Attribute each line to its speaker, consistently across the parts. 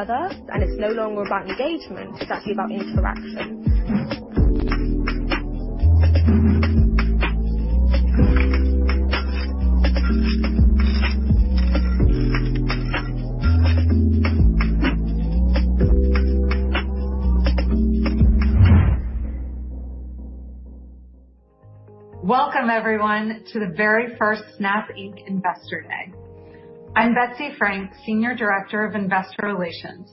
Speaker 1: Snapchat's taking it one step further. It's no longer about engagement, it's actually about interaction.
Speaker 2: Welcome, everyone, to the very first Snap Inc Investor Day. I'm Betsy Frank, Senior Director of Investor Relations,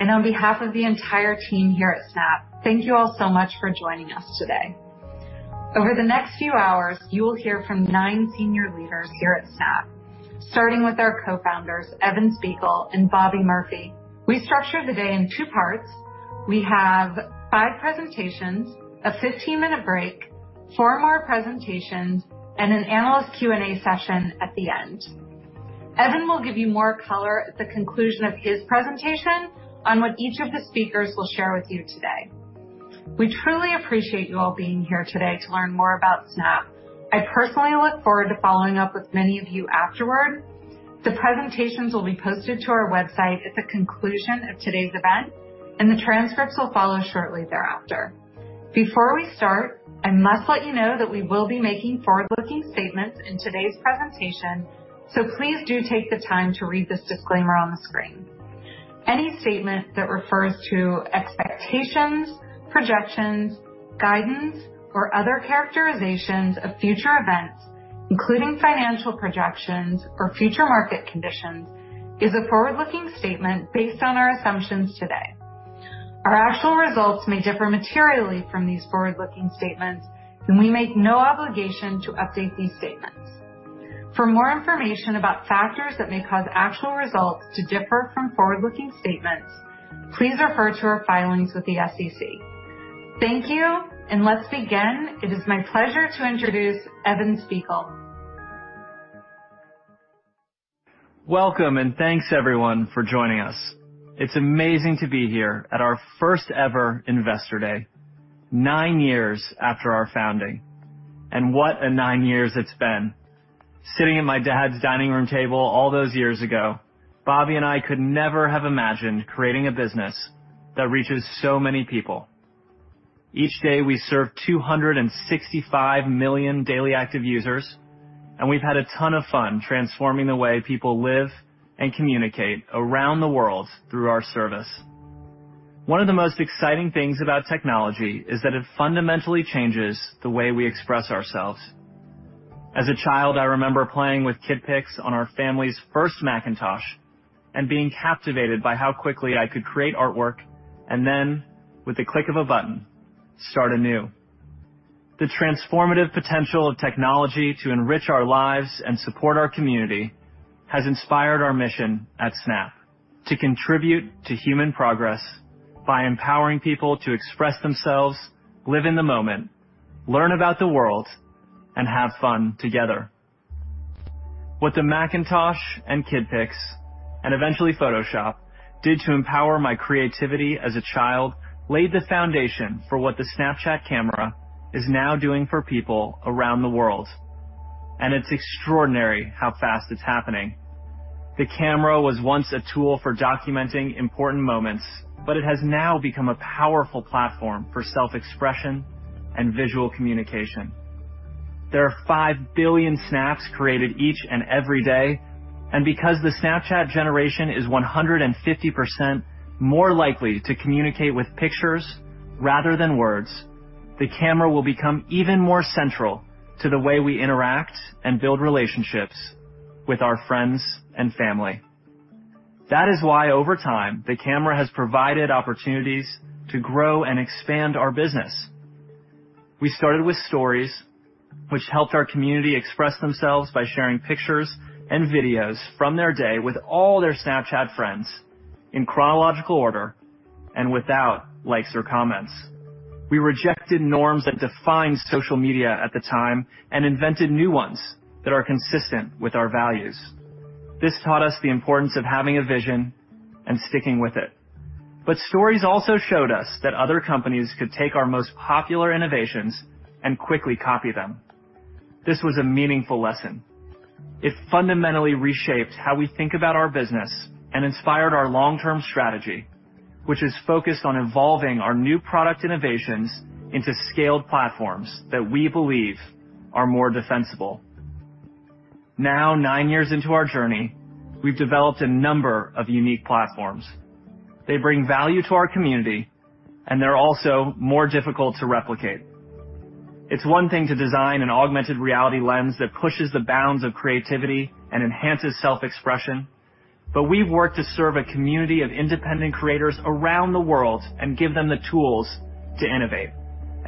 Speaker 2: on behalf of the entire team here at Snap, thank you all so much for joining us today. Over the next few hours, you will hear from nine senior leaders here at Snap, starting with our co-founders, Evan Spiegel and Bobby Murphy. We structured the day in two parts. We have five presentations, a 15-minute break, four more presentations, an analyst Q&A session at the end. Evan will give you more color at the conclusion of his presentation on what each of the speakers will share with you today. We truly appreciate you all being here today to learn more about Snap. I personally look forward to following up with many of you afterward. The presentations will be posted to our website at the conclusion of today's event, and the transcripts will follow shortly thereafter. Before we start, I must let you know that we will be making forward-looking statements in today's presentation, so please do take the time to read this disclaimer on the screen. Any statement that refers to expectations, projections, guidance, or other characterizations of future events, including financial projections or future market conditions, is a forward-looking statement based on our assumptions today. Our actual results may differ materially from these forward-looking statements, and we make no obligation to update these statements. For more information about factors that may cause actual results to differ from forward-looking statements, please refer to our filings with the SEC. Thank you, and let's begin. It is my pleasure to introduce Evan Spiegel.
Speaker 3: Thanks everyone for joining us. It's amazing to be here at our first ever Investor Day, nine years after our founding. What a nine years it's been. Sitting at my dad's dining room table all those years ago, Bobby and I could never have imagined creating a business that reaches so many people. Each day, we serve 265 million daily active users, and we've had a ton of fun transforming the way people live and communicate around the world through our service. One of the most exciting things about technology is that it fundamentally changes the way we express ourselves. As a child, I remember playing with Kid Pix on our family's first Macintosh and being captivated by how quickly I could create artwork, and then with the click of a button, start anew. The transformative potential of technology to enrich our lives and support our community has inspired our mission at Snap, to contribute to human progress by empowering people to express themselves, live in the moment, learn about the world, and have fun together. What the Macintosh and Kid Pix, and eventually Photoshop, did to empower my creativity as a child laid the foundation for what the Snapchat Camera is now doing for people around the world, and it's extraordinary how fast it's happening. The Camera was once a tool for documenting important moments, but it has now become a powerful platform for self-expression and visual communication. There are 5 billion snaps created each and every day, and because the Snapchat generation is 150% more likely to communicate with pictures rather than words, the Camera will become even more central to the way we interact and build relationships with our friends and family. That is why, over time, the Camera has provided opportunities to grow and expand our business. We started with Stories, which helped our community express themselves by sharing pictures and videos from their day with all their Snapchat friends in chronological order and without likes or comments. We rejected norms that defined social media at the time and invented new ones that are consistent with our values. This taught us the importance of having a vision and sticking with it. Stories also showed us that other companies could take our most popular innovations and quickly copy them. This was a meaningful lesson. It fundamentally reshaped how we think about our business and inspired our long-term strategy, which is focused on evolving our new product innovations into scaled platforms that we believe are more defensible. Now, nine years into our journey, we've developed a number of unique platforms. They bring value to our community, and they're also more difficult to replicate. It's one thing to design an augmented reality Lens that pushes the bounds of creativity and enhances self-expression, but we've worked to serve a community of independent creators around the world and give them the tools to innovate.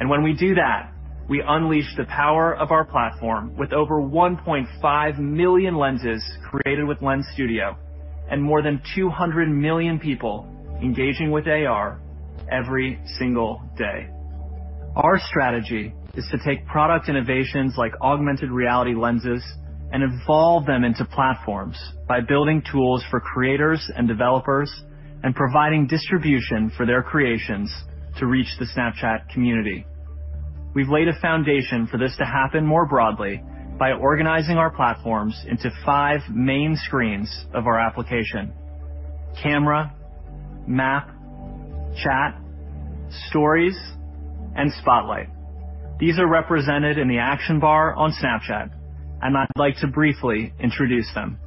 Speaker 3: When we do that, we unleash the power of our platform with over 1.5 million Lenses created with Lens Studio and more than 200 million people engaging with AR every single day. Our strategy is to take product innovations like augmented reality Lenses and evolve them into platforms by building tools for creators and developers and providing distribution for their creations to reach the Snapchat community. We've laid a foundation for this to happen more broadly by organizing our platforms into five main screens of our application: Camera, Map, Chat, Stories, and Spotlight. These are represented in the action bar on Snapchat, and I'd like to briefly introduce them.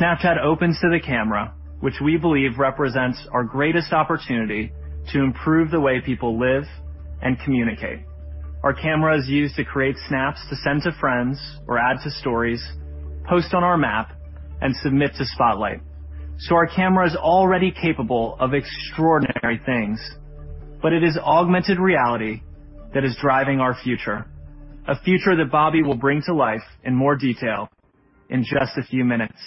Speaker 3: Snapchat opens to the Camera, which we believe represents our greatest opportunity to improve the way people live and communicate. Our Camera is used to create snaps to send to friends or add to Stories, post on our Map, and submit to Spotlight. Our Camera is already capable of extraordinary things, but it is augmented reality that is driving our future, a future that Bobby will bring to life in more detail in just a few minutes.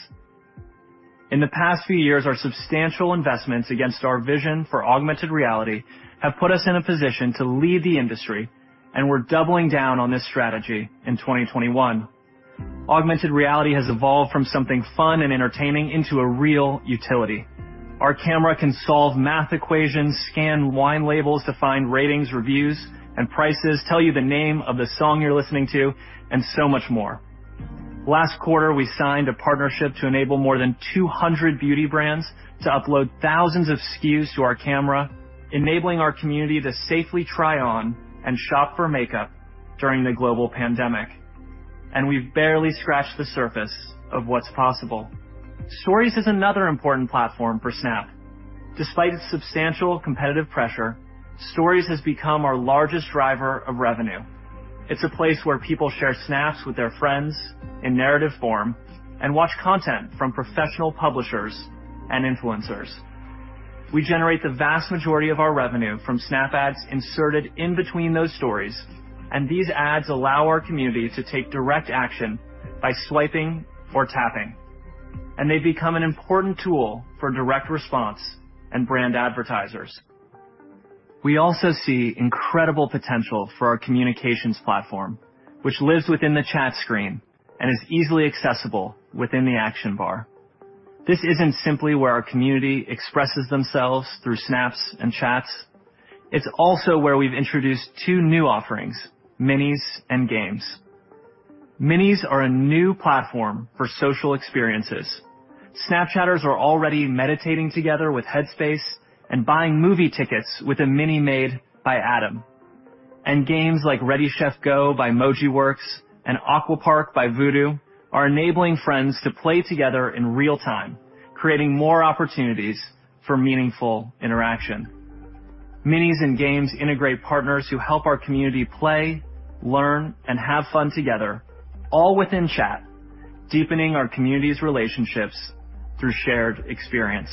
Speaker 3: In the past few years, our substantial investments against our vision for augmented reality have put us in a position to lead the industry, and we're doubling down on this strategy in 2021. Augmented reality has evolved from something fun and entertaining into a real utility. Our Camera can solve math equations, scan wine labels to find ratings, reviews, and prices, tell you the name of the song you're listening to, and so much more. Last quarter, we signed a partnership to enable more than 200 beauty brands to upload thousands of SKUs to our Camera, enabling our community to safely try on and shop for makeup during the global pandemic. We've barely scratched the surface of what's possible. Stories is another important platform for Snap. Despite its substantial competitive pressure, Stories has become our largest driver of revenue. It's a place where people share snaps with their friends in narrative form and watch content from professional publishers and influencers. We generate the vast majority of our revenue from Snap Ads inserted in between those stories, and these ads allow our community to take direct action by swiping or tapping, and they've become an important tool for direct response and brand advertisers. We also see incredible potential for our Communications platform, which lives within the Chat screen and is easily accessible within the action bar. This isn't simply where our community expresses themselves through snaps and chats. It's also where we've introduced two new offerings, Minis and Games. Minis are a new platform for social experiences. Snapchatters are already meditating together with Headspace and buying movie tickets with a Mini made by Atom. Games like Ready Chef Go! by Mojiworks and Aquapark by Voodoo are enabling friends to play together in real time, creating more opportunities for meaningful interaction. Minis and Games integrate partners who help our community play, learn, and have fun together, all within Chat, deepening our community's relationships through shared experience.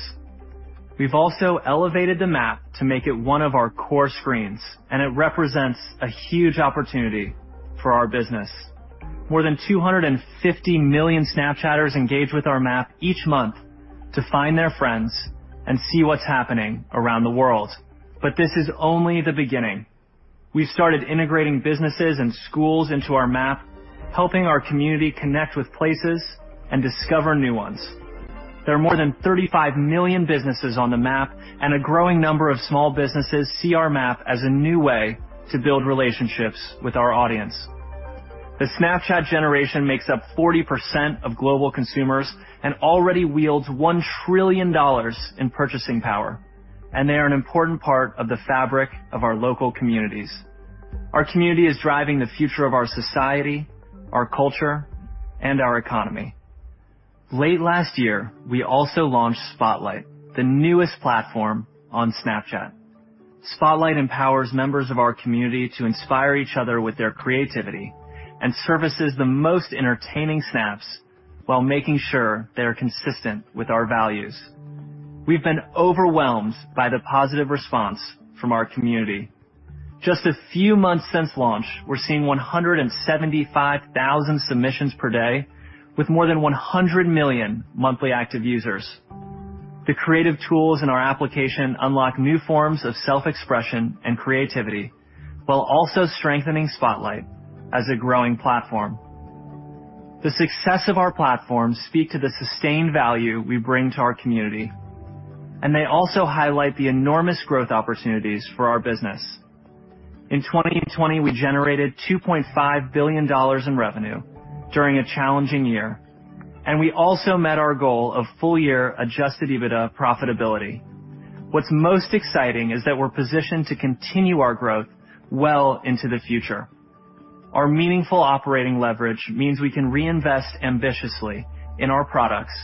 Speaker 3: We've also elevated the Map to make it one of our core screens. It represents a huge opportunity for our business. More than 250 million Snapchatters engage with our Map each month to find their friends and see what's happening around the world. This is only the beginning. We've started integrating businesses and schools into our Map, helping our community connect with places and discover new ones. There are more than 35 million businesses on the Map, and a growing number of small businesses see our Map as a new way to build relationships with our audience. The Snapchat generation makes up 40% of global consumers and already wields $1 trillion in purchasing power, and they are an important part of the fabric of our local communities. Our community is driving the future of our society, our culture, and our economy. Late last year, we also launched Spotlight, the newest platform on Snapchat. Spotlight empowers members of our community to inspire each other with their creativity and services the most entertaining snaps while making sure they are consistent with our values. We've been overwhelmed by the positive response from our community. Just a few months since launch, we're seeing 175,000 submissions per day with more than 100 million monthly active users. The creative tools in our application unlock new forms of self-expression and creativity while also strengthening Spotlight as a growing platform. The success of our platforms speak to the sustained value we bring to our community, they also highlight the enormous growth opportunities for our business. In 2020, we generated $2.5 billion in revenue during a challenging year, we also met our goal of full-year Adjusted EBITDA profitability. What's most exciting is that we're positioned to continue our growth well into the future. Our meaningful operating leverage means we can reinvest ambitiously in our products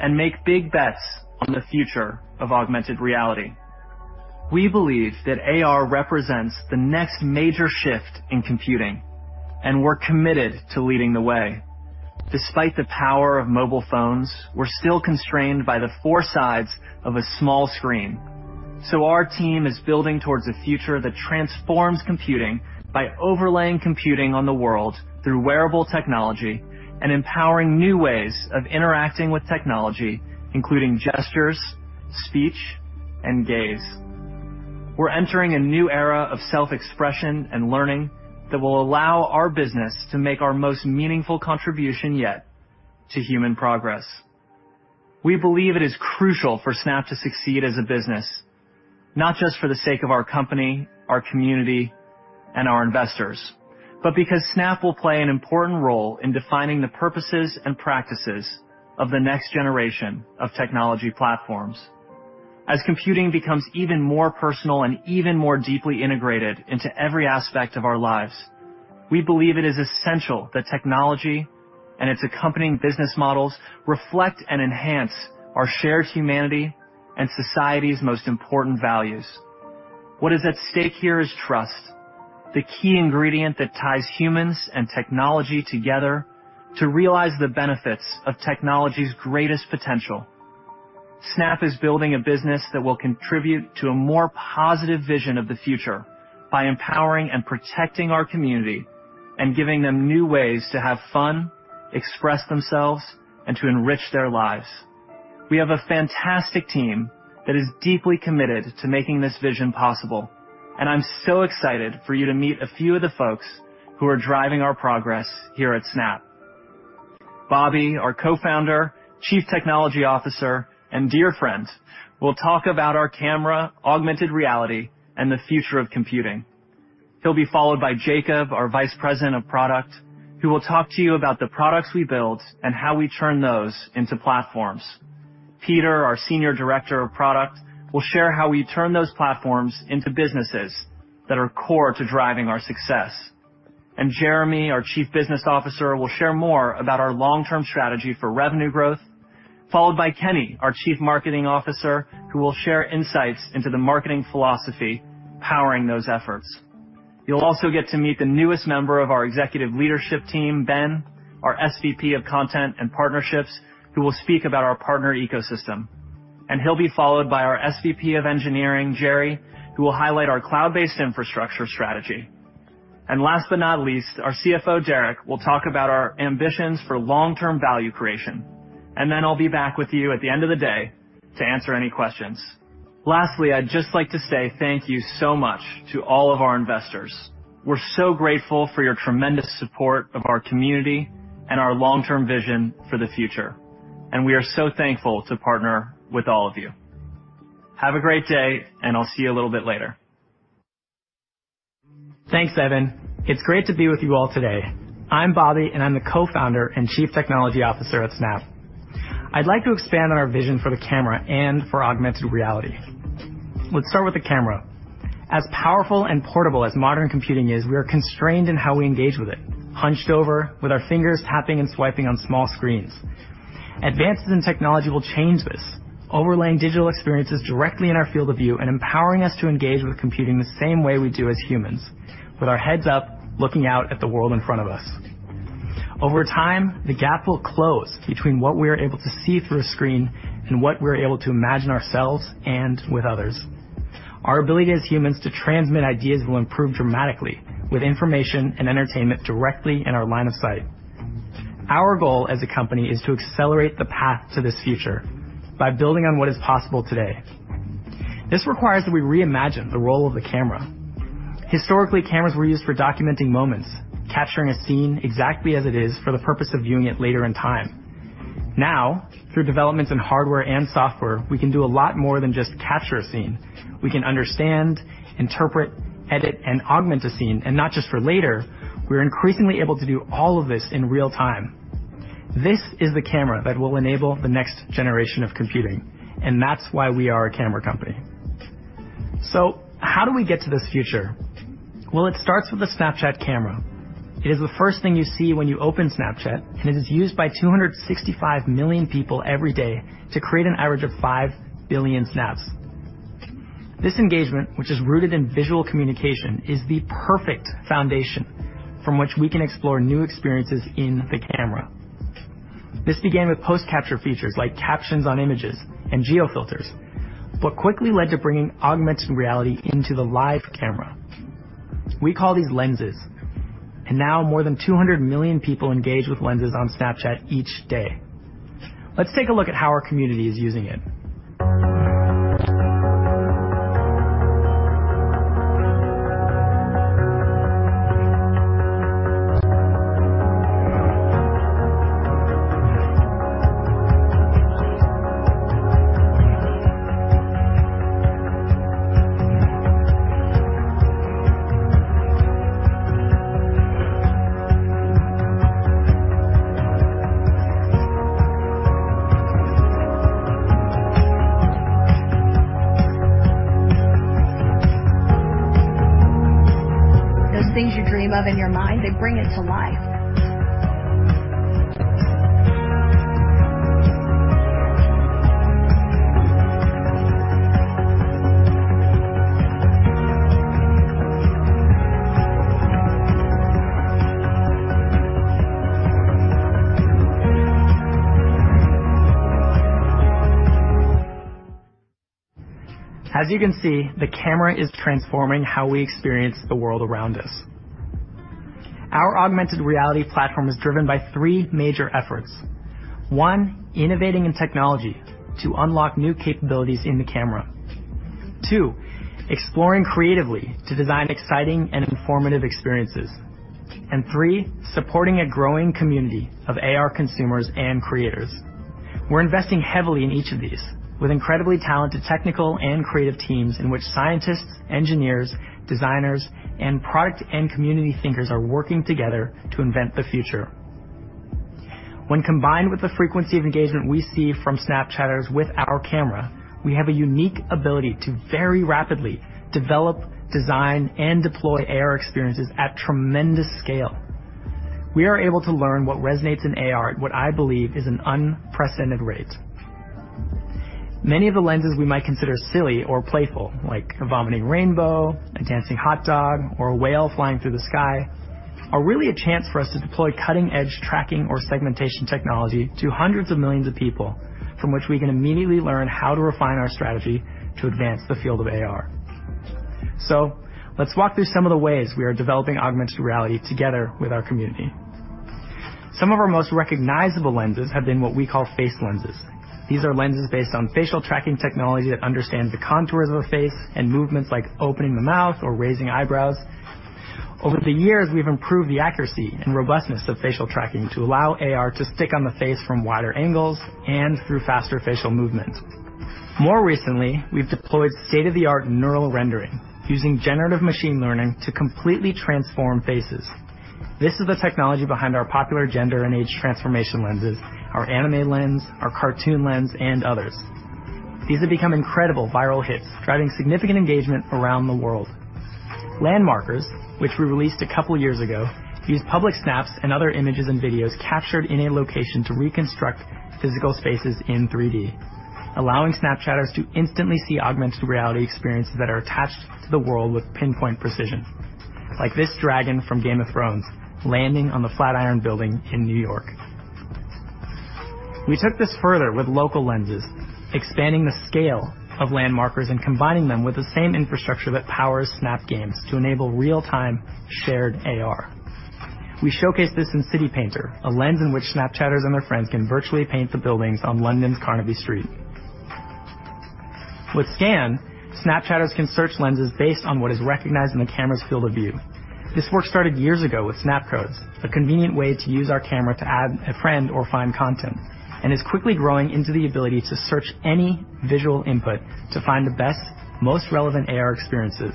Speaker 3: and make big bets on the future of augmented reality. We believe that AR represents the next major shift in computing, we're committed to leading the way. Despite the power of mobile phones, we're still constrained by the four sides of a small screen. Our team is building towards a future that transforms computing by overlaying computing on the world through wearable technology and empowering new ways of interacting with technology, including gestures, speech, and gaze. We're entering a new era of self-expression and learning that will allow our business to make our most meaningful contribution yet to human progress. We believe it is crucial for Snap to succeed as a business, not just for the sake of our company, our community, and our investors, but because Snap will play an important role in defining the purposes and practices of the next generation of technology platforms. As computing becomes even more personal and even more deeply integrated into every aspect of our lives, we believe it is essential that technology and its accompanying business models reflect and enhance our shared humanity and society's most important values. What is at stake here is trust, the key ingredient that ties humans and technology together to realize the benefits of technology's greatest potential. Snap is building a business that will contribute to a more positive vision of the future by empowering and protecting our community and giving them new ways to have fun, express themselves, and to enrich their lives. We have a fantastic team that is deeply committed to making this vision possible. I'm so excited for you to meet a few of the folks who are driving our progress here at Snap. Bobby, our Co-founder, Chief Technology Officer, and dear friend, will talk about our Camera, augmented reality, and the future of computing. He'll be followed by Jacob, our Vice President of Product, who will talk to you about the products we build and how we turn those into platforms. Peter, our Senior Director of Product, will share how we turn those platforms into businesses that are core to driving our success. Jeremi, our Chief Business Officer, will share more about our long-term strategy for revenue growth, followed by Kenny, our Chief Marketing Officer, who will share insights into the marketing philosophy powering those efforts. You'll also get to meet the newest member of our executive leadership team, Ben, our SVP of Content and Partnerships, who will speak about our partner ecosystem. He'll be followed by our SVP of Engineering, Jerry, who will highlight our cloud-based infrastructure strategy. Last but not least, our CFO, Derek, will talk about our ambitions for long-term value creation. Then I'll be back with you at the end of the day to answer any questions. Lastly, I'd just like to say thank you so much to all of our investors. We're so grateful for your tremendous support of our community and our long-term vision for the future. We are so thankful to partner with all of you. Have a great day, and I'll see you a little bit later.
Speaker 4: Thanks, Evan. It's great to be with you all today. I'm Bobby, and I'm the Co-founder and Chief Technology Officer at Snap. I'd like to expand on our vision for the Camera and for augmented reality. Let's start with the Camera. As powerful and portable as modern computing is, we are constrained in how we engage with it, hunched over with our fingers tapping and swiping on small screens. Advances in technology will change this, overlaying digital experiences directly in our field of view and empowering us to engage with computing the same way we do as humans, with our heads up, looking out at the world in front of us. Over time, the gap will close between what we are able to see through a screen and what we're able to imagine ourselves and with others. Our ability as humans to transmit ideas will improve dramatically with information and entertainment directly in our line of sight. Our goal as a company is to accelerate the path to this future by building on what is possible today. This requires that we reimagine the role of the Camera. Historically, cameras were used for documenting moments, capturing a scene exactly as it is for the purpose of viewing it later in time. Now, through developments in hardware and software, we can do a lot more than just capture a scene. We can understand, interpret, edit, and augment a scene, and not just for later. We're increasingly able to do all of this in real time. This is the Camera that will enable the next generation of computing, and that's why we are a camera company. How do we get to this future? Well, it starts with the Snapchat Camera. It is the first thing you see when you open Snapchat, and it is used by 265 million people every day to create an average of five billion snaps. This engagement, which is rooted in visual communication, is the perfect foundation from which we can explore new experiences in the Camera. This began with post-capture features like captions on images and geo-filters, but quickly led to bringing augmented reality into the live Camera. We call these Lenses, and now more than 200 million people engage with Lenses on Snapchat each day. Let's take a look at how our community is using it.
Speaker 5: Those things you dream of in your mind, they bring it to life.
Speaker 4: As you can see, the Camera is transforming how we experience the world around us. Our augmented reality platform is driven by three major efforts. One, innovating in technology to unlock new capabilities in the Camera. Two, exploring creatively to design exciting and informative experiences. Three, supporting a growing community of AR consumers and creators. We're investing heavily in each of these with incredibly talented technical and creative teams in which scientists, engineers, designers, and product and community thinkers are working together to invent the future. When combined with the frequency of engagement we see from Snapchatters with our Camera, we have a unique ability to very rapidly develop, design, and deploy AR experiences at tremendous scale. We are able to learn what resonates in AR at what I believe is an unprecedented rate. Many of the Lenses we might consider silly or playful, like a vomiting rainbow, a dancing hot dog, or a whale flying through the sky, are really a chance for us to deploy cutting-edge tracking or segmentation technology to hundreds of millions of people, from which we can immediately learn how to refine our strategy to advance the field of AR. Let's walk through some of the ways we are developing augmented reality together with our community. Some of our most recognizable Lenses have been what we call Face Lenses. These are Lenses based on facial tracking technology that understands the contours of a face and movements like opening the mouth or raising eyebrows. Over the years, we've improved the accuracy and robustness of facial tracking to allow AR to stick on the face from wider angles and through faster facial movements. More recently, we've deployed state-of-the-art neural rendering using generative machine learning to completely transform faces. This is the technology behind our popular gender and age transformation Lenses, our Anime Lens, our Cartoon Lens, and others. These have become incredible viral hits, driving significant engagement around the world. Landmarkers, which we released a couple of years ago, use public snaps and other images and videos captured in a location to reconstruct physical spaces in 3D, allowing Snapchatters to instantly see augmented reality experiences that are attached to the world with pinpoint precision, like this dragon from Game of Thrones landing on the Flatiron Building in New York. We took this further with Local Lenses, expanding the scale of Landmarkers and combining them with the same infrastructure that powers Snap Games to enable real-time shared AR. We showcase this in City Painter, a Lens in which Snapchatters and their friends can virtually paint the buildings on London's Carnaby Street. With Scan, Snapchatters can search Lenses based on what is recognized in the Camera's field of view. This work started years ago with Snapcodes, a convenient way to use our Camera to add a friend or find content, and is quickly growing into the ability to search any visual input to find the best, most relevant AR experiences.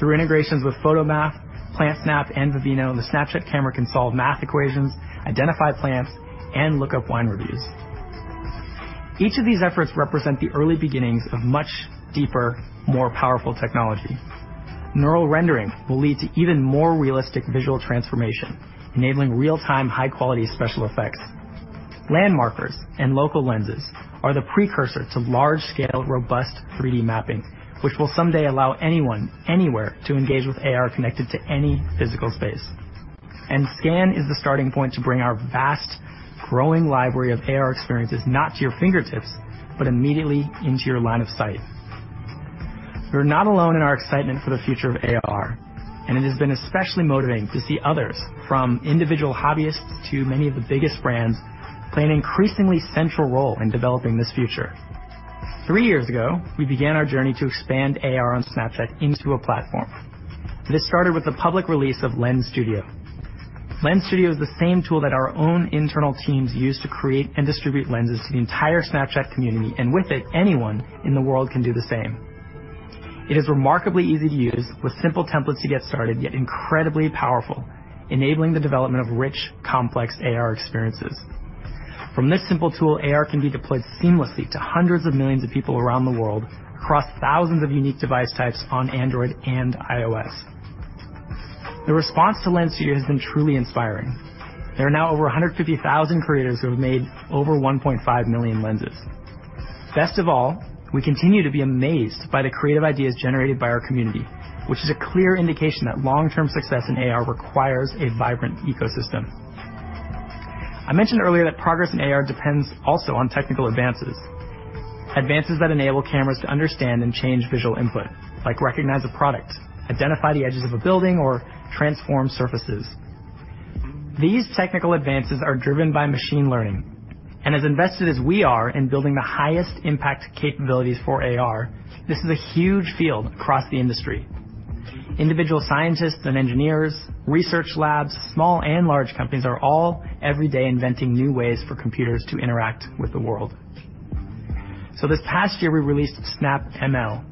Speaker 4: Through integrations with Photomath, PlantSnap, and Vivino, the Snapchat Camera can solve math equations, identify plants, and look up wine reviews. Each of these efforts represent the early beginnings of much deeper, more powerful technology. Neural rendering will lead to even more realistic visual transformation, enabling real-time, high-quality special effects. Landmarkers and Local Lenses are the precursor to large-scale, robust 3D mapping, which will someday allow anyone, anywhere, to engage with AR connected to any physical space. Scan is the starting point to bring our vast, growing library of AR experiences not to your fingertips, but immediately into your line of sight. We're not alone in our excitement for the future of AR, and it has been especially motivating to see others, from individual hobbyists to many of the biggest brands, play an increasingly central role in developing this future. Three years ago, we began our journey to expand AR on Snapchat into a platform. This started with the public release of Lens Studio. Lens Studio is the same tool that our own internal teams use to create and distribute Lenses to the entire Snapchat community, and with it, anyone in the world can do the same. It is remarkably easy to use with simple templates to get started, yet incredibly powerful, enabling the development of rich, complex AR experiences. From this simple tool, AR can be deployed seamlessly to hundreds of millions of people around the world across thousands of unique device types on Android and iOS. The response to Lens Studio has been truly inspiring. There are now over 150,000 creators who have made over 1.5 million Lenses. Best of all, we continue to be amazed by the creative ideas generated by our community, which is a clear indication that long-term success in AR requires a vibrant ecosystem. I mentioned earlier that progress in AR depends also on technical advances that enable cameras to understand and change visual input, like recognize a product, identify the edges of a building, or transform surfaces. These technical advances are driven by machine learning. As invested as we are in building the highest impact capabilities for AR, this is a huge field across the industry. Individual scientists and engineers, research labs, small and large companies are all every day inventing new ways for computers to interact with the world. This past year, we released Snap ML.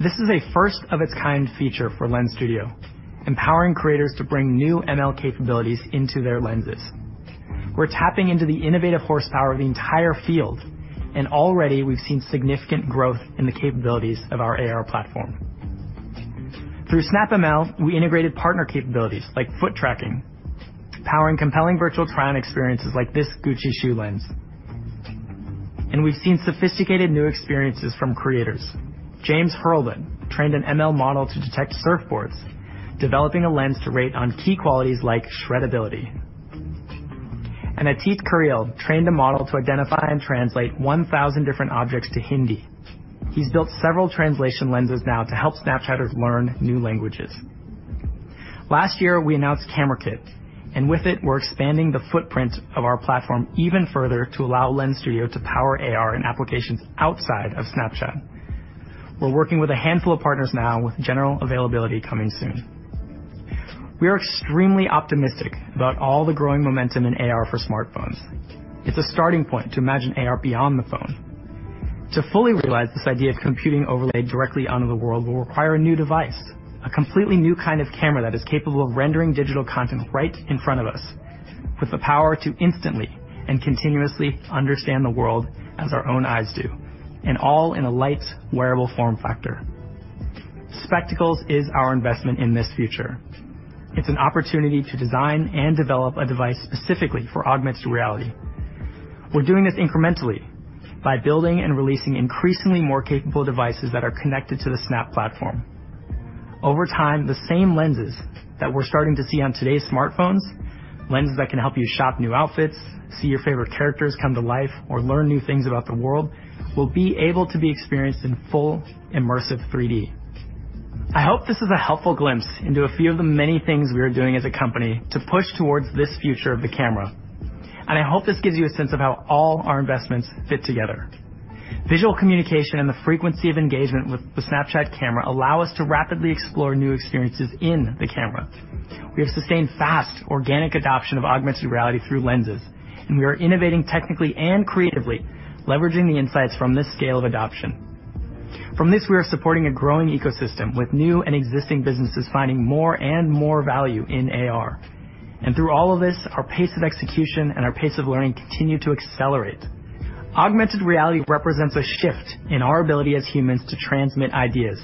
Speaker 4: This is a first-of-its-kind feature for Lens Studio, empowering creators to bring new ML capabilities into their Lenses. We're tapping into the innovative horsepower of the entire field, and already we've seen significant growth in the capabilities of our AR platform. Through Snap ML, we integrated partner capabilities like foot tracking, powering compelling virtual try-on experiences like this Gucci shoe Lens. We've seen sophisticated new experiences from creators. James Hurlbut trained an ML model to detect surfboards, developing a Lens to rate on key qualities like shreddability. Atit Kharel trained a model to identify and translate 1,000 different objects to Hindi. He's built several translation Lenses now to help Snapchatters learn new languages. Last year, we announced Camera Kit, and with it, we're expanding the footprint of our platform even further to allow Lens Studio to power AR and applications outside of Snapchat. We're working with a handful of partners now with general availability coming soon. We are extremely optimistic about all the growing momentum in AR for smartphones. It's a starting point to imagine AR beyond the phone. To fully realize this idea of computing overlay directly onto the world will require a new device, a completely new kind of camera that is capable of rendering digital content right in front of us with the power to instantly and continuously understand the world as our own eyes do, and all in a light, wearable form factor. Spectacles is our investment in this future. It is an opportunity to design and develop a device specifically for augmented reality. We are doing this incrementally by building and releasing increasingly more capable devices that are connected to the Snap platform. Over time, the same Lenses that we are starting to see on today's smartphones, Lenses that can help you shop new outfits, see your favorite characters come to life, or learn new things about the world, will be able to be experienced in full immersive 3D. I hope this is a helpful glimpse into a few of the many things we are doing as a company to push towards this future of the Camera. I hope this gives you a sense of how all our investments fit together. Visual communication and the frequency of engagement with the Snapchat Camera allow us to rapidly explore new experiences in the Camera. We have sustained fast organic adoption of augmented reality through Lenses, and we are innovating technically and creatively, leveraging the insights from this scale of adoption. From this, we are supporting a growing ecosystem with new and existing businesses finding more and more value in AR. Through all of this, our pace of execution and our pace of learning continue to accelerate. Augmented reality represents a shift in our ability as humans to transmit ideas.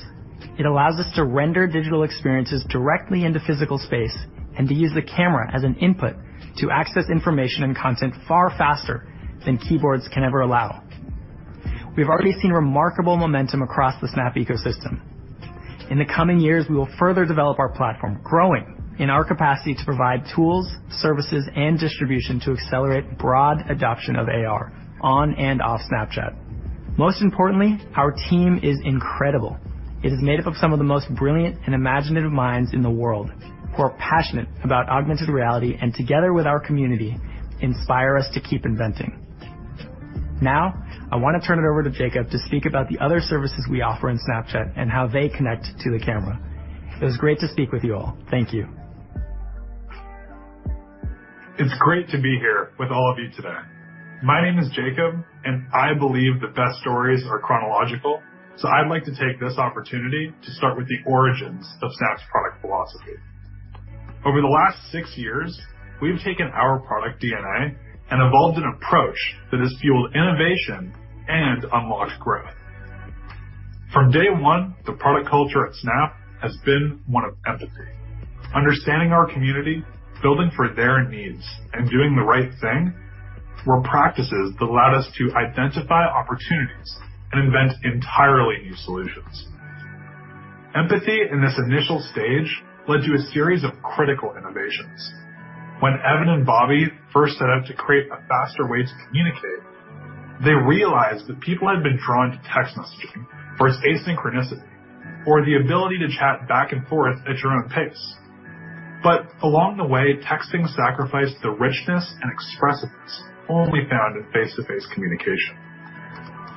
Speaker 4: It allows us to render digital experiences directly into physical space and to use the Camera as an input to access information and content far faster than keyboards can ever allow. We've already seen remarkable momentum across the Snap ecosystem. In the coming years, we will further develop our platform, growing in our capacity to provide tools, services, and distribution to accelerate broad adoption of AR on and off Snapchat. Most importantly, our team is incredible. It is made up of some of the most brilliant and imaginative minds in the world who are passionate about augmented reality, and together with our community, inspire us to keep inventing. Now, I want to turn it over to Jacob to speak about the other services we offer in Snapchat and how they connect to the Camera. It was great to speak with you all. Thank you.
Speaker 6: It's great to be here with all of you today. My name is Jacob. I believe the best stories are chronological. I'd like to take this opportunity to start with the origins of Snap's product philosophy. Over the last six years, we've taken our product DNA and evolved an approach that has fueled innovation and unlocked growth. From day one, the product culture at Snap has been one of empathy. Understanding our community, building for their needs, and doing the right thing were practices that allowed us to identify opportunities and invent entirely new solutions. Empathy in this initial stage led to a series of critical innovations. When Evan and Bobby first set out to create a faster way to communicate, they realized that people had been drawn to text messaging for its asynchronicity or the ability to chat back and forth at your own pace. Along the way, texting sacrificed the richness and expressiveness only found in face-to-face communication.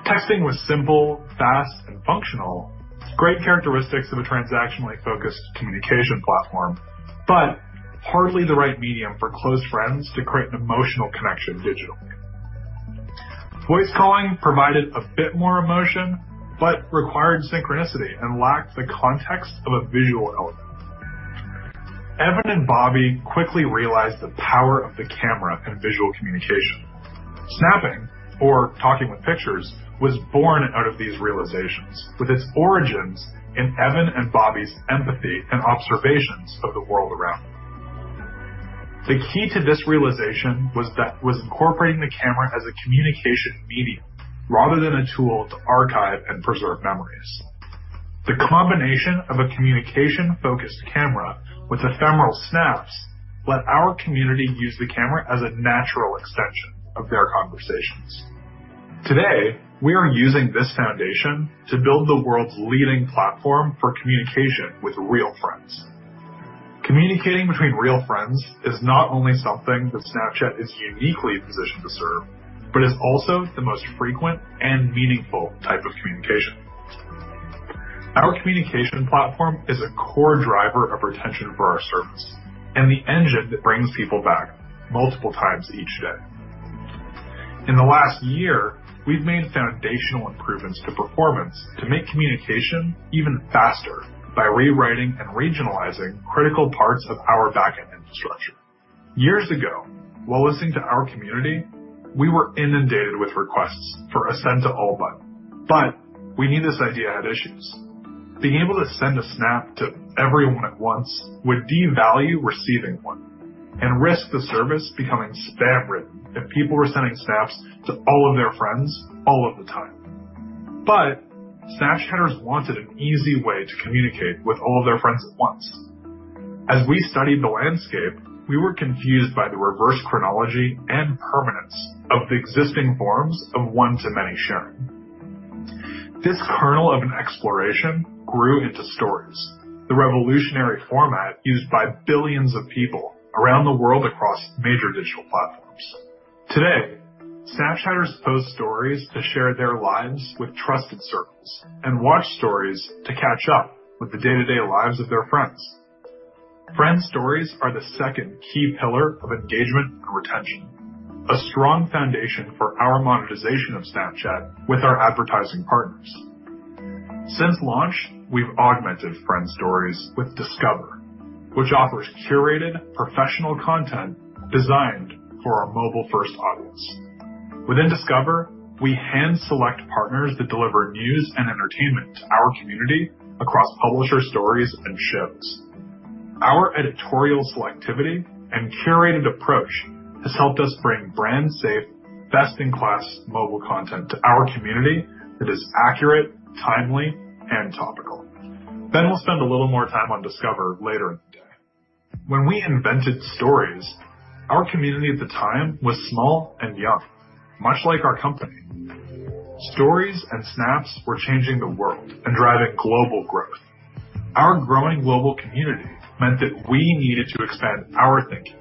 Speaker 6: Texting was simple, fast, and functional, great characteristics of a transactionally-focused communication platform, but hardly the right medium for close friends to create an emotional connection digitally. Voice calling provided a bit more emotion but required synchronicity and lacked the context of a visual element. Evan and Bobby quickly realized the power of the Camera in visual communication. Snapping or talking with pictures was born out of these realizations, with its origins in Evan and Bobby's empathy and observations of the world around them. The key to this realization was incorporating the Camera as a communication medium rather than a tool to archive and preserve memories. The combination of a communication-focused Camera with ephemeral snaps let our community use the Camera as a natural extension of their conversations. Today, we are using this foundation to build the world's leading platform for communication with real friends. Communicating between real friends is not only something that Snapchat is uniquely positioned to serve, but is also the most frequent and meaningful type of communication. Our communication platform is a core driver of retention for our service and the engine that brings people back multiple times each day. In the last year, we've made foundational improvements to performance to make communication even faster by rewriting and regionalizing critical parts of our backend infrastructure. Years ago, while listening to our community, we were inundated with requests for a send-to-all button. We knew this idea had issues. Being able to send a Snap to everyone at once would devalue receiving one and risk the service becoming spam-ridden if people were sending Snaps to all of their friends all of the time. Snapchatters wanted an easy way to communicate with all of their friends at once. As we studied the landscape, we were confused by the reverse chronology and permanence of the existing forms of one-to-many sharing. This kernel of an exploration grew into Stories, the revolutionary format used by billions of people around the world across major digital platforms. Today, Snapchatters post Stories to share their lives with trusted circles and watch Stories to catch up with the day-to-day lives of their friends. Friends Stories are the second key pillar of engagement and retention, a strong foundation for our monetization of Snapchat with our advertising partners. Since launch, we've augmented Friends Stories with Discover, which offers curated professional content designed for our mobile-first audience. Within Discover, we hand-select partners that deliver news and entertainment to our community across publisher stories and shows. Our editorial selectivity and curated approach has helped us bring brand safe, best-in-class mobile content to our community that is accurate, timely, and topical. Ben will spend a little more time on Discover later in the day. When we invented Stories, our community at the time was small and young, much like our company. Stories and Snaps were changing the world and driving global growth. Our growing global community meant that we needed to expand our thinking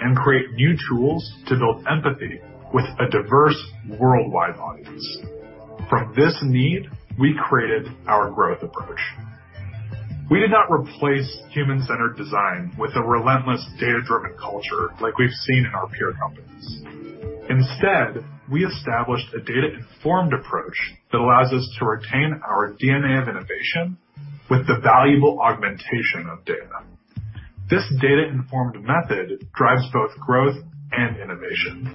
Speaker 6: and create new tools to build empathy with a diverse worldwide audience. From this need, we created our growth approach. We did not replace human-centered design with a relentless data-driven culture like we've seen in our peer companies. Instead, we established a data-informed approach that allows us to retain our DNA of innovation with the valuable augmentation of data. This data-informed method drives both growth and innovation.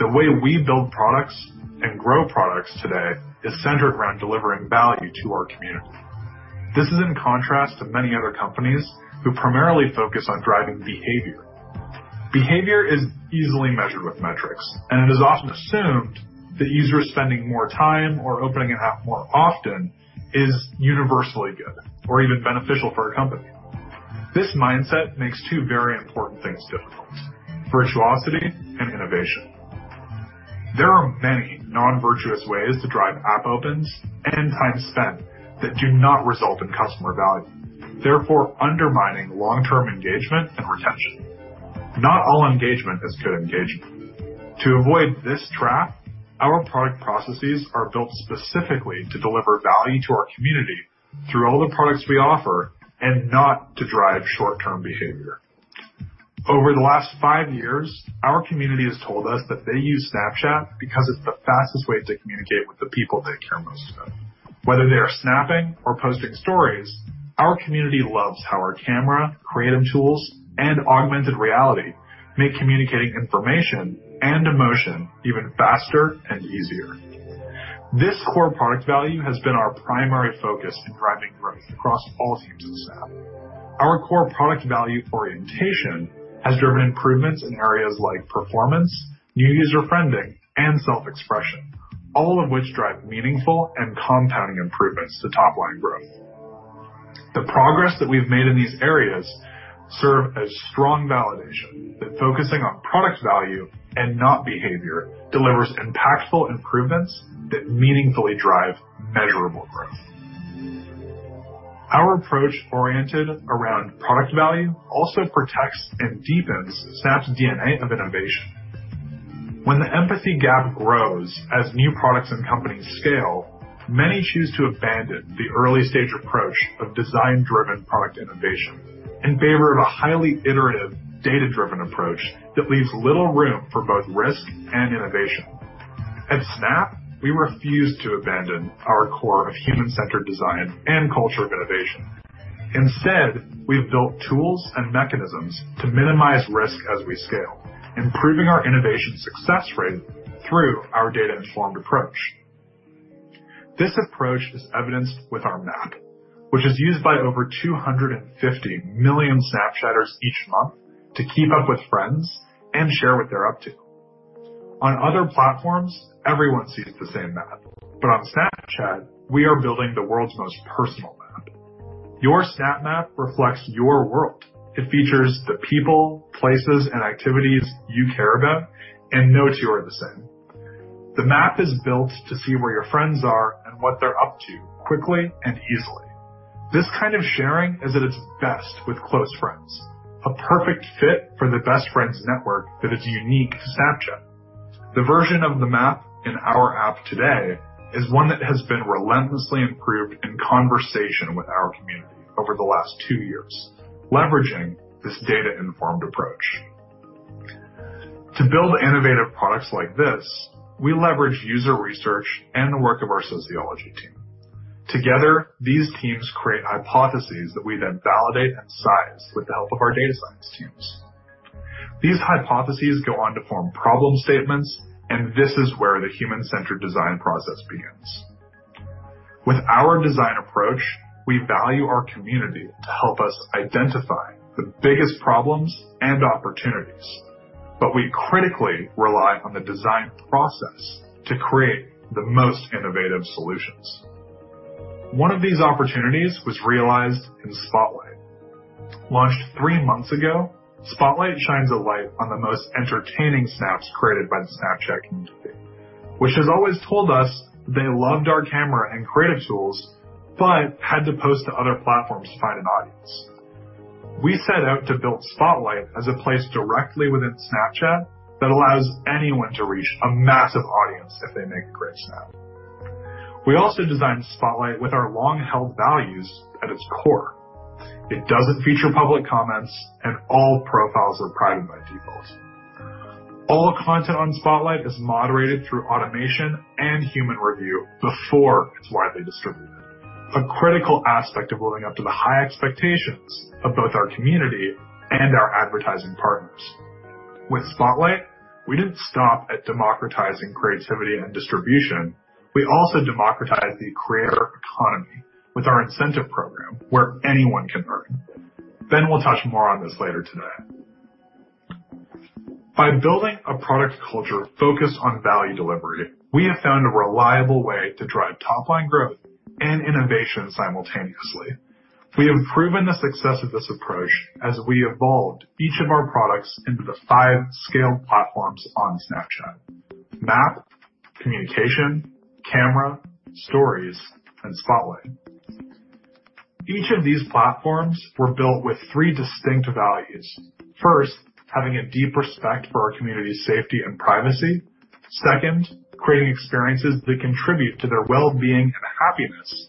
Speaker 6: The way we build products and grow products today is centered around delivering value to our community. This is in contrast to many other companies who primarily focus on driving behavior. Behavior is easily measured with metrics, and it is often assumed that users spending more time or opening an app more often is universally good or even beneficial for a company. This mindset makes two very important things difficult, virtuosity and innovation. There are many non-virtuous ways to drive app opens and time spent that do not result in customer value, therefore undermining long-term engagement and retention. Not all engagement is good engagement. To avoid this trap, our product processes are built specifically to deliver value to our community through all the products we offer and not to drive short-term behavior. Over the last five years, our community has told us that they use Snapchat because it's the fastest way to communicate with the people they care most about. Whether they are snapping or posting Stories, our community loves how our Camera, creative tools, and augmented reality make communicating information and emotion even faster and easier. This core product value has been our primary focus in driving growth across all teams at Snap. Our core product value orientation has driven improvements in areas like performance, new user friending, and self-expression, all of which drive meaningful and compounding improvements to top-line growth. The progress that we've made in these areas serve as strong validation that focusing on product value and not behavior delivers impactful improvements that meaningfully drive measurable growth. Our approach oriented around product value also protects and deepens Snap's DNA of innovation. When the empathy gap grows as new products and companies scale, many choose to abandon the early-stage approach of design-driven product innovation in favor of a highly iterative, data-driven approach that leaves little room for both risk and innovation. At Snap, we refuse to abandon our core of human-centered design and culture of innovation. Instead, we have built tools and mechanisms to minimize risk as we scale, improving our innovation success rate through our data-informed approach. This approach is evidenced with our Map, which is used by over 250 million Snapchatters each month to keep up with friends and share what they're up to. On other platforms, everyone sees the same map, but on Snapchat, we are building the world's most personal Map. Your Snap Map reflects your world. It features the people, places, and activities you care about, and no two are the same. The Map is built to see where your friends are and what they're up to quickly and easily. This kind of sharing is at its best with close friends, a perfect fit for the best friends network that is unique to Snapchat. The version of the Map in our app today is one that has been relentlessly improved in conversation with our community over the last two years, leveraging this data-informed approach. To build innovative products like this, we leverage user research and the work of our sociology team. Together, these teams create hypotheses that we then validate and size with the help of our data science teams. These hypotheses go on to form problem statements, and this is where the human-centered design process begins. With our design approach, we value our community to help us identify the biggest problems and opportunities, but we critically rely on the design process to create the most innovative solutions. One of these opportunities was realized in Spotlight. Launched three months ago, Spotlight shines a light on the most entertaining Snaps created by the Snapchat community, which has always told us they loved our Camera and creative tools, but had to post to other platforms to find an audience. We set out to build Spotlight as a place directly within Snapchat that allows anyone to reach a massive audience if they make a great Snap. We also designed Spotlight with our long-held values at its core. It doesn't feature public comments, and all profiles are private by default. All content on Spotlight is moderated through automation and human review before it's widely distributed, a critical aspect of living up to the high expectations of both our community and our advertising partners. With Spotlight, we didn't stop at democratizing creativity and distribution. We also democratized the creator economy with our incentive program where anyone can earn. Ben will touch more on this later today. By building a product culture focused on value delivery, we have found a reliable way to drive top-line growth and innovation simultaneously. We have proven the success of this approach as we evolved each of our products into the five scaled platforms on Snapchat: Map, Communication, Camera, Stories, and Spotlight. Each of these platforms were built with three distinct values. First, having a deep respect for our community's safety and privacy. Second, creating experiences that contribute to their well-being and happiness.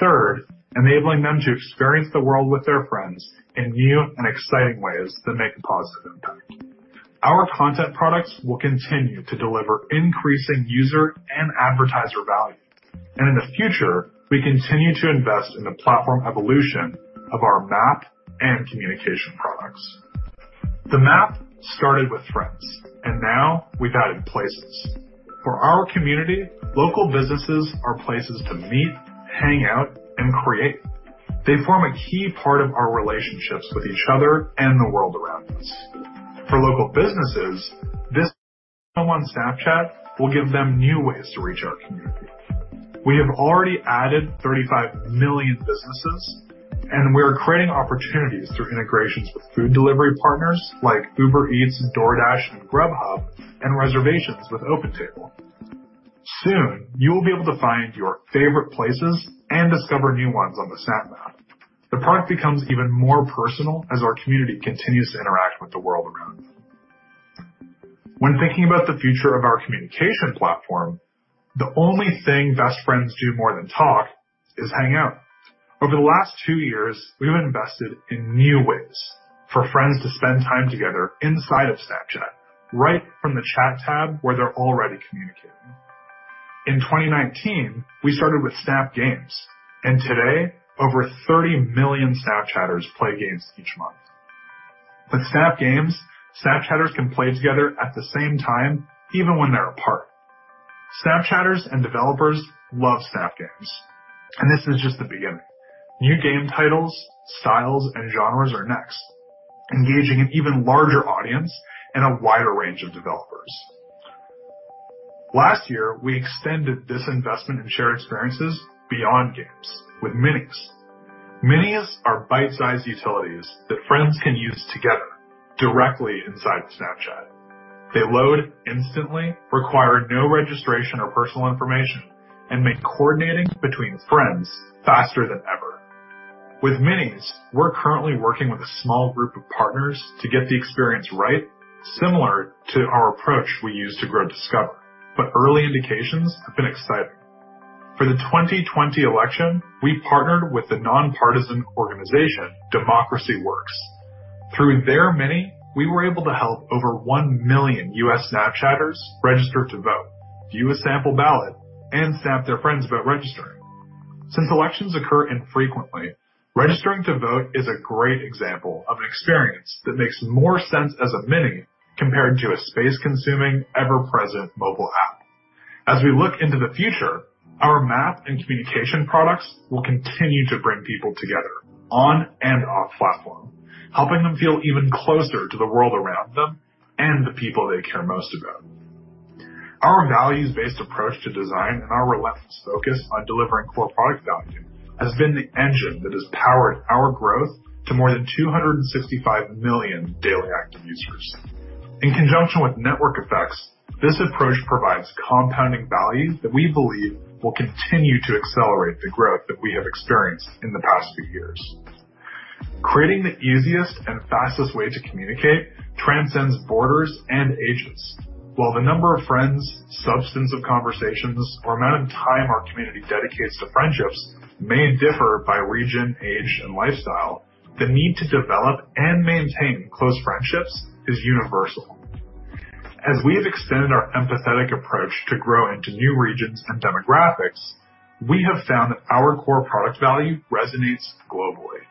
Speaker 6: Third, enabling them to experience the world with their friends in new and exciting ways that make a positive impact. Our content products will continue to deliver increasing user and advertiser value, and in the future, we continue to invest in the platform evolution of our Map and Communication products. The Map started with Friends, and now we've added Places. For our community, local businesses are places to meet, hang out, and create. They form a key part of our relationships with each other and the world around us. For local businesses, this on Snapchat will give them new ways to reach our community. We have already added 35 million businesses, and we are creating opportunities through integrations with food delivery partners like Uber Eats, DoorDash, and Grubhub, and reservations with OpenTable. Soon, you will be able to find your favorite places and discover new ones on the Snap Map. The product becomes even more personal as our community continues to interact with the world around them. When thinking about the future of our communication platform, the only thing best friends do more than talk is hang out. Over the last two years, we've invested in new ways for friends to spend time together inside of Snapchat, right from the Chat tab where they're already communicating. In 2019, we started with Snap Games, and today, over 30 million Snapchatters play games each month. With Snap Games, Snapchatters can play together at the same time, even when they're apart. Snapchatters and developers love Snap Games, and this is just the beginning. New game titles, styles, and genres are next, engaging an even larger audience and a wider range of developers. Last year, we extended this investment in shared experiences beyond games with Minis. Minis are bite-sized utilities that friends can use together directly inside of Snapchat. They load instantly, require no registration or personal information, and make coordinating between friends faster than ever. With Minis, we're currently working with a small group of partners to get the experience right, similar to our approach we used to grow Discover, but early indications have been exciting. For the 2020 election, we partnered with the nonpartisan organization, Democracy Works. Through their Mini, we were able to help over 1 million U.S. Snapchatters register to vote, view a sample ballot, and Snap their friends about registering. Since elections occur infrequently, registering to vote is a great example of an experience that makes more sense as a Mini compared to a space-consuming, ever-present mobile app. As we look into the future, our Map and Communication products will continue to bring people together on and off platform, helping them feel even closer to the world around them and the people they care most about. Our values-based approach to design and our relentless focus on delivering core product value has been the engine that has powered our growth to more than 265 million daily active users. In conjunction with network effects, this approach provides compounding value that we believe will continue to accelerate the growth that we have experienced in the past few years. Creating the easiest and fastest way to communicate transcends borders and ages. While the number of friends, substance of conversations, or amount of time our community dedicates to friendships may differ by region, age, and lifestyle, the need to develop and maintain close friendships is universal. As we have extended our empathetic approach to grow into new regions and demographics, we have found that our core product value resonates globally.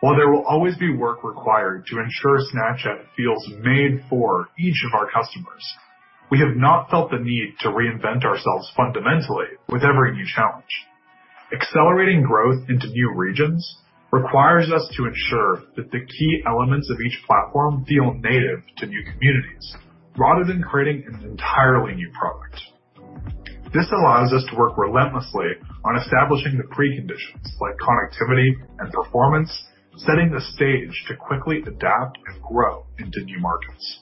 Speaker 6: While there will always be work required to ensure Snapchat feels made for each of our customers, we have not felt the need to reinvent ourselves fundamentally with every new challenge. Accelerating growth into new regions requires us to ensure that the key elements of each platform feel native to new communities rather than creating an entirely new product. This allows us to work relentlessly on establishing the preconditions like connectivity and performance, setting the stage to quickly adapt and grow into new markets.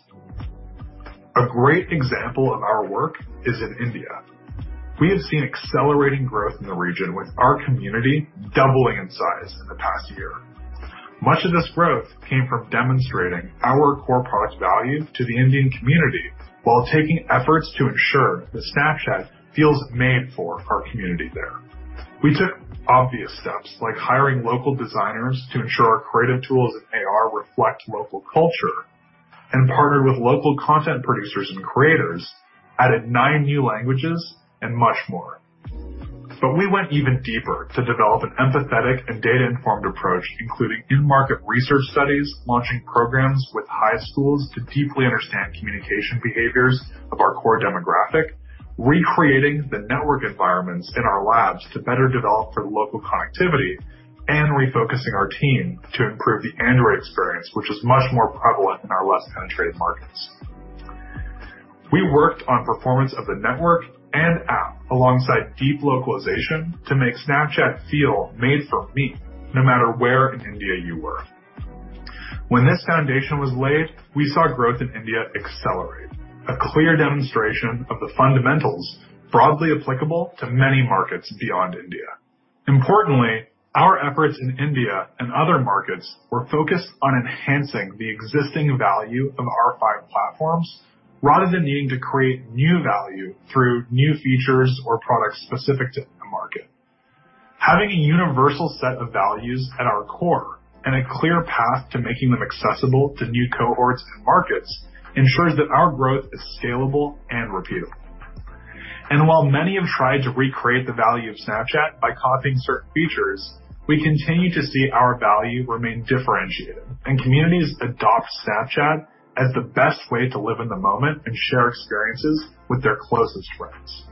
Speaker 6: A great example of our work is in India. We have seen accelerating growth in the region with our community doubling in size in the past year. Much of this growth came from demonstrating our core product value to the Indian community while taking efforts to ensure that Snapchat feels made for our community there. We took obvious steps like hiring local designers to ensure our creative tools and AR reflect local culture and partnered with local content producers and creators, added nine new languages and much more. We went even deeper to develop an empathetic and data-informed approach, including in-market research studies, launching programs with high schools to deeply understand communication behaviors of our core demographic, recreating the network environments in our labs to better develop for local connectivity, and refocusing our team to improve the Android experience, which is much more prevalent in our less penetrated markets. We worked on performance of the network and app alongside deep localization to make Snapchat feel made for me, no matter where in India you were. When this foundation was laid, we saw growth in India accelerate, a clear demonstration of the fundamentals broadly applicable to many markets beyond India. Importantly, our efforts in India and other markets were focused on enhancing the existing value of our five platforms rather than needing to create new value through new features or products specific to the market. Having a universal set of values at our core and a clear path to making them accessible to new cohorts and markets ensures that our growth is scalable and repeatable. While many have tried to recreate the value of Snapchat by copying certain features, we continue to see our value remain differentiated and communities adopt Snapchat as the best way to live in the moment and share experiences with their closest friends.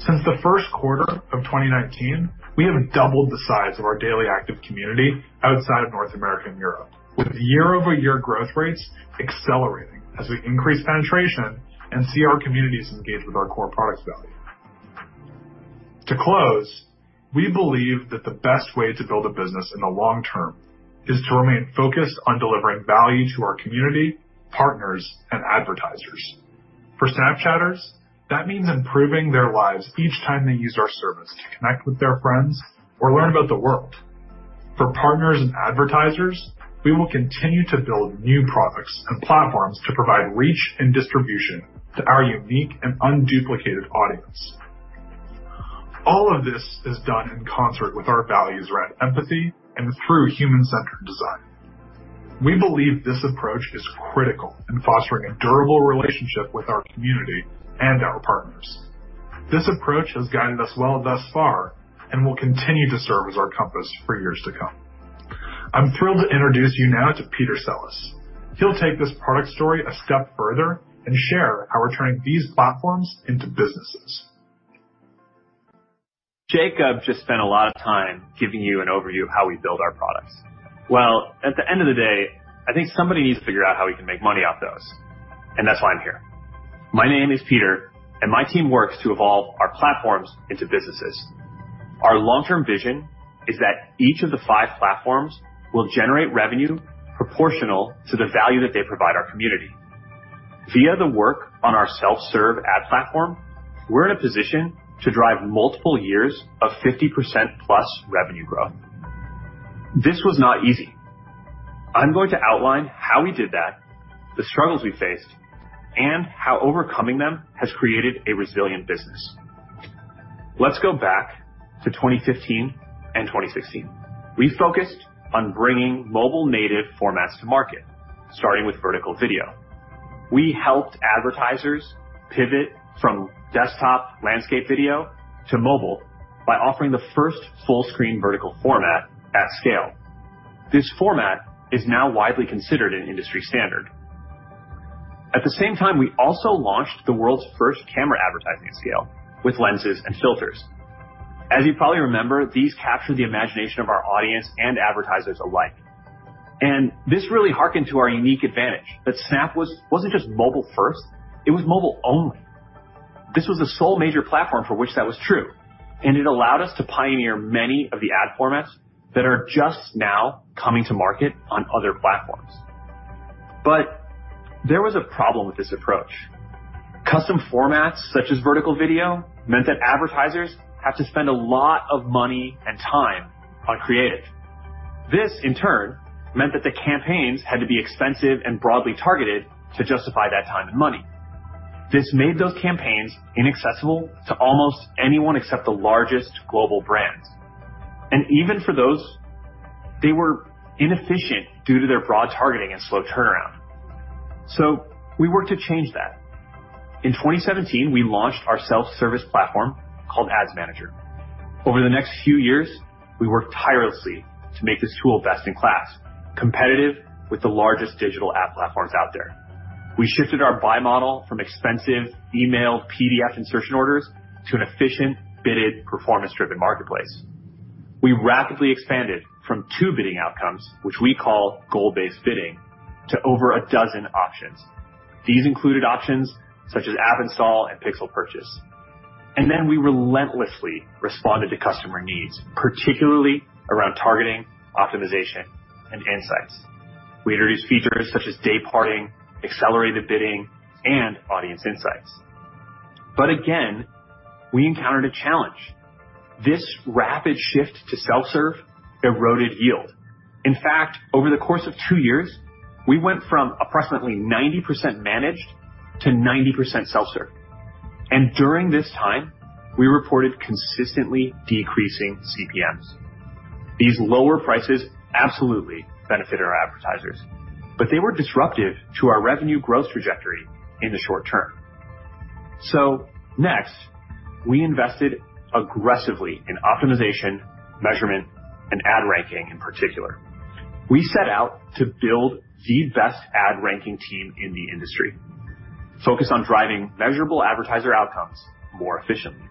Speaker 6: Since the first quarter of 2019, we have doubled the size of our daily active community outside of North America and Europe, with year-over-year growth rates accelerating as we increase penetration and see our communities engage with our core product value. To close, we believe that the best way to build a business in the long term is to remain focused on delivering value to our community, partners, and advertisers. For Snapchatters, that means improving their lives each time they use our service to connect with their friends or learn about the world. For partners and advertisers, we will continue to build new products and platforms to provide reach and distribution to our unique and unduplicated audience. All of this is done in concert with our values around empathy and through human-centered design. We believe this approach is critical in fostering a durable relationship with our community and our partners. This approach has guided us well thus far and will continue to serve as our compass for years to come. I'm thrilled to introduce you now to Peter Sellis. He'll take this product story a step further and share how we're turning these platforms into businesses.
Speaker 7: Jacob just spent a lot of time giving you an overview of how we build our products. Well, at the end of the day, I think somebody needs to figure out how we can make money off those, and that's why I'm here. My name is Peter, and my team works to evolve our platforms into businesses. Our long-term vision is that each of the five platforms will generate revenue proportional to the value that they provide our community. Via the work on our self-serve ad platform, we're in a position to drive multiple years of 50%+ revenue growth. This was not easy. I'm going to outline how we did that, the struggles we faced, and how overcoming them has created a resilient business. Let's go back to 2015 and 2016. We focused on bringing mobile-native formats to market, starting with vertical video. We helped advertisers pivot from desktop landscape video to mobile by offering the first full-screen vertical format at scale. This format is now widely considered an industry standard. At the same time, we also launched the world's first camera advertising scale with Lenses and filters. As you probably remember, these captured the imagination of our audience and advertisers alike. This really hearkened to our unique advantage that Snap wasn't just mobile first, it was mobile only. This was the sole major platform for which that was true, and it allowed us to pioneer many of the ad formats that are just now coming to market on other platforms. There was a problem with this approach. Custom formats such as vertical video meant that advertisers have to spend a lot of money and time on creative. This, in turn, meant that the campaigns had to be expensive and broadly targeted to justify that time and money. This made those campaigns inaccessible to almost anyone except the largest global brands. Even for those, they were inefficient due to their broad targeting and slow turnaround. We worked to change that. In 2017, we launched our self-service platform called Ads Manager. Over the next few years, we worked tirelessly to make this tool best-in-class, competitive with the largest digital ad platforms out there. We shifted our buy model from expensive email PDF insertion orders to an efficient, bidded, performance-driven marketplace. We rapidly expanded from two bidding outcomes, which we call goal-based bidding, to over a dozen options. These included options such as app install and Pixel purchase. Then we relentlessly responded to customer needs, particularly around targeting, optimization, and insights. We introduced features such as dayparting, accelerated bidding, and audience insights. Again, we encountered a challenge. This rapid shift to self-serve eroded yield. In fact, over the course of two years, we went from approximately 90% managed to 90% self-serve. During this time, we reported consistently decreasing CPMs. These lower prices absolutely benefited our advertisers, but they were disruptive to our revenue growth trajectory in the short term. Next, we invested aggressively in optimization, measurement, and ad ranking in particular. We set out to build the best ad ranking team in the industry, focused on driving measurable advertiser outcomes more efficiently.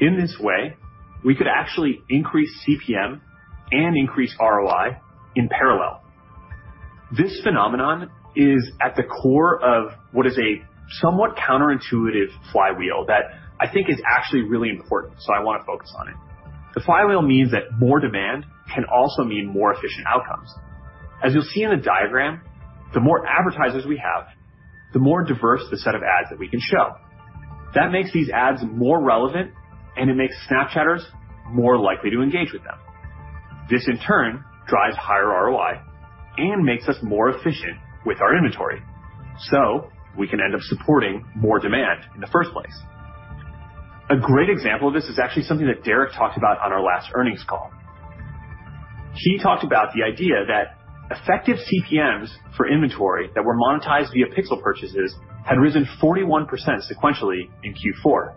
Speaker 7: In this way, we could actually increase CPM and increase ROI in parallel. This phenomenon is at the core of what is a somewhat counterintuitive flywheel that I think is actually really important, so I want to focus on it. The flywheel means that more demand can also mean more efficient outcomes. As you'll see in the diagram, the more advertisers we have, the more diverse the set of ads that we can show. That makes these ads more relevant, and it makes Snapchatters more likely to engage with them. This, in turn, drives higher ROI and makes us more efficient with our inventory, so we can end up supporting more demand in the first place. A great example of this is actually something that Derek talked about on our last earnings call. He talked about the idea that effective CPMs for inventory that were monetized via Pixel purchases had risen 41% sequentially in Q4.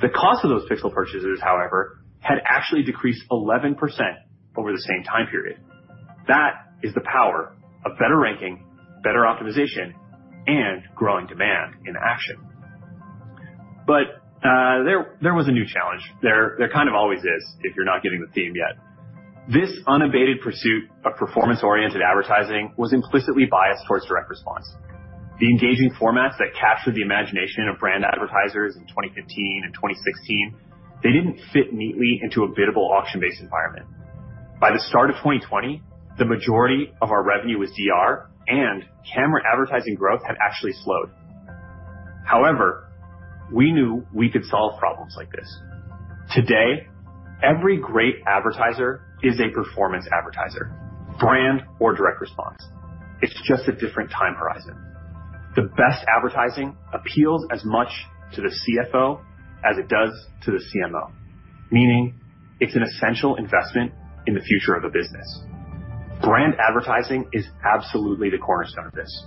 Speaker 7: The cost of those Pixel purchases, however, had actually decreased 11% over the same time period. That is the power of better ranking, better optimization, and growing demand in action. There was a new challenge. There kind of always is, if you're not getting the theme yet. This unabated pursuit of performance-oriented advertising was implicitly biased towards direct response. The engaging formats that captured the imagination of brand advertisers in 2015 and 2016, they didn't fit neatly into a biddable, auction-based environment. By the start of 2020, the majority of our revenue was DR and Camera advertising growth had actually slowed. However, we knew we could solve problems like this. Today, every great advertiser is a performance advertiser, brand or direct response. It's just a different time horizon. The best advertising appeals as much to the CFO as it does to the CMO, meaning it's an essential investment in the future of a business. Brand advertising is absolutely the cornerstone of this.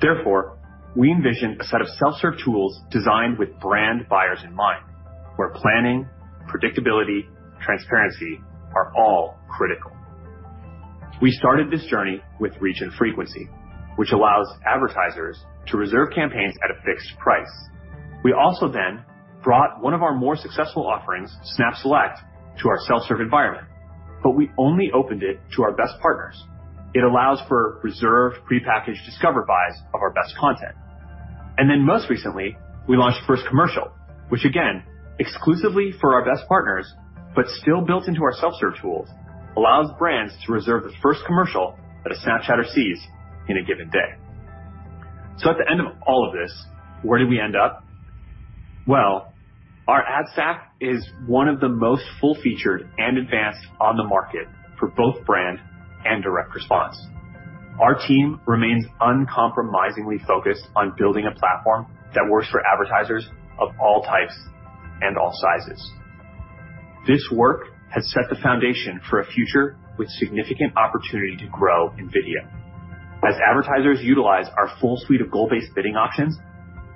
Speaker 7: Therefore, we envision a set of self-serve tools designed with brand buyers in mind, where planning, predictability, transparency are all critical. We started this journey with reach and frequency, which allows advertisers to reserve campaigns at a fixed price. We also then brought one of our more successful offerings, Snap Select, to our self-serve environment, we only opened it to our best partners. It allows for reserved, prepackaged Discover buys of our best content. Most recently, we launched First Commercial, which again, exclusively for our best partners, but still built into our self-serve tools, allows brands to reserve the first commercial that a Snapchatter sees in a given day. At the end of all of this, where do we end up? Well, our ad stack is one of the most full-featured and advanced on the market for both brand and direct response. Our team remains uncompromisingly focused on building a platform that works for advertisers of all types and all sizes. This work has set the foundation for a future with significant opportunity to grow in video. As advertisers utilize our full suite of goal-based bidding options,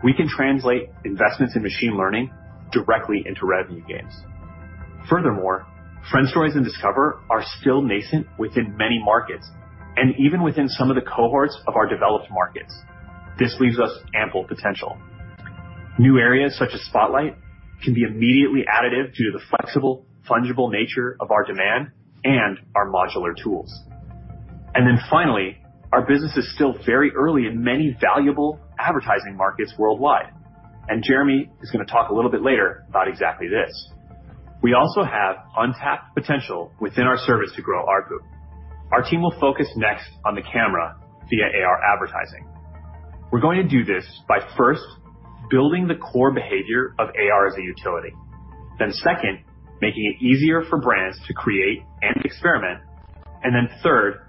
Speaker 7: we can translate investments in machine learning directly into revenue gains. Furthermore, Friend Stories and Discover are still nascent within many markets and even within some of the cohorts of our developed markets. This leaves us ample potential. New areas such as Spotlight can be immediately additive due to the flexible, fungible nature of our demand and our modular tools. Finally, our business is still very early in many valuable advertising markets worldwide, and Jeremi is going to talk a little bit later about exactly this. We also have untapped potential within our service to grow ARPU. Our team will focus next on the Camera via AR advertising. We're going to do this by first building the core behavior of AR as a utility, then second, making it easier for brands to create and experiment, and then third,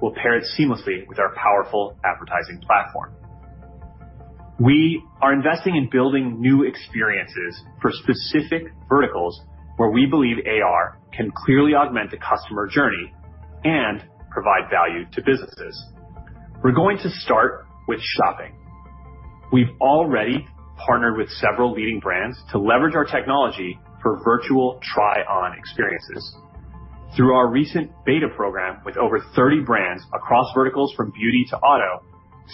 Speaker 7: we'll pair it seamlessly with our powerful advertising platform. We are investing in building new experiences for specific verticals where we believe AR can clearly augment the customer journey and provide value to businesses. We're going to start with shopping. We've already partnered with several leading brands to leverage our technology for virtual try-on experiences. Through our recent beta program with over 30 brands across verticals from beauty to auto,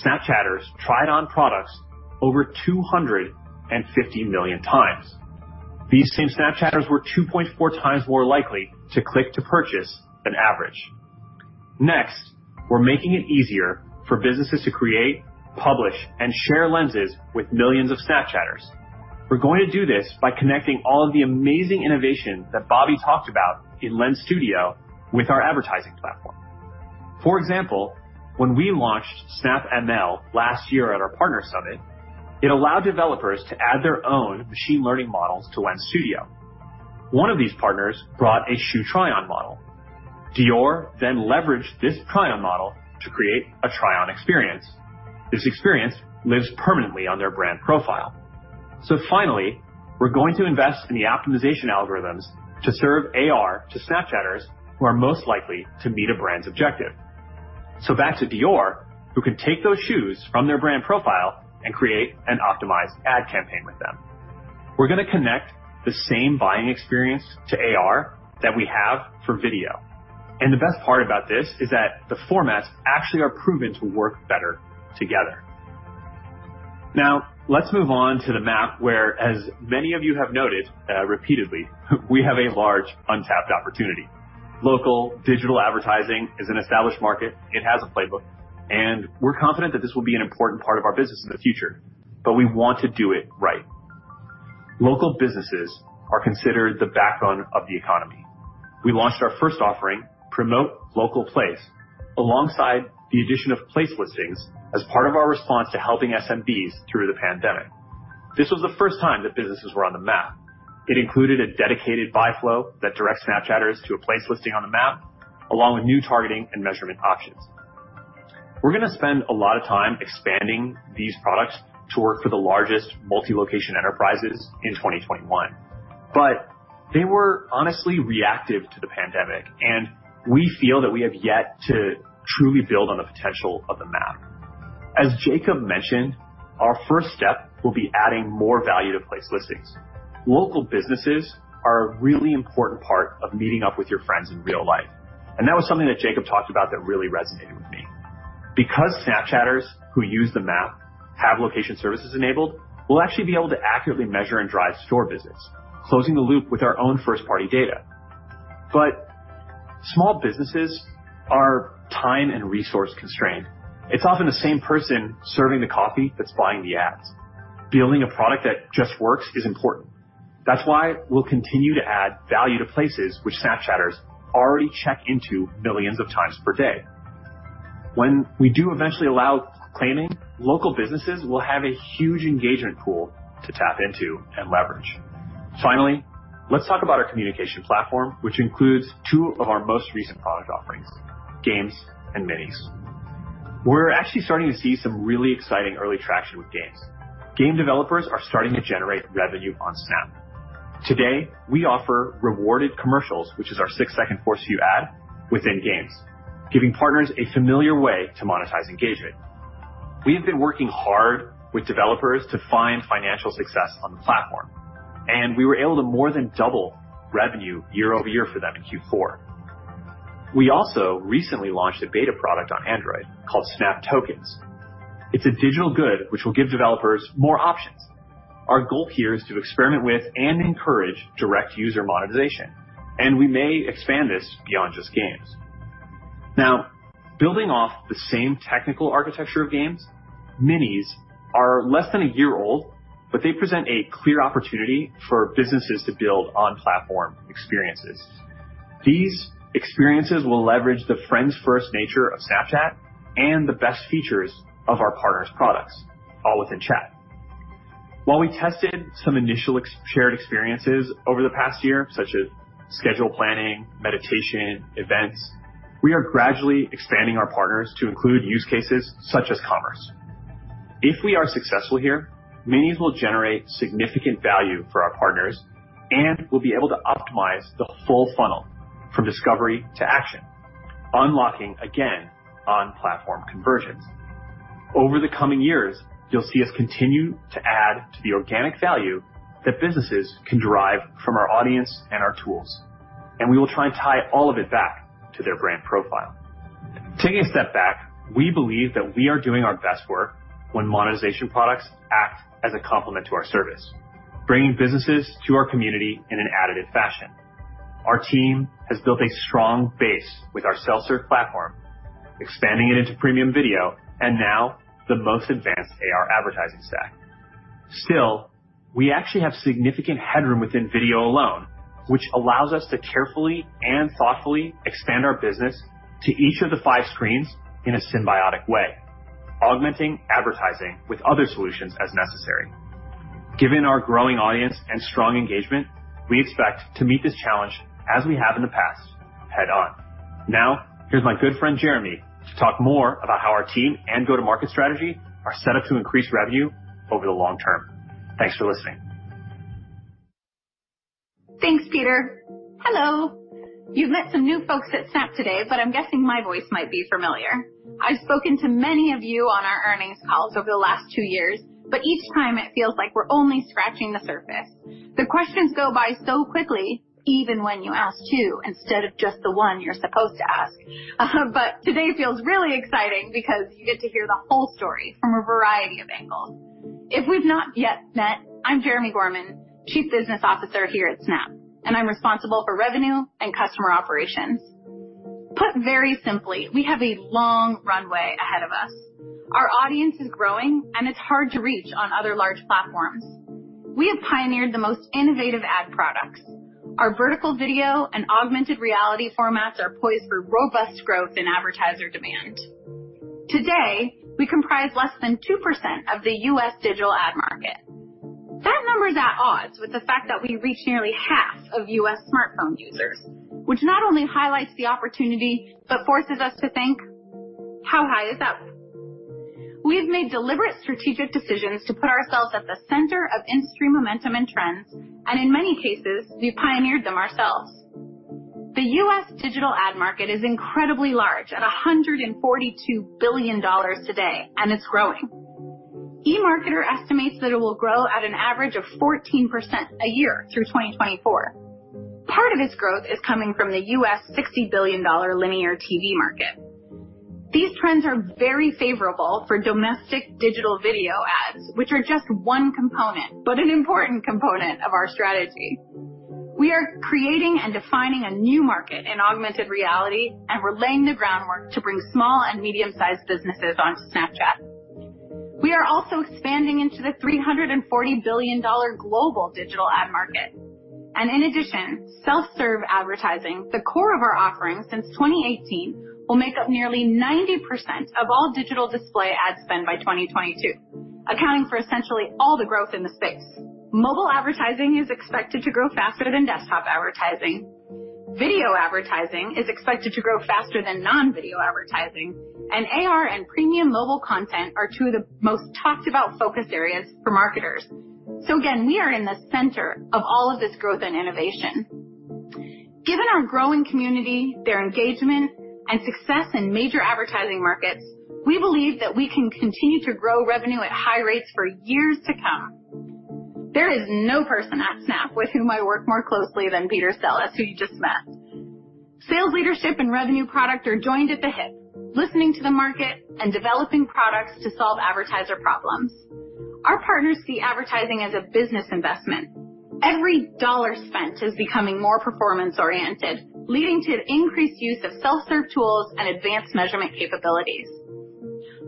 Speaker 7: Snapchatters tried on products over 250 million times. These same Snapchatters were 2.4x more likely to click to purchase than average. Next, we're making it easier for businesses to create, publish, and share Lenses with millions of Snapchatters. We're going to do this by connecting all of the amazing innovation that Bobby talked about in Lens Studio with our advertising platform. For example, when we launched Snap ML last year at our partner summit, it allowed developers to add their own machine learning models to Lens Studio. One of these partners brought a shoe try-on model. Dior leveraged this try-on model to create a try-on experience. This experience lives permanently on their Brand Profile. Finally, we're going to invest in the optimization algorithms to serve AR to Snapchatters who are most likely to meet a brand's objective. Back to Dior, who can take those shoes from their Brand Profile and create an optimized ad campaign with them. We're going to connect the same buying experience to AR that we have for video. The best part about this is that the formats actually are proven to work better together. Now, let's move on to the Map where, as many of you have noted, repeatedly, we have a large untapped opportunity. Local digital advertising is an established market. It has a playbook, and we're confident that this will be an important part of our business in the future, but we want to do it right. Local businesses are considered the backbone of the economy. We launched our first offering, Promote Local Place, alongside the addition of place listings as part of our response to helping SMBs through the pandemic. This was the first time that businesses were on the Map. It included a dedicated buy flow that directs Snapchatters to a place listing on the Map, along with new targeting and measurement options. We're going to spend a lot of time expanding these products to work for the largest multi-location enterprises in 2021. They were honestly reactive to the pandemic, and we feel that we have yet to truly build on the potential of the Map. As Jacob mentioned, our first step will be adding more value to place listings. Local businesses are a really important part of meeting up with your friends in real life, and that was something that Jacob talked about that really resonated with me. Because Snapchatters who use the Map have location services enabled, we'll actually be able to accurately measure and drive store visits, closing the loop with our own first-party data. Small businesses are time and resource-constrained. It's often the same person serving the coffee that's buying the ads. Building a product that just works is important. That's why we'll continue to add value to places which Snapchatters already check into millions of times per day. When we do eventually allow claiming, local businesses will have a huge engagement pool to tap into and leverage. Finally, let's talk about our communication platform, which includes two of our most recent product offerings, Games and Minis. We're actually starting to see some really exciting early traction with Games. Game developers are starting to generate revenue on Snap. Today, we offer rewarded commercials, which is our six-second forced-view ad within Games, giving partners a familiar way to monetize engagement. We've been working hard with developers to find financial success on the platform, and we were able to more than double revenue year-over-year for them in Q4. We also recently launched a beta product on Android called Snap Tokens. It's a digital good which will give developers more options. Our goal here is to experiment with and encourage direct user monetization, and we may expand this beyond just Games. Now, building off the same technical architecture of Games, Minis are less than a year old, but they present a clear opportunity for businesses to build on-platform experiences. These experiences will leverage the friends-first nature of Snapchat and the best features of our partners' products, all within Chat. While we tested some initial shared experiences over the past year, such as schedule planning, meditation, events, we are gradually expanding our partners to include use cases such as commerce. If we are successful here, Minis will generate significant value for our partners, and we'll be able to optimize the full funnel from discovery to action, unlocking, again, on-platform conversions. Over the coming years, you'll see us continue to add to the organic value that businesses can derive from our audience and our tools, and we will try and tie all of it back to their Brand Profile. Taking a step back, we believe that we are doing our best work when monetization products act as a complement to our service, bringing businesses to our community in an additive fashion. Our team has built a strong base with our self-serve platform, expanding it into premium video and now the most advanced AR advertising stack. Still, we actually have significant headroom within video alone, which allows us to carefully and thoughtfully expand our business to each of the five screens in a symbiotic way, augmenting advertising with other solutions as necessary. Given our growing audience and strong engagement, we expect to meet this challenge as we have in the past, head on. Now, here's my good friend Jeremi to talk more about how our team and go-to-market strategy are set up to increase revenue over the long term. Thanks for listening.
Speaker 8: Thanks, Peter. Hello. You've met some new folks at Snap today, but I'm guessing my voice might be familiar. I've spoken to many of you on our earnings calls over the last two years, but each time it feels like we're only scratching the surface. The questions go by so quickly, even when you ask two instead of just the one you're supposed to ask. But today feels really exciting because you get to hear the whole story from a variety of angles. If we've not yet met, I'm Jeremi Gorman, Chief Business Officer here at Snap, and I'm responsible for revenue and customer operations. Put very simply, we have a long runway ahead of us. Our audience is growing, and it's hard to reach on other large platforms. We have pioneered the most innovative ad products. Our vertical video and augmented reality formats are poised for robust growth in advertiser demand. Today, we comprise less than 2% of the U.S. digital ad market. That number is at odds with the fact that we reach nearly half of U.S. smartphone users, which not only highlights the opportunity but forces us to think, how high is up? We have made deliberate strategic decisions to put ourselves at the center of industry momentum and trends, and in many cases, we've pioneered them ourselves. The U.S. digital ad market is incredibly large at $142 billion today, and it's growing. eMarketer estimates that it will grow at an average of 14% a year through 2024. Part of this growth is coming from the U.S. $60 billion linear TV market. These trends are very favorable for domestic digital video ads, which are just one component, but an important component of our strategy. We are creating and defining a new market in augmented reality, and we're laying the groundwork to bring small and medium-sized businesses onto Snapchat. We are also expanding into the $340 billion global digital ad market. In addition, self-serve advertising, the core of our offering since 2018, will make up nearly 90% of all digital display ad spend by 2022, accounting for essentially all the growth in the space. Mobile advertising is expected to grow faster than desktop advertising. Video advertising is expected to grow faster than non-video advertising. AR and premium mobile content are two of the most talked about focus areas for marketers. Again, we are in the center of all of this growth and innovation. Given our growing community, their engagement, and success in major advertising markets, we believe that we can continue to grow revenue at high rates for years to come. There is no person at Snap with whom I work more closely than Peter Sellis, who you just met. Sales leadership and revenue product are joined at the hip, listening to the market and developing products to solve advertiser problems. Our partners see advertising as a business investment. Every dollar spent is becoming more performance-oriented, leading to an increased use of self-serve tools and advanced measurement capabilities.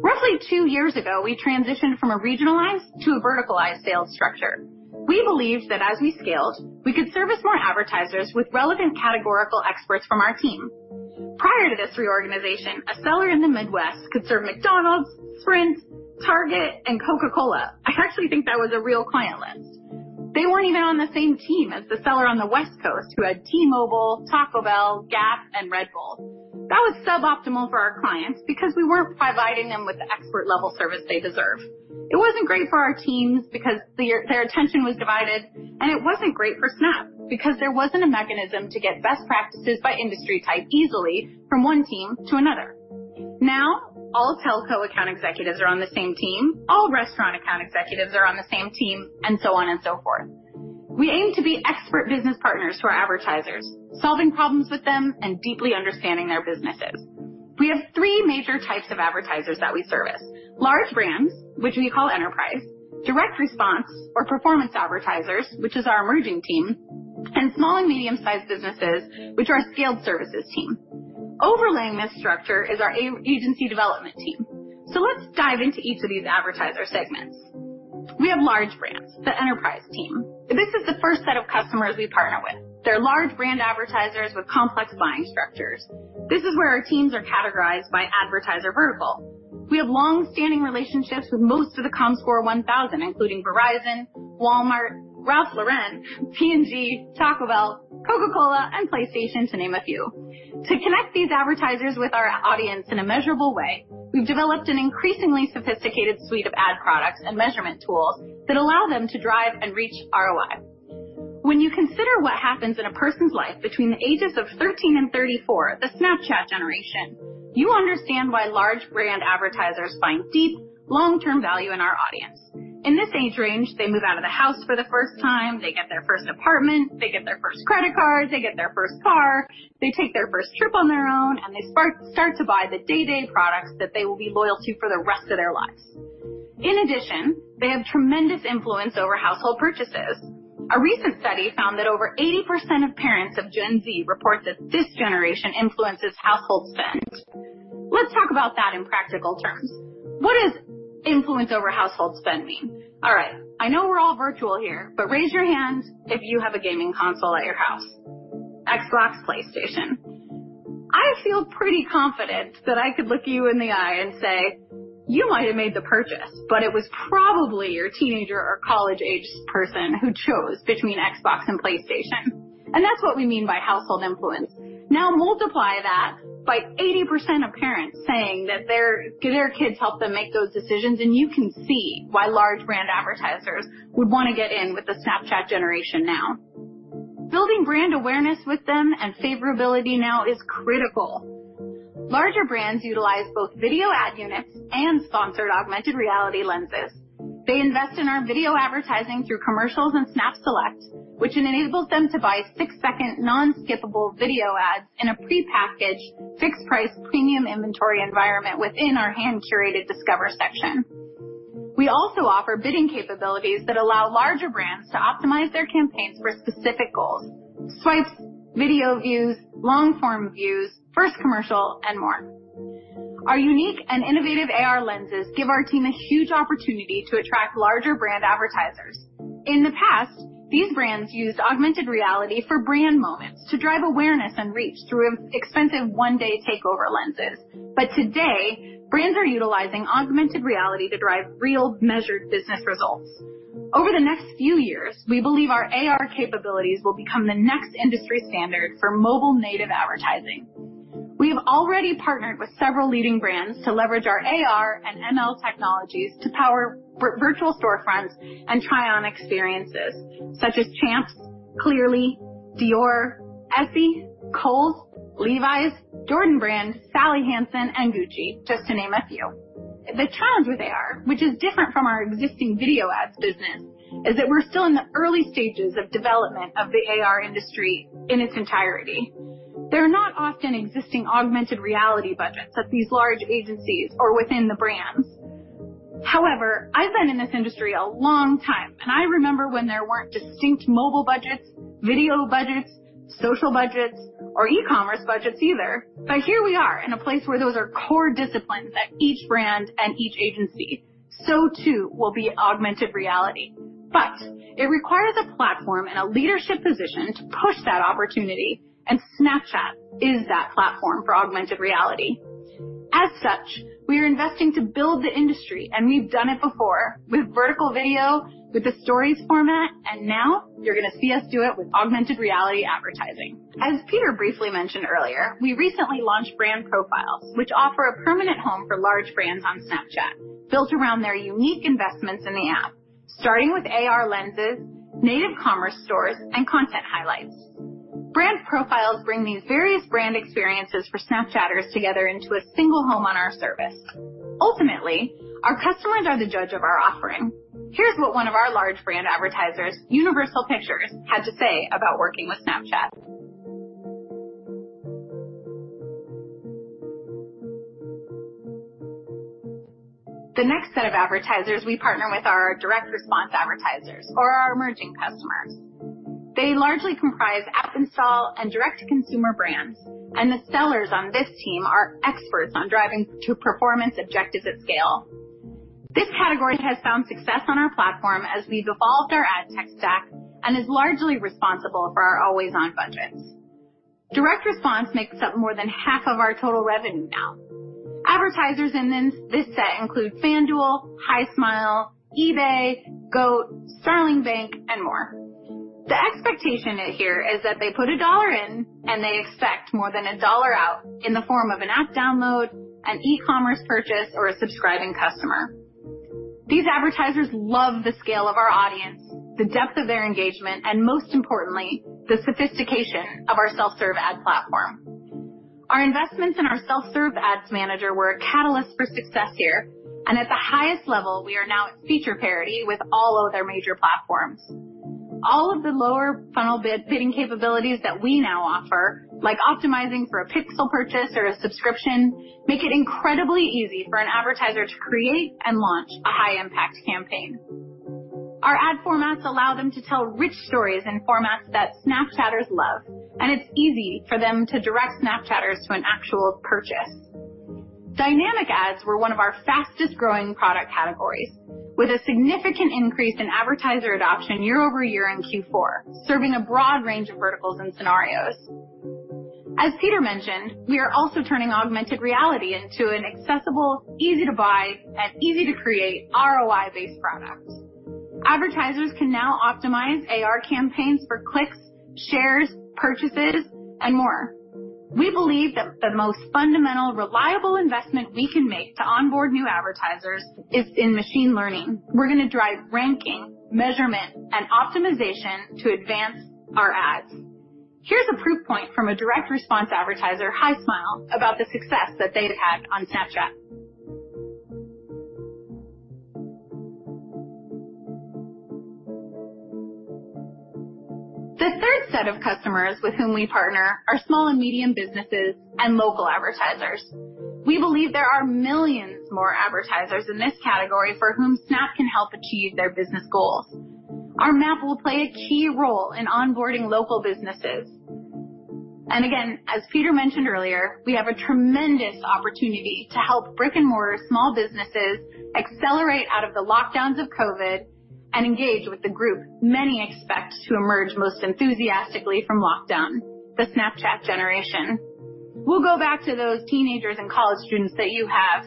Speaker 8: Roughly two years ago, we transitioned from a regionalized to a verticalized sales structure. We believed that as we scaled, we could service more advertisers with relevant categorical experts from our team. Prior to this reorganization, a seller in the Midwest could serve McDonald's, Sprint, Target, and Coca-Cola. I actually think that was a real client list. They weren't even on the same team as the seller on the West Coast who had T-Mobile, Taco Bell, Gap, and Red Bull. That was suboptimal for our clients because we weren't providing them with the expert-level service they deserve. It wasn't great for our teams because their attention was divided, and it wasn't great for Snap because there wasn't a mechanism to get best practices by industry type easily from one team to another. Now, all telco account executives are on the same team, all restaurant account executives are on the same team, and so on and so forth. We aim to be expert business partners to our advertisers, solving problems with them and deeply understanding their businesses. We have three major types of advertisers that we service: large brands, which we call enterprise; direct response or performance advertisers, which is our emerging team; and small and medium-sized businesses, which are our scaled services team. Overlaying this structure is our agency development team. Let's dive into each of these advertiser segments. We have large brands, the enterprise team. This is the first set of customers we partner with. They're large brand advertisers with complex buying structures. This is where our teams are categorized by advertiser vertical. We have long-standing relationships with most of the Comscore 1,000, including Verizon, Walmart, Ralph Lauren, P&G, Taco Bell, Coca-Cola, and PlayStation, to name a few. To connect these advertisers with our audience in a measurable way, we've developed an increasingly sophisticated suite of ad products and measurement tools that allow them to drive and reach ROI. When you consider what happens in a person's life between the ages of 13 and 34, the Snapchat generation, you understand why large brand advertisers find deep, long-term value in our audience. In this age range, they move out of the house for the first time, they get their first apartment, they get their first credit card, they get their first car, they take their first trip on their own, and they start to buy the day-to-day products that they will be loyal to for the rest of their lives. In addition, they have tremendous influence over household purchases. A recent study found that over 80% of parents of Gen Z report that this generation influences household spend. Let's talk about that in practical terms. What does influence over household spend mean? All right. I know we're all virtual here, but raise your hand if you have a gaming console at your house, Xbox, PlayStation. I feel pretty confident that I could look you in the eye and say you might have made the purchase, but it was probably your teenager or college-aged person who chose between Xbox and PlayStation, and that's what we mean by household influence. Now multiply that by 80% of parents saying that their kids help them make those decisions, and you can see why large brand advertisers would want to get in with the Snapchat generation now. Building brand awareness with them and favorability now is critical. Larger brands utilize both video ad units and sponsored augmented reality Lenses. They invest in our video advertising through commercials and Snap Select, which enables them to buy six-second non-skippable video ads in a prepackaged, fixed-price premium inventory environment within our hand-curated Discover section. We also offer bidding capabilities that allow larger brands to optimize their campaigns for specific goals, swipes, video views, long-form views, First Commercial, and more. Our unique and innovative AR Lenses give our team a huge opportunity to attract larger brand advertisers. In the past, these brands used augmented reality for brand moments to drive awareness and reach through expensive one-day takeover Lenses. Today, brands are utilizing augmented reality to drive real measured business results. Over the next few years, we believe our AR capabilities will become the next industry standard for mobile-native advertising. We have already partnered with several leading brands to leverage our AR and ML technologies to power virtual storefronts and try-on experiences such as Champs, Clearly, Dior, Essie, Kohl's, Levi's, Jordan Brand, Sally Hansen, and Gucci, just to name a few. The challenge with AR, which is different from our existing video ads business, is that we're still in the early stages of development of the AR industry in its entirety. There are not often existing augmented reality budgets at these large agencies or within the brands. However, I've been in this industry a long time, and I remember when there weren't distinct mobile budgets, video budgets, social budgets, or e-commerce budgets either. Here we are in a place where those are core disciplines at each brand and each agency. So too will be augmented reality. It requires a platform and a leadership position to push that opportunity, and Snapchat is that platform for augmented reality. As such, we are investing to build the industry, and we've done it before with vertical video, with the Stories format, and now you're going to see us do it with augmented reality advertising. As Peter briefly mentioned earlier, we recently launched Brand Profiles, which offer a permanent home for large brands on Snapchat built around their unique investments in the app, starting with AR Lenses, native commerce stores, and content highlights. Brand Profiles bring these various brand experiences for Snapchatters together into a single home on our service. Ultimately, our customers are the judge of our offering. Here's what one of our large brand advertisers, Universal Pictures, had to say about working with Snapchat. The next set of advertisers we partner with are our direct response advertisers or our emerging customers. They largely comprise app install and direct-to-consumer brands, the sellers on this team are experts on driving to performance objectives at scale. This category has found success on our platform as we've evolved our ad tech stack and is largely responsible for our always-on budgets. Direct response makes up more than half of our total revenue now. Advertisers in this set include FanDuel, Hismile, eBay, GOAT, Starling Bank, and more. The expectation here is that they put $1 in and they expect more than $1 out in the form of an app download, an e-commerce purchase, or a subscribing customer. These advertisers love the scale of our audience, the depth of their engagement, and most importantly, the sophistication of our self-serve ad platform. Our investments in our self-serve Ads Manager were a catalyst for success here. At the highest level, we are now at feature parity with all other major platforms. All of the lower funnel bidding capabilities that we now offer, like optimizing for a Pixel purchase or a subscription, make it incredibly easy for an advertiser to create and launch a high-impact campaign. Our ad formats allow them to tell rich stories in formats that Snapchatters love. It's easy for them to direct Snapchatters to an actual purchase. Dynamic Ads were one of our fastest-growing product categories, with a significant increase in advertiser adoption year-over-year in Q4, serving a broad range of verticals and scenarios. As Peter mentioned, we are also turning augmented reality into an accessible, easy-to-buy, and easy-to-create ROI-based product. Advertisers can now optimize AR campaigns for clicks, shares, purchases, and more. We believe that the most fundamental, reliable investment we can make to onboard new advertisers is in machine learning. We're going to drive ranking, measurement, and optimization to advance our ads. Here's a proof point from a direct response advertiser, HiSmile, about the success that they've had on Snapchat. The third set of customers with whom we partner are small and medium businesses and local advertisers. We believe there are millions more advertisers in this category for whom Snap can help achieve their business goals. Our Map will play a key role in onboarding local businesses. Again, as Peter mentioned earlier, we have a tremendous opportunity to help brick-and-mortar small businesses accelerate out of the lockdowns of COVID and engage with the group many expect to emerge most enthusiastically from lockdown, the Snapchat generation. We'll go back to those teenagers and college students that you have.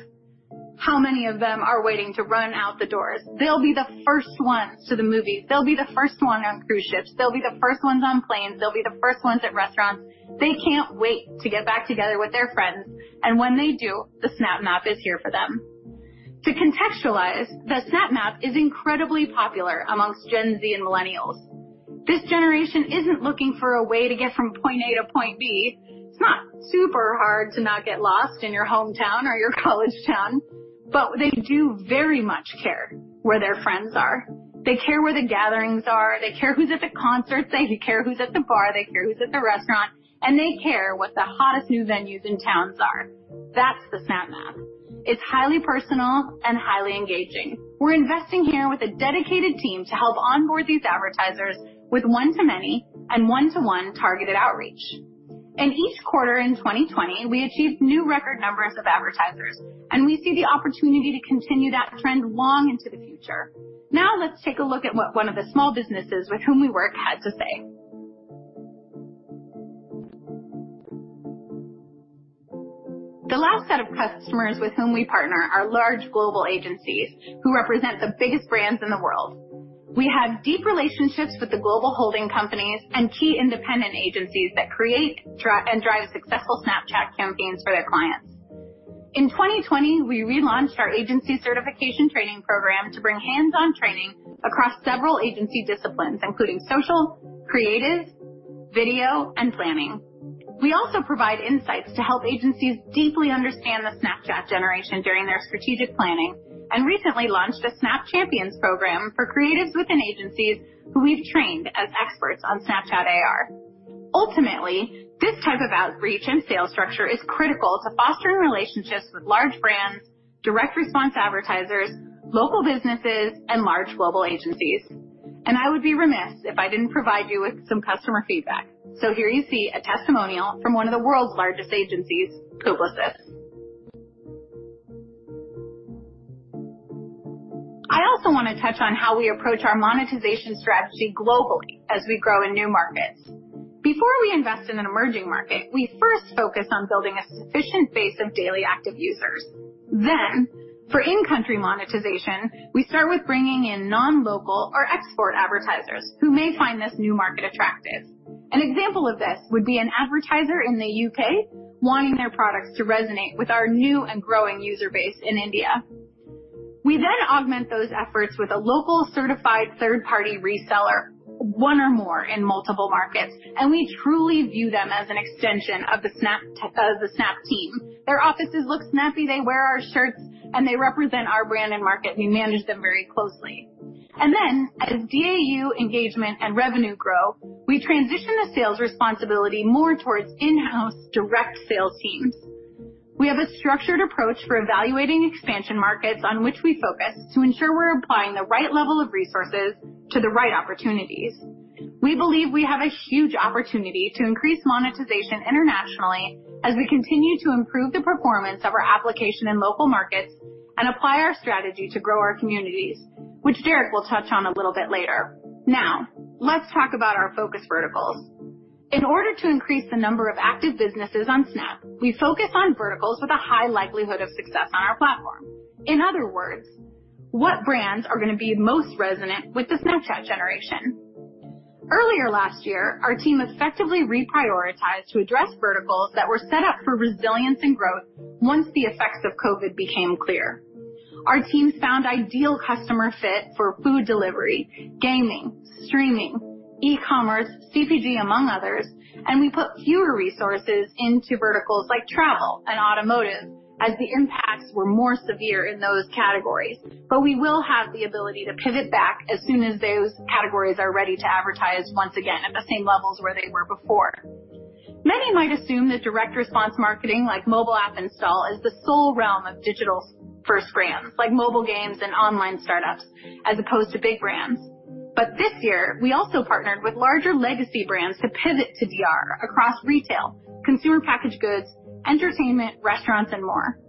Speaker 8: How many of them are waiting to run out the doors? They'll be the first ones to the movies. They'll be the first one on cruise ships. They'll be the first ones on planes. They'll be the first ones at restaurants. They can't wait to get back together with their friends, and when they do, the Snap Map is here for them. To contextualize, the Snap Map is incredibly popular amongst Gen Z and Millennials. This generation isn't looking for a way to get from point A to point B. It's not super hard to not get lost in your hometown or your college town, but they do very much care where their friends are. They care where the gatherings are. They care who's at the concerts. They care who's at the bar. They care who's at the restaurant. They care what the hottest new venues in towns are. That's the Snap Map. It's highly personal and highly engaging. We're investing here with a dedicated team to help onboard these advertisers with one-to-many and one-to-one targeted outreach. In each quarter in 2020, we achieved new record numbers of advertisers, and we see the opportunity to continue that trend long into the future. Let's take a look at what one of the small businesses with whom we work had to say. The last set of customers with whom we partner are large global agencies who represent the biggest brands in the world. We have deep relationships with the global holding companies and key independent agencies that create and drive successful Snapchat campaigns for their clients. In 2020, we relaunched our agency certification training program to bring hands-on training across several agency disciplines, including social, creative, video, and planning. We also provide insights to help agencies deeply understand the Snapchat generation during their strategic planning, and recently launched a Snap Champions program for creatives within agencies who we've trained as experts on Snapchat AR. Ultimately, this type of outreach and sales structure is critical to fostering relationships with large brands, direct response advertisers, local businesses, and large global agencies. I would be remiss if I didn't provide you with some customer feedback. Here you see a testimonial from one of the world's largest agencies, Publicis. I also want to touch on how we approach our monetization strategy globally as we grow in new markets. Before we invest in an emerging market, we first focus on building a sufficient base of daily active users. For in-country monetization, we start with bringing in non-local or export advertisers who may find this new market attractive. An example of this would be an advertiser in the U.K. wanting their products to resonate with our new and growing user base in India. We then augment those efforts with a local certified third-party reseller, one or more in multiple markets, and we truly view them as an extension of the Snap team. Their offices look snappy, they wear our shirts, and they represent our brand and market. We manage them very closely. As DAU engagement and revenue grow, we transition the sales responsibility more towards in-house direct sales teams. We have a structured approach for evaluating expansion markets on which we focus to ensure we're applying the right level of resources to the right opportunities. We believe we have a huge opportunity to increase monetization internationally as we continue to improve the performance of our application in local markets and apply our strategy to grow our communities, which Derek will touch on a little bit later. Let's talk about our focus verticals. In order to increase the number of active businesses on Snap, we focus on verticals with a high likelihood of success on our platform. In other words, what brands are going to be most resonant with the Snapchat generation? Earlier last year, our team effectively reprioritized to address verticals that were set up for resilience and growth once the effects of COVID became clear. Our teams found ideal customer fit for food delivery, gaming, streaming, e-commerce, CPG, among others, and we put fewer resources into verticals like travel and automotive, as the impacts were more severe in those categories. We will have the ability to pivot back as soon as those categories are ready to advertise once again at the same levels where they were before. Many might assume that direct response marketing like mobile app install is the sole realm of digital-first brands, like mobile games and online startups, as opposed to big brands. This year, we also partnered with larger legacy brands to pivot to DR across retail, consumer packaged goods, entertainment, restaurants, and more.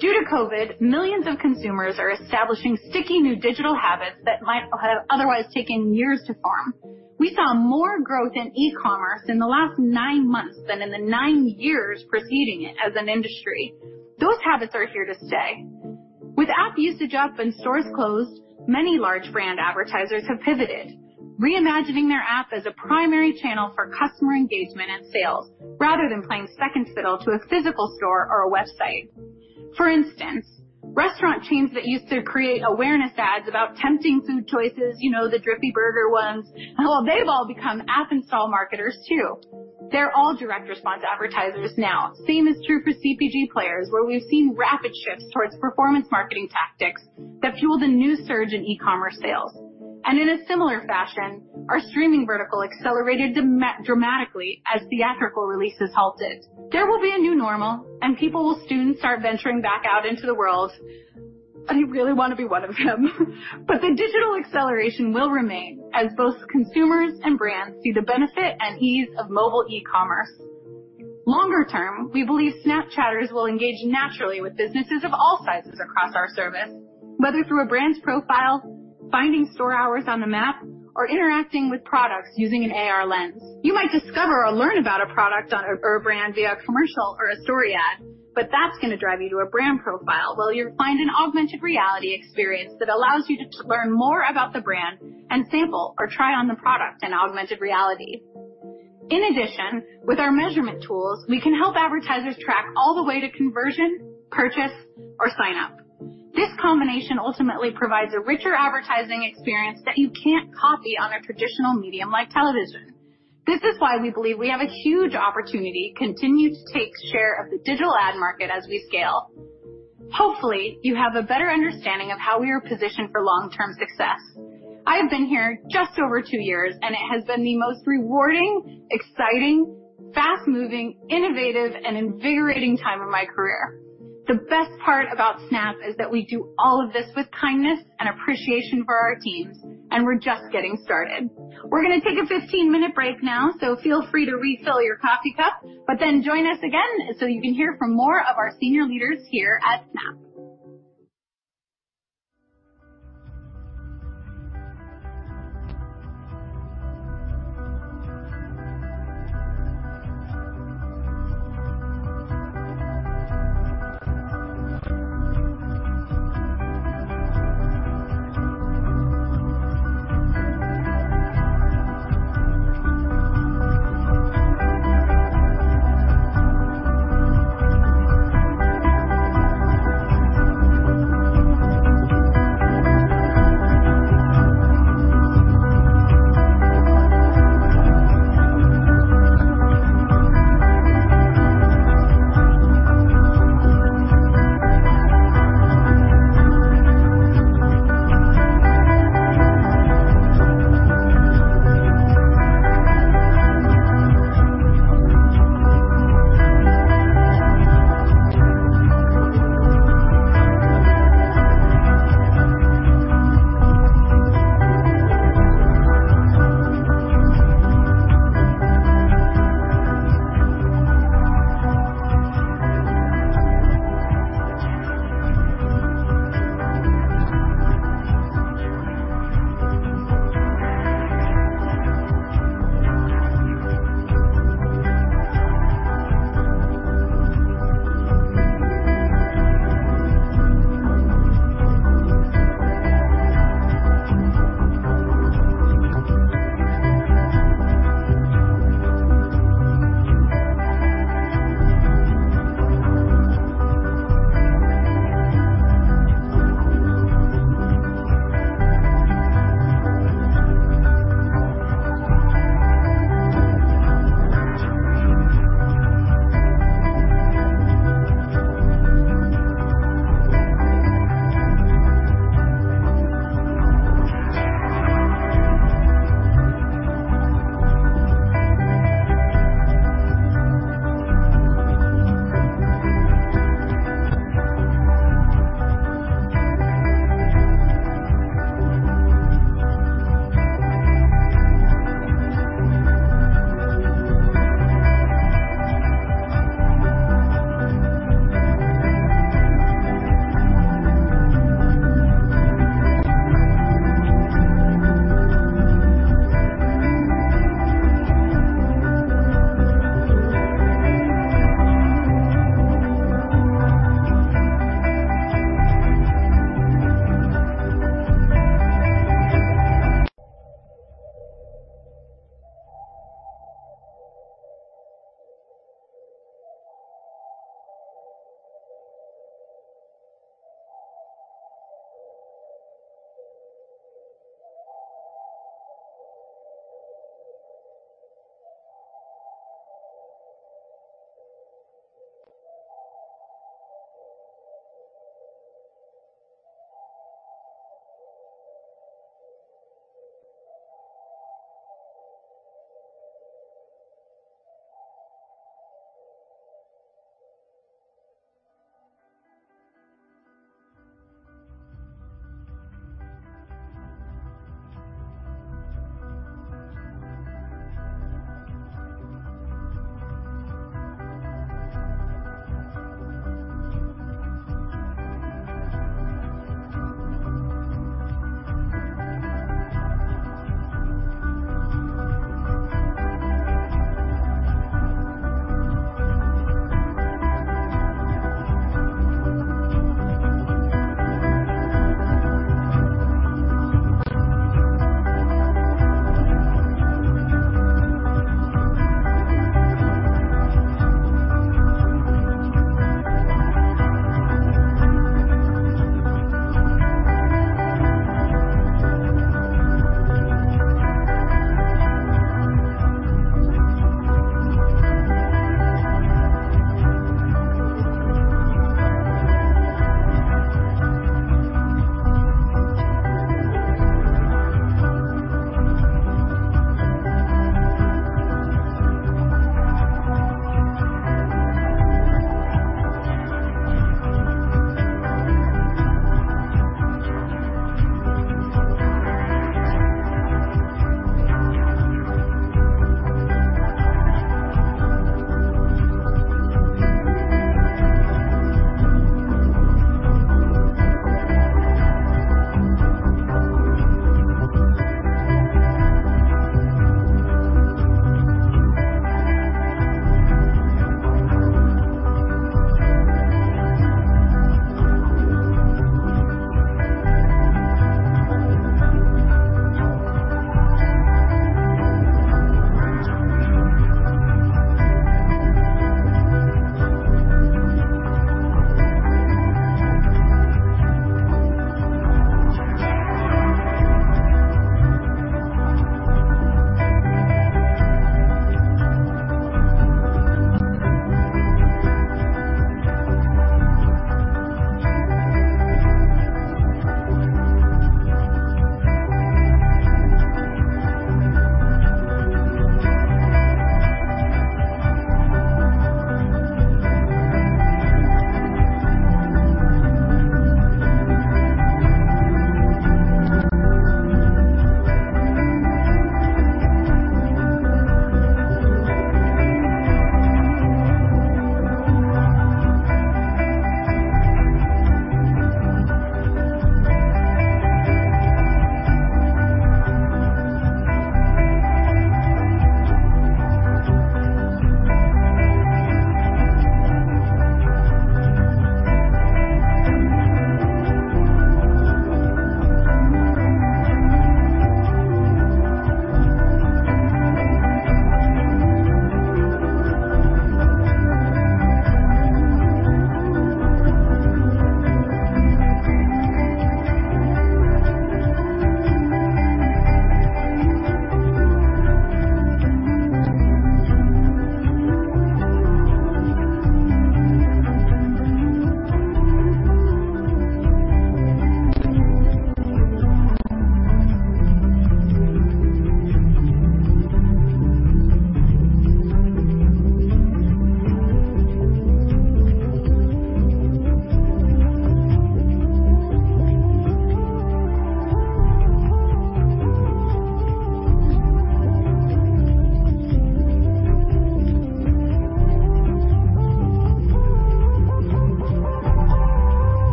Speaker 8: Due to COVID, millions of consumers are establishing sticky new digital habits that might have otherwise taken years to form. We saw more growth in e-commerce in the last nine months than in the nine years preceding it as an industry. Those habits are here to stay. With app usage up and stores closed, many large brand advertisers have pivoted. Reimagining their app as a primary channel for customer engagement and sales, rather than playing second fiddle to a physical store or a website. For instance, restaurant chains that used to create awareness ads about tempting food choices, the drippy burger ones, well, they've all become app install marketers too. They're all direct response advertisers now. Same is true for CPG players, where we've seen rapid shifts towards performance marketing tactics that fueled a new surge in e-commerce sales. In a similar fashion, our streaming vertical accelerated dramatically as theatrical releases halted. There will be a new normal and people will soon start venturing back out into the world. I really want to be one of them. The digital acceleration will remain as both consumers and brands see the benefit and ease of mobile e-commerce. Longer term, we believe Snapchatters will engage naturally with businesses of all sizes across our service, whether through a brand's profile, finding store hours on the Map, or interacting with products using an AR Lens. You might discover or learn about a product or a brand via a commercial or a story ad, but that's going to drive you to a brand profile where you'll find an augmented reality experience that allows you to learn more about the brand and sample or try on the product in augmented reality. In addition, with our measurement tools, we can help advertisers track all the way to conversion, purchase, or sign up. This combination ultimately provides a richer advertising experience that you can't copy on a traditional medium like television. This is why we believe we have a huge opportunity to continue to take share of the digital ad market as we scale. Hopefully, you have a better understanding of how we are positioned for long-term success. I have been here just over two years, and it has been the most rewarding, exciting, fast-moving, innovative, and invigorating time of my career. The best part about Snap is that we do all of this with kindness and appreciation for our teams, and we're just getting started. We're going to take a 15-minute break now, so feel free to refill your coffee cup, but then join us again so you can hear from more of our senior leaders here at Snap.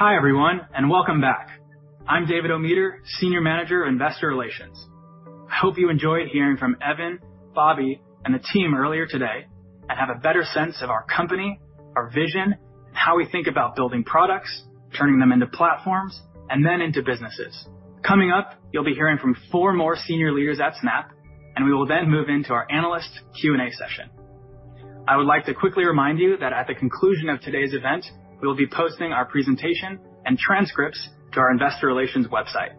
Speaker 9: Hi, everyone, and welcome back. I'm David Ometer, Senior Manager of Investor Relations. I hope you enjoyed hearing from Evan, Bobby, and the team earlier today and have a better sense of our company, our vision, and how we think about building products, turning them into platforms, and then into businesses. Coming up, you'll be hearing from four more senior leaders at Snap, we will then move into our analyst Q&A session. I would like to quickly remind you that at the conclusion of today's event, we will be posting our presentation and transcripts to our Investor Relations website.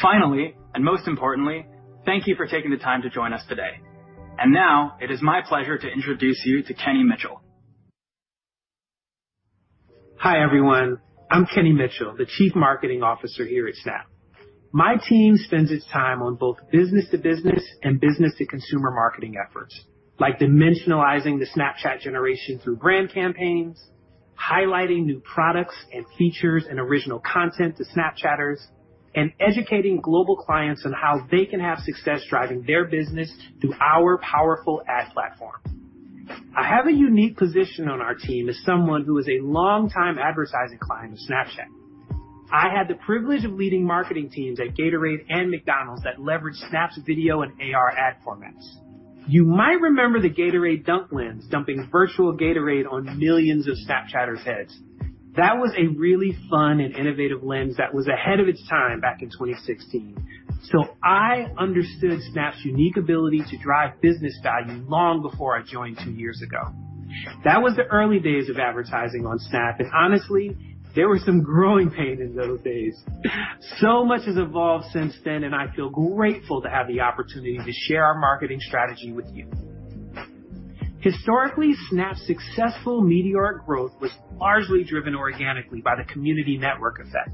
Speaker 9: Finally, most importantly, thank you for taking the time to join us today. Now it is my pleasure to introduce you to Kenny Mitchell.
Speaker 10: Hi, everyone. I'm Kenny Mitchell, the Chief Marketing Officer here at Snap. My team spends its time on both business-to-business and business-to-consumer marketing efforts, like dimensionalizing the Snapchat generation through brand campaigns, highlighting new products and features and original content to Snapchatters, and educating global clients on how they can have success driving their business through our powerful ad platform. I have a unique position on our team as someone who is a longtime advertising client of Snapchat. I had the privilege of leading marketing teams at Gatorade and McDonald's that leveraged Snap's video and AR ad formats. You might remember the Gatorade dunk Lens dumping virtual Gatorade on millions of Snapchatters' heads. That was a really fun and innovative Lens that was ahead of its time back in 2016. I understood Snap's unique ability to drive business value long before I joined two years ago. That was the early days of advertising on Snap. Honestly, there were some growing pains in those days. Much has evolved since then. I feel grateful to have the opportunity to share our marketing strategy with you. Historically, Snap's successful meteoric growth was largely driven organically by the community network effect.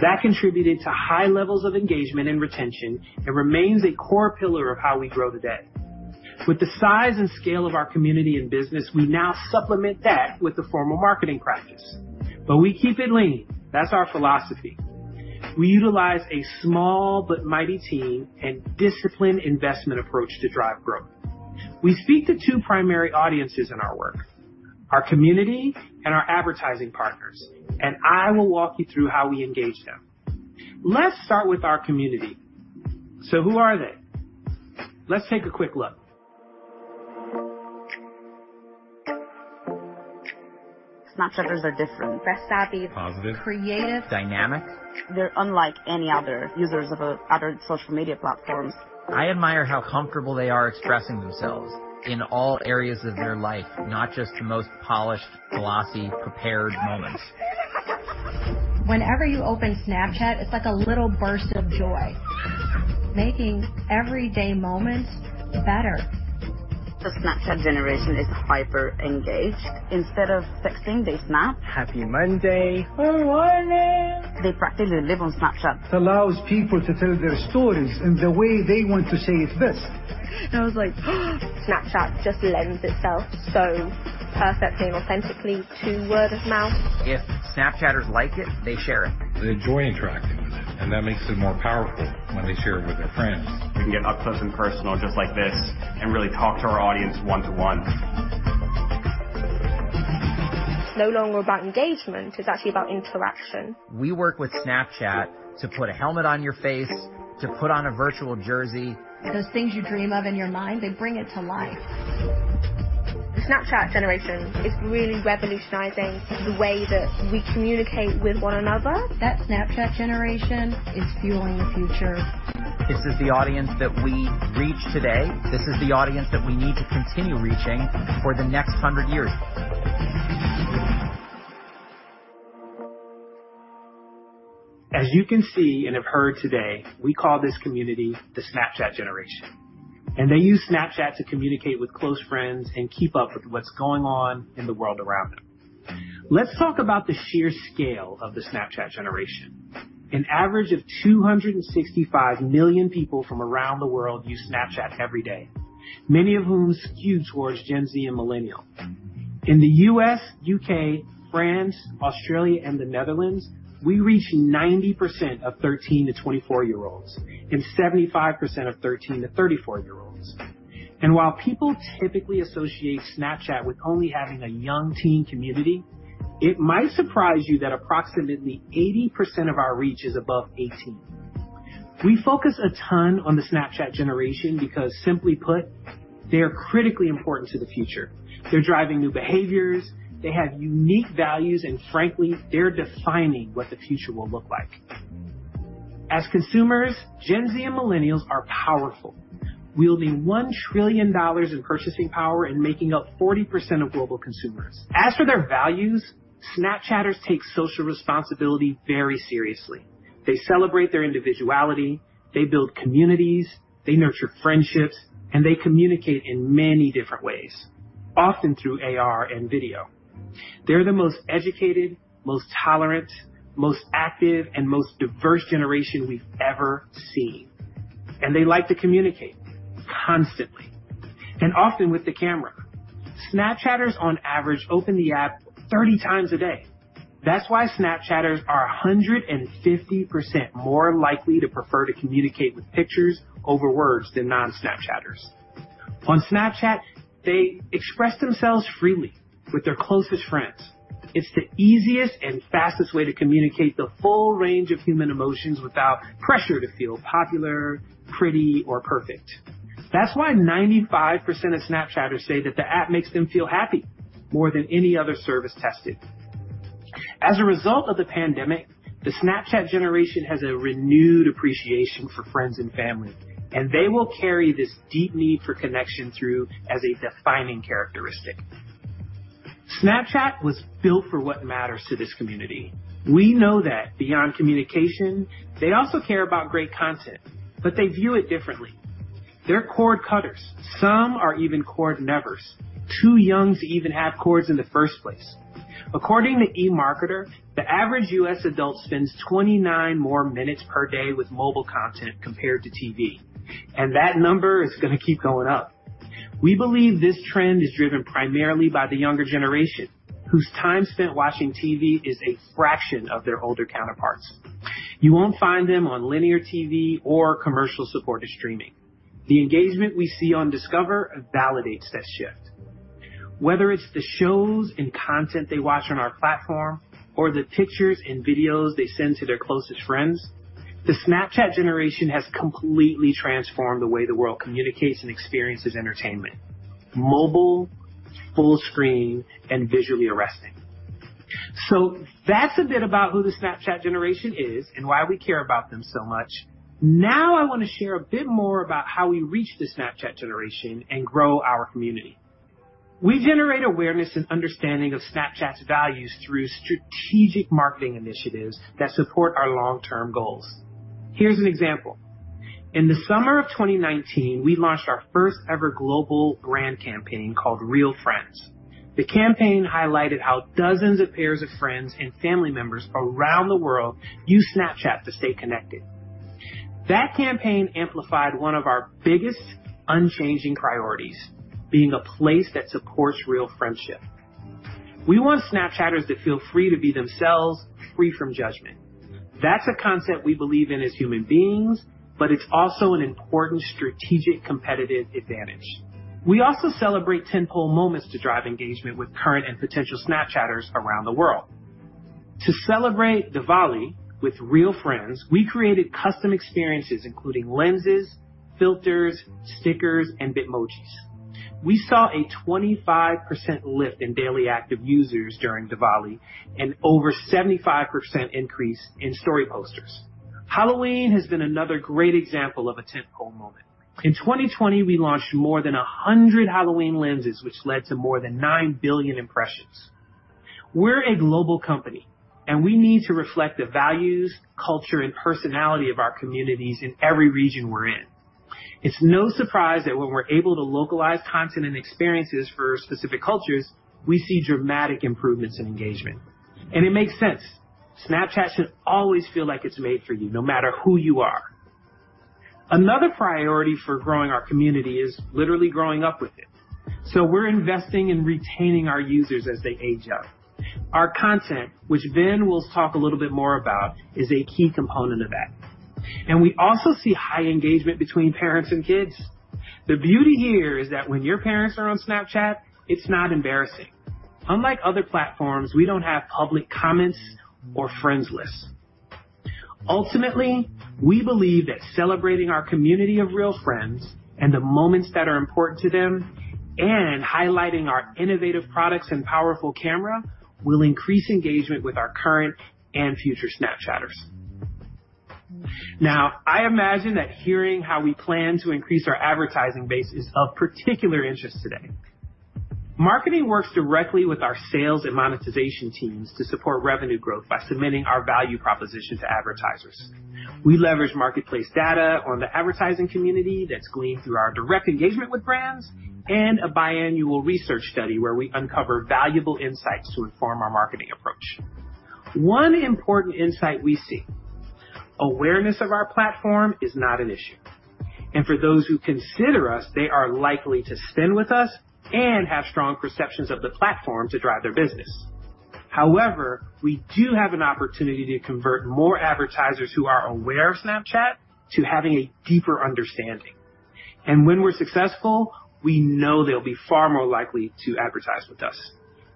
Speaker 10: That contributed to high levels of engagement and retention and remains a core pillar of how we grow today. With the size and scale of our community and business, we now supplement that with a formal marketing practice, but we keep it lean. That's our philosophy. We utilize a small but mighty team and disciplined investment approach to drive growth. We speak to two primary audiences in our work, our community and our advertising partners. I will walk you through how we engage them. Let's start with our community. Who are they? Let's take a quick look.
Speaker 5: Snapchatters are different. Tech-savvy. Positive. Creative. Dynamic. They're unlike any other users of other social media platforms. I admire how comfortable they are expressing themselves in all areas of their life, not just the most polished, glossy, prepared moments. Whenever you open Snapchat, it's like a little burst of joy, making everyday moments better. The Snapchat generation is hyper-engaged. Instead of texting, they Snap. Happy Monday. Good morning. They practically live on Snapchat. It allows people to tell their stories in the way they want to say it best. I was like, Snapchat just lends itself so perfectly and authentically to word of mouth. If Snapchatters like it, they share it. They enjoy interacting with it, and that makes it more powerful when they share it with their friends. We can get up close and personal just like this and really talk to our audience one-to-one. It's no longer about engagement. It's actually about interaction. We work with Snapchat to put a helmet on your face, to put on a virtual jersey. Those things you dream of in your mind, they bring it to life. The Snapchat generation is really revolutionizing the way that we communicate with one another. That Snapchat generation is fueling the future. This is the audience that we reach today. This is the audience that we need to continue reaching for the next 100 years.
Speaker 10: As you can see and have heard today, we call this community the Snapchat generation, and they use Snapchat to communicate with close friends and keep up with what's going on in the world around them. Let's talk about the sheer scale of the Snapchat generation. An average of 265 million people from around the world use Snapchat every day, many of whom skew towards Gen Z and millennials. In the U.S., U.K., France, Australia, and the Netherlands, we reach 90% of 13 to 24-year-olds and 75% of 13 to 34-year-olds. And while people typically associate Snapchat with only having a young teen community, it might surprise you that approximately 80% of our reach is above 18. We focus a ton on the Snapchat generation because simply put, they are critically important to the future. They're driving new behaviors, they have unique values, and frankly, they're defining what the future will look like. As consumers, Gen Z and Millennials are powerful, wielding $1 trillion in purchasing power and making up 40% of global consumers. As for their values, Snapchatters take social responsibility very seriously. They celebrate their individuality, they build communities, they nurture friendships, and they communicate in many different ways, often through AR and video. They're the most educated, most tolerant, most active, and most diverse generation we've ever seen. They like to communicate constantly, and often with the Camera. Snapchatters on average open the app 30 times a day. That's why Snapchatters are 150% more likely to prefer to communicate with pictures over words than non-Snapchatters. On Snapchat, they express themselves freely with their closest friends. It's the easiest and fastest way to communicate the full range of human emotions without pressure to feel popular, pretty, or perfect. That's why 95% of Snapchatters say that the app makes them feel happy, more than any other service tested. As a result of the pandemic, the Snapchat generation has a renewed appreciation for friends and family, and they will carry this deep need for connection through as a defining characteristic. Snapchat was built for what matters to this community. We know that beyond communication, they also care about great content, but they view it differently. They're cord cutters. Some are even cord nevers, too young to even have cords in the first place. According to eMarketer, the average U.S. adult spends 29 more minutes per day with mobile content compared to TV, and that number is going to keep going up. We believe this trend is driven primarily by the younger generation, whose time spent watching TV is a fraction of their older counterparts. You won't find them on linear TV or commercial-supported streaming. The engagement we see on Discover validates that shift. Whether it's the shows and content they watch on our platform or the pictures and videos they send to their closest friends, the Snapchat generation has completely transformed the way the world communicates and experiences entertainment. Mobile, full screen, and visually arresting. That's a bit about who the Snapchat generation is and why we care about them so much. I want to share a bit more about how we reach the Snapchat generation and grow our community. We generate awareness and understanding of Snapchat's values through strategic marketing initiatives that support our long-term goals. Here's an example. In the summer of 2019, we launched our first ever global brand campaign called Real Friends. The campaign highlighted how dozens of pairs of friends and family members around the world use Snapchat to stay connected. That campaign amplified one of our biggest unchanging priorities, being a place that supports real friendship. We want Snapchatters to feel free to be themselves, free from judgment. That's a concept we believe in as human beings, but it's also an important strategic competitive advantage. We also celebrate tentpole moments to drive engagement with current and potential Snapchatters around the world. To celebrate Diwali with Real Friends, we created custom experiences, including Lenses, filters, stickers, and Bitmojis. We saw a 25% lift in daily active users during Diwali and over 75% increase in story posters. Halloween has been another great example of a tentpole moment. In 2020, we launched more than 100 Halloween Lenses, which led to more than 9 billion impressions. We're a global company, we need to reflect the values, culture, and personality of our communities in every region we're in. It's no surprise that when we're able to localize content and experiences for specific cultures, we see dramatic improvements in engagement. It makes sense. Snapchat should always feel like it's made for you, no matter who you are. Another priority for growing our community is literally growing up with it. We're investing in retaining our users as they age up. Our content, which Ben will talk a little bit more about, is a key component of that. We also see high engagement between parents and kids. The beauty here is that when your parents are on Snapchat, it's not embarrassing. Unlike other platforms, we don't have public comments or friends lists. Ultimately, we believe that celebrating our community of real friends and the moments that are important to them, and highlighting our innovative products and powerful Camera will increase engagement with our current and future Snapchatters. I imagine that hearing how we plan to increase our advertising base is of particular interest today. Marketing works directly with our sales and monetization teams to support revenue growth by submitting our value proposition to advertisers. We leverage marketplace data on the advertising community that's gleaned through our direct engagement with brands and a biannual research study where we uncover valuable insights to inform our marketing approach. One important insight we see, awareness of our platform is not an issue. For those who consider us, they are likely to spend with us and have strong perceptions of the platform to drive their business. However, we do have an opportunity to convert more advertisers who are aware of Snapchat to having a deeper understanding. When we're successful, we know they'll be far more likely to advertise with us.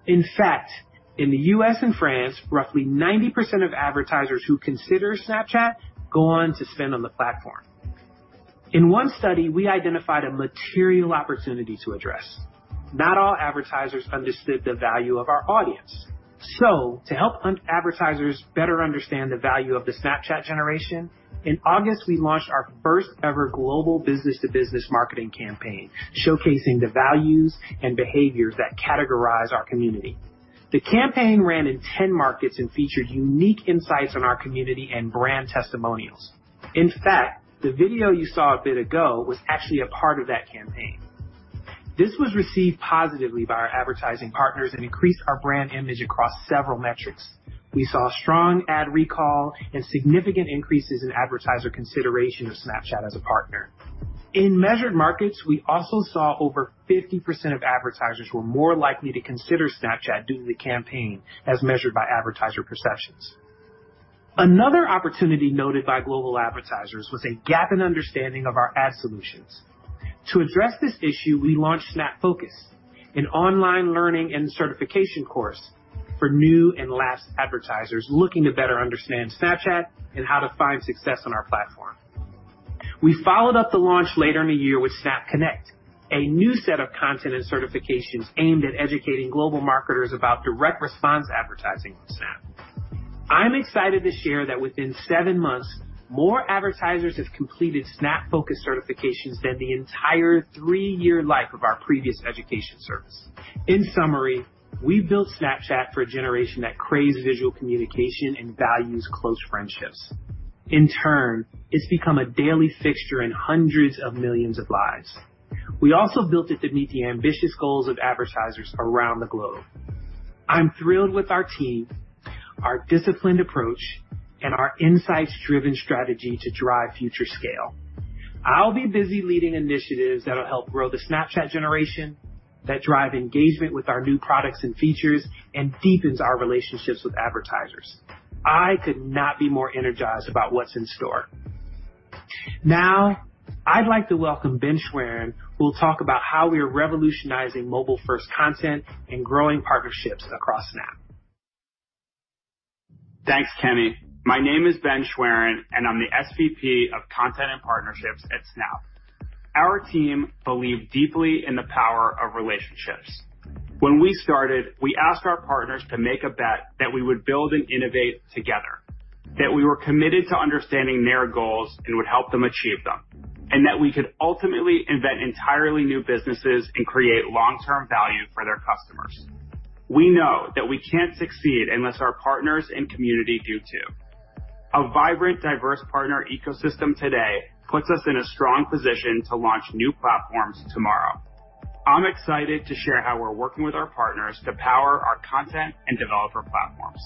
Speaker 10: In fact, in the U.S. and France, roughly 90% of advertisers who consider Snapchat go on to spend on the platform. In one study, we identified a material opportunity to address. Not all advertisers understood the value of our audience. To help advertisers better understand the value of the Snapchat Generation, in August, we launched our first-ever global business-to-business marketing campaign showcasing the values and behaviors that categorize our community. The campaign ran in 10 markets and featured unique insights on our community and brand testimonials. In fact, the video you saw a bit ago was actually a part of that campaign. This was received positively by our advertising partners and increased our brand image across several metrics. We saw strong ad recall and significant increases in advertiser consideration of Snapchat as a partner. In measured markets, we also saw over 50% of advertisers were more likely to consider Snapchat due to the campaign as measured by advertiser perceptions. Another opportunity noted by global advertisers was a gap in understanding of our ad solutions. To address this issue, we launched Snap Focus, an online learning and certification course for new and lapsed advertisers looking to better understand Snapchat and how to find success on our platform. We followed up the launch later in the year with Snap Connect, a new set of content and certifications aimed at educating global marketers about direct response advertising on Snap. I'm excited to share that within seven months, more advertisers have completed Snap Focus certifications than the entire three-year life of our previous education service. In summary, we built Snapchat for a generation that craves visual communication and values close friendships. In turn, it's become a daily fixture in hundreds of millions of lives. We also built it to meet the ambitious goals of advertisers around the globe. I'm thrilled with our team, our disciplined approach, and our insights-driven strategy to drive future scale. I'll be busy leading initiatives that'll help grow the Snapchat generation, that drive engagement with our new products and features, and deepens our relationships with advertisers. I could not be more energized about what's in store. Now, I'd like to welcome Ben Schwerin, who will talk about how we are revolutionizing mobile-first content and growing partnerships across Snap.
Speaker 11: Thanks, Kenny. My name is Ben Schwerin, and I'm the SVP of Content and Partnerships at Snap. Our team believe deeply in the power of relationships. When we started, we asked our partners to make a bet that we would build and innovate together, that we were committed to understanding their goals and would help them achieve them, and that we could ultimately invent entirely new businesses and create long-term value for their customers. We know that we can't succeed unless our partners and community do, too. A vibrant, diverse partner ecosystem today puts us in a strong position to launch new platforms tomorrow. I'm excited to share how we're working with our partners to power our content and developer platforms.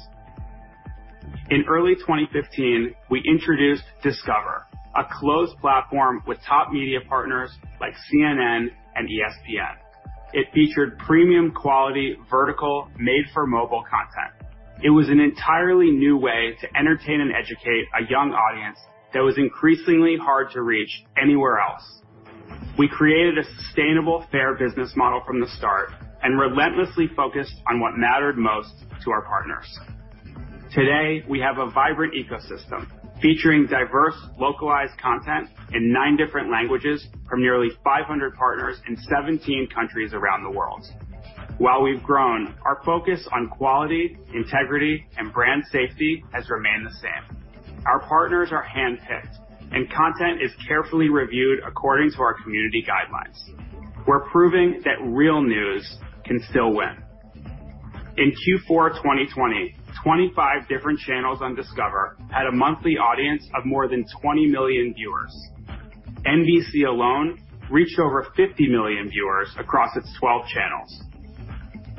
Speaker 11: In early 2015, we introduced Discover, a closed platform with top media partners like CNN and ESPN. It featured premium quality, vertical, made for mobile content. It was an entirely new way to entertain and educate a young audience that was increasingly hard to reach anywhere else. We created a sustainable, fair business model from the start and relentlessly focused on what mattered most to our partners. Today, we have a vibrant ecosystem featuring diverse, localized content in nine different languages from nearly 500 partners in 17 countries around the world. While we've grown, our focus on quality, integrity, and brand safety has remained the same. Our partners are handpicked, and content is carefully reviewed according to our community guidelines. We're proving that real news can still win. In Q4 2020, 25 different channels on Discover had a monthly audience of more than 20 million viewers. NBC alone reached over 50 million viewers across its 12 channels.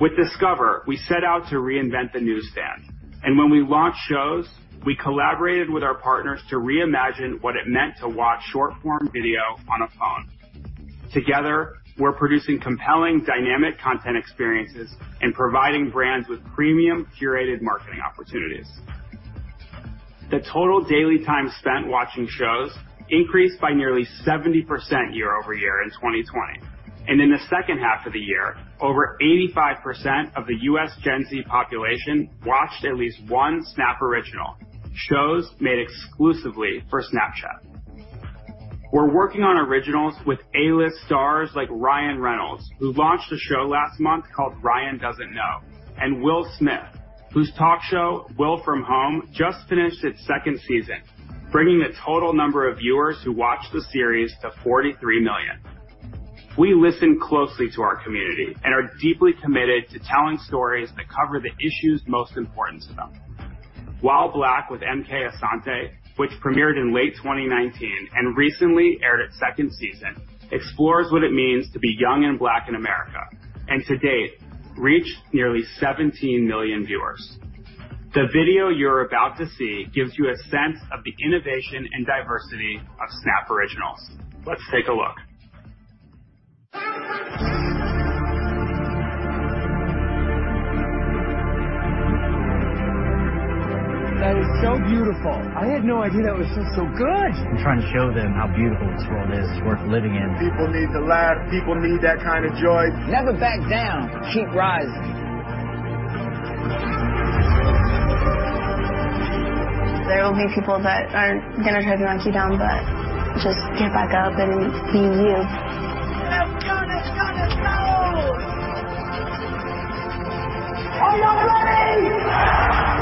Speaker 11: With Discover, we set out to reinvent the newsstand. When we launched Shows, we collaborated with our partners to reimagine what it meant to watch short-form video on a phone. Together, we're producing compelling dynamic content experiences and providing brands with premium curated marketing opportunities. The total daily time spent watching Shows increased by nearly 70% year-over-year in 2020. In the second half of the year, over 85% of the U.S. Gen Z population watched at least one Snap Original, shows made exclusively for Snapchat. We're working on originals with A-list stars like Ryan Reynolds, who launched a show last month called "Ryan Doesn't Know," and Will Smith, whose talk show, "Will From Home," just finished its second season, bringing the total number of viewers who watched the series to 43 million. We listen closely to our community and are deeply committed to telling stories that cover the issues most important to them. "While Black with M.K. Asante," which premiered in late 2019 and recently aired its second season, explores what it means to be young and Black in America, and to date, reached nearly 17 million viewers. The video you're about to see gives you a sense of the innovation and diversity of Snap Originals. Let's take a look.
Speaker 5: That is so beautiful. I had no idea that was just so good. I'm trying to show them how beautiful this world is. It's worth living in. People need to laugh. People need that kind of joy. Never back down. Keep rising. There will be people that are going to try to knock you down, but just get back up and be you. Let's go, let's go, let's go. This is one of my favorites. Be bold. Be beautiful. Be you.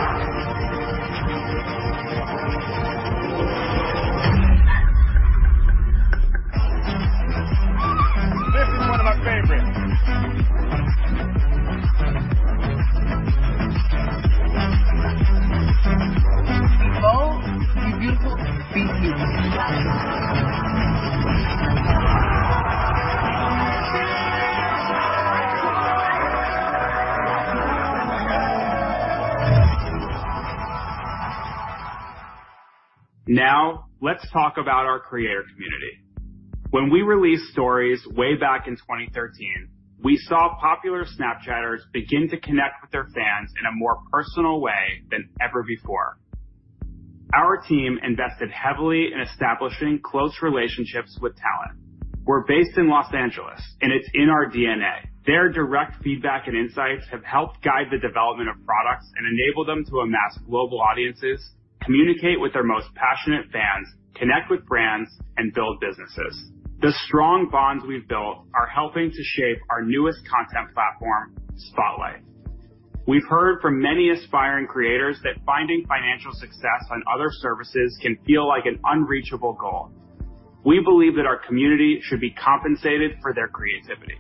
Speaker 11: Let's talk about our creator community. When we released Stories way back in 2013, we saw popular Snapchatters begin to connect with their fans in a more personal way than ever before. Our team invested heavily in establishing close relationships with talent. We're based in Los Angeles, and it's in our DNA. Their direct feedback and insights have helped guide the development of products and enable them to amass global audiences, communicate with their most passionate fans, connect with brands, and build businesses. The strong bonds we've built are helping to shape our newest content platform, Spotlight. We've heard from many aspiring creators that finding financial success on other services can feel like an unreachable goal. We believe that our community should be compensated for their creativity.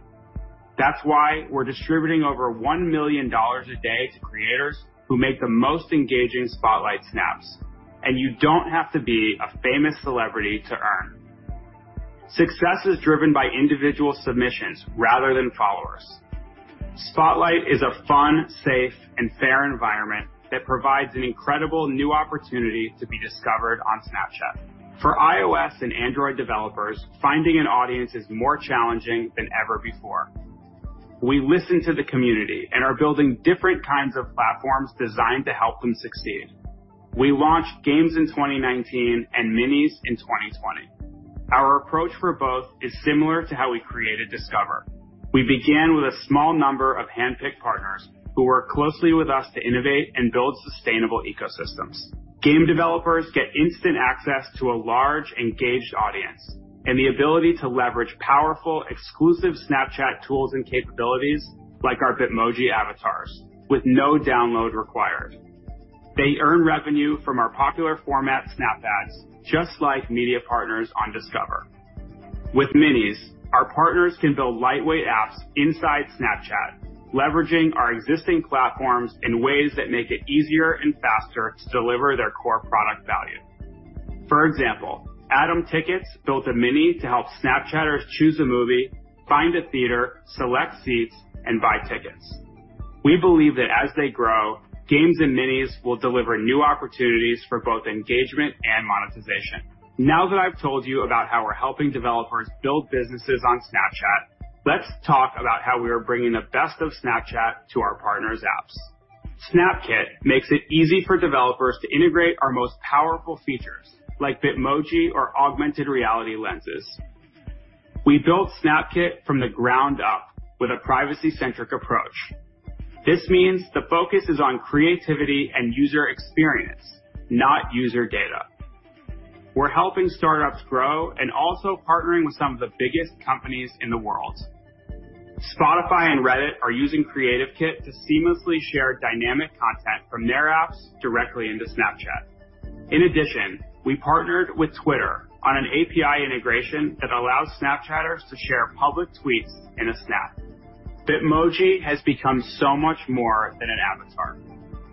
Speaker 11: That's why we're distributing over $1 million a day to creators who make the most engaging Spotlight Snaps, and you don't have to be a famous celebrity to earn. Success is driven by individual submissions rather than followers. Spotlight is a fun, safe, and fair environment that provides an incredible new opportunity to be discovered on Snapchat. For iOS and Android developers, finding an audience is more challenging than ever before. We listen to the community and are building different kinds of platforms designed to help them succeed. We launched Games in 2019 and Minis in 2020. Our approach for both is similar to how we created Discover. We began with a small number of handpicked partners who work closely with us to innovate and build sustainable ecosystems. Game developers get instant access to a large, engaged audience and the ability to leverage powerful exclusive Snapchat tools and capabilities like our Bitmoji avatars with no download required. They earn revenue from our popular format Snap Ads, just like media partners on Discover. With Minis, our partners can build lightweight apps inside Snapchat, leveraging our existing platforms in ways that make it easier and faster to deliver their core product value. For example, Atom Tickets built a Mini to help Snapchatters choose a movie, find a theater, select seats, and buy tickets. We believe that as they grow, Games and Minis will deliver new opportunities for both engagement and monetization. Now that I've told you about how we're helping developers build businesses on Snapchat, let's talk about how we are bringing the best of Snapchat to our partners' apps. Snap Kit makes it easy for developers to integrate our most powerful features, like Bitmoji or augmented reality Lenses. We built Snap Kit from the ground up with a privacy-centric approach. This means the focus is on creativity and user experience, not user data. We're helping startups grow and also partnering with some of the biggest companies in the world. Spotify and Reddit are using Creative Kit to seamlessly share dynamic content from their apps directly into Snapchat. We partnered with Twitter on an API integration that allows Snapchatters to share public tweets in a Snap. Bitmoji has become so much more than an avatar.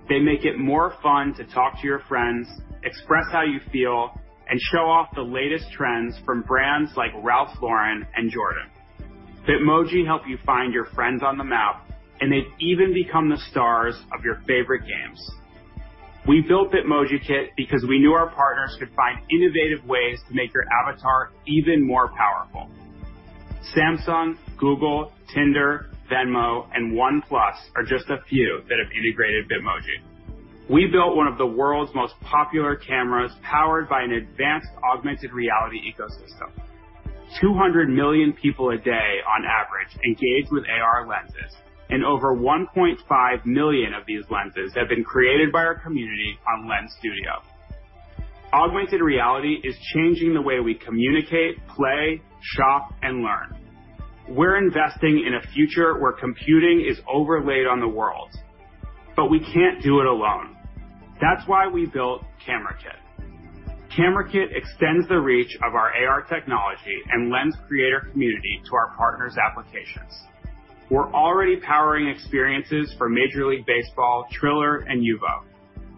Speaker 11: They make it more fun to talk to your friends, express how you feel, and show off the latest trends from brands like Ralph Lauren and Jordan. Bitmoji help you find your friends on the Map, and they've even become the stars of your favorite games. We built Bitmoji Kit because we knew our partners could find innovative ways to make your avatar even more powerful. Samsung, Google, Tinder, Venmo, and OnePlus are just a few that have integrated Bitmoji. We built one of the world's most popular cameras powered by an advanced augmented reality ecosystem. 200 million people a day on average engage with AR Lenses, and over 1.5 million of these Lenses have been created by our community on Lens Studio. Augmented reality is changing the way we communicate, play, shop, and learn. We're investing in a future where computing is overlaid on the world, but we can't do it alone. That's why we built Camera Kit. Camera Kit extends the reach of our AR technology and Lens creator community to our partners' applications. We're already powering experiences for Major League Baseball, Triller, and Yubo.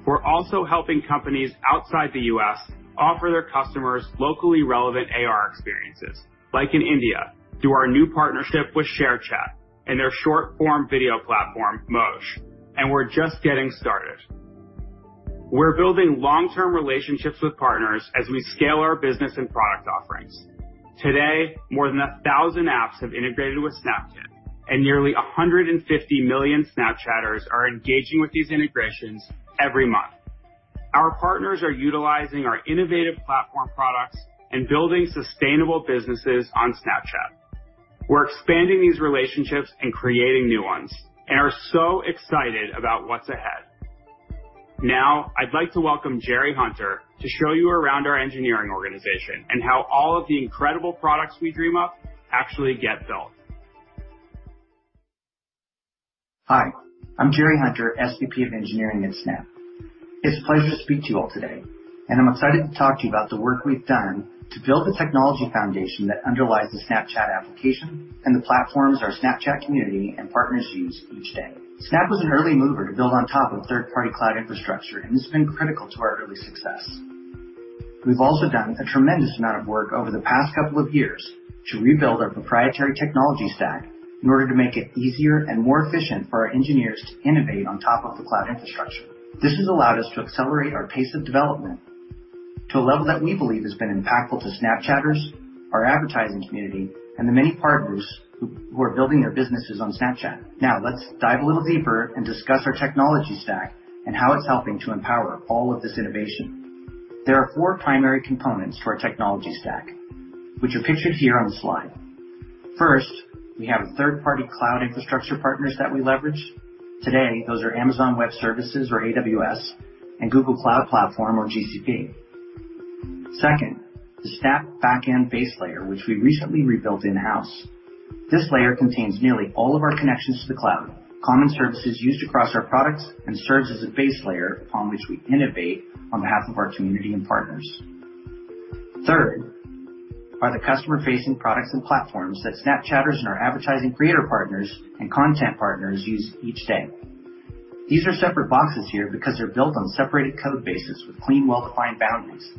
Speaker 11: We're also helping companies outside the U.S. offer their customers locally relevant AR experiences, like in India, through our new partnership with ShareChat and their short-form video platform, Moj. We're just getting started. We're building long-term relationships with partners as we scale our business and product offerings. Today, more than 1,000 apps have integrated with Snap Kit, and nearly 150 million Snapchatters are engaging with these integrations every month. Our partners are utilizing our innovative platform products and building sustainable businesses on Snapchat. We're expanding these relationships and creating new ones and are so excited about what's ahead. Now, I'd like to welcome Jerry Hunter to show you around our engineering organization and how all of the incredible products we dream up actually get built.
Speaker 12: Hi, I'm Jerry Hunter, SVP of Engineering at Snap. It's a pleasure to speak to you all today, and I'm excited to talk to you about the work we've done to build the technology foundation that underlies the Snapchat application and the platforms our Snapchat community and partners use each day. Snap was an early mover to build on top of third-party cloud infrastructure, and it's been critical to our early success. We've also done a tremendous amount of work over the past couple of years to rebuild our proprietary technology stack in order to make it easier and more efficient for our engineers to innovate on top of the cloud infrastructure. This has allowed us to accelerate our pace of development to a level that we believe has been impactful to Snapchatters, our advertising community, and the many partners who are building their businesses on Snapchat. Now, let's dive a little deeper and discuss our technology stack and how it's helping to empower all of this innovation. There are four primary components to our technology stack, which are pictured here on the slide. First, we have third-party cloud infrastructure partners that we leverage. Today, those are Amazon Web Services, or AWS, and Google Cloud Platform, or GCP. Second, the Snap backend base layer, which we recently rebuilt in-house. This layer contains nearly all of our connections to the cloud, common services used across our products, and serves as a base layer upon which we innovate on behalf of our community and partners. Third are the customer-facing products and platforms that Snapchatters and our advertising creator partners and content partners use each day. These are separate boxes here because they're built on separated code bases with clean, well-defined boundaries,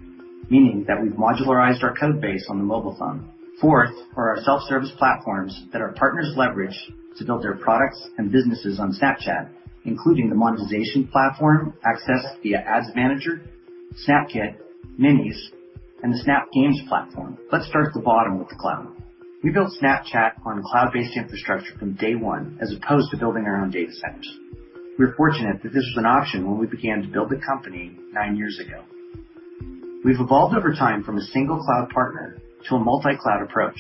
Speaker 12: meaning that we've modularized our code base on the mobile phone. Fourth are our self-service platforms that our partners leverage to build their products and businesses on Snapchat, including the monetization platform accessed via Ads Manager, Snap Kit, Minis, and the Snap Games platform. Let's start at the bottom with the cloud. We built Snapchat on a cloud-based infrastructure from day one as opposed to building our own data centers. We were fortunate that this was an option when we began to build the company nine years ago. We've evolved over time from a single cloud partner to a multi-cloud approach.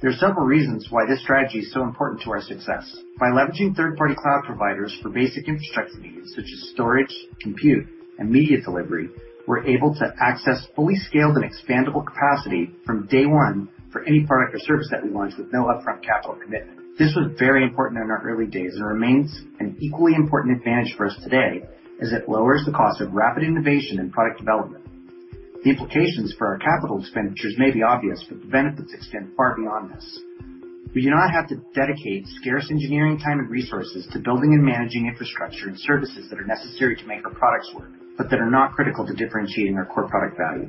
Speaker 12: There are several reasons why this strategy is so important to our success. By leveraging third-party cloud providers for basic infrastructure needs such as storage, compute, and media delivery, we're able to access fully scaled and expandable capacity from day one for any product or service that we launch with no upfront capital commitment. This was very important in our early days and remains an equally important advantage for us today, as it lowers the cost of rapid innovation and product development. The implications for our capital expenditures may be obvious, but the benefits extend far beyond this. We do not have to dedicate scarce engineering time and resources to building and managing infrastructure and services that are necessary to make our products work, but that are not critical to differentiating our core product value.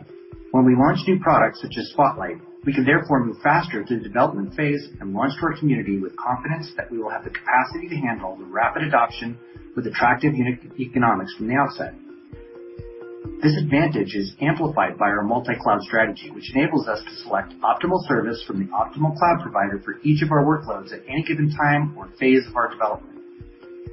Speaker 12: When we launch new products such as Spotlight, we can therefore move faster through the development phase and launch to our community with confidence that we will have the capacity to handle the rapid adoption with attractive unit economics from the outset. This advantage is amplified by our multi-cloud strategy, which enables us to select optimal service from the optimal cloud provider for each of our workloads at any given time or phase of our development.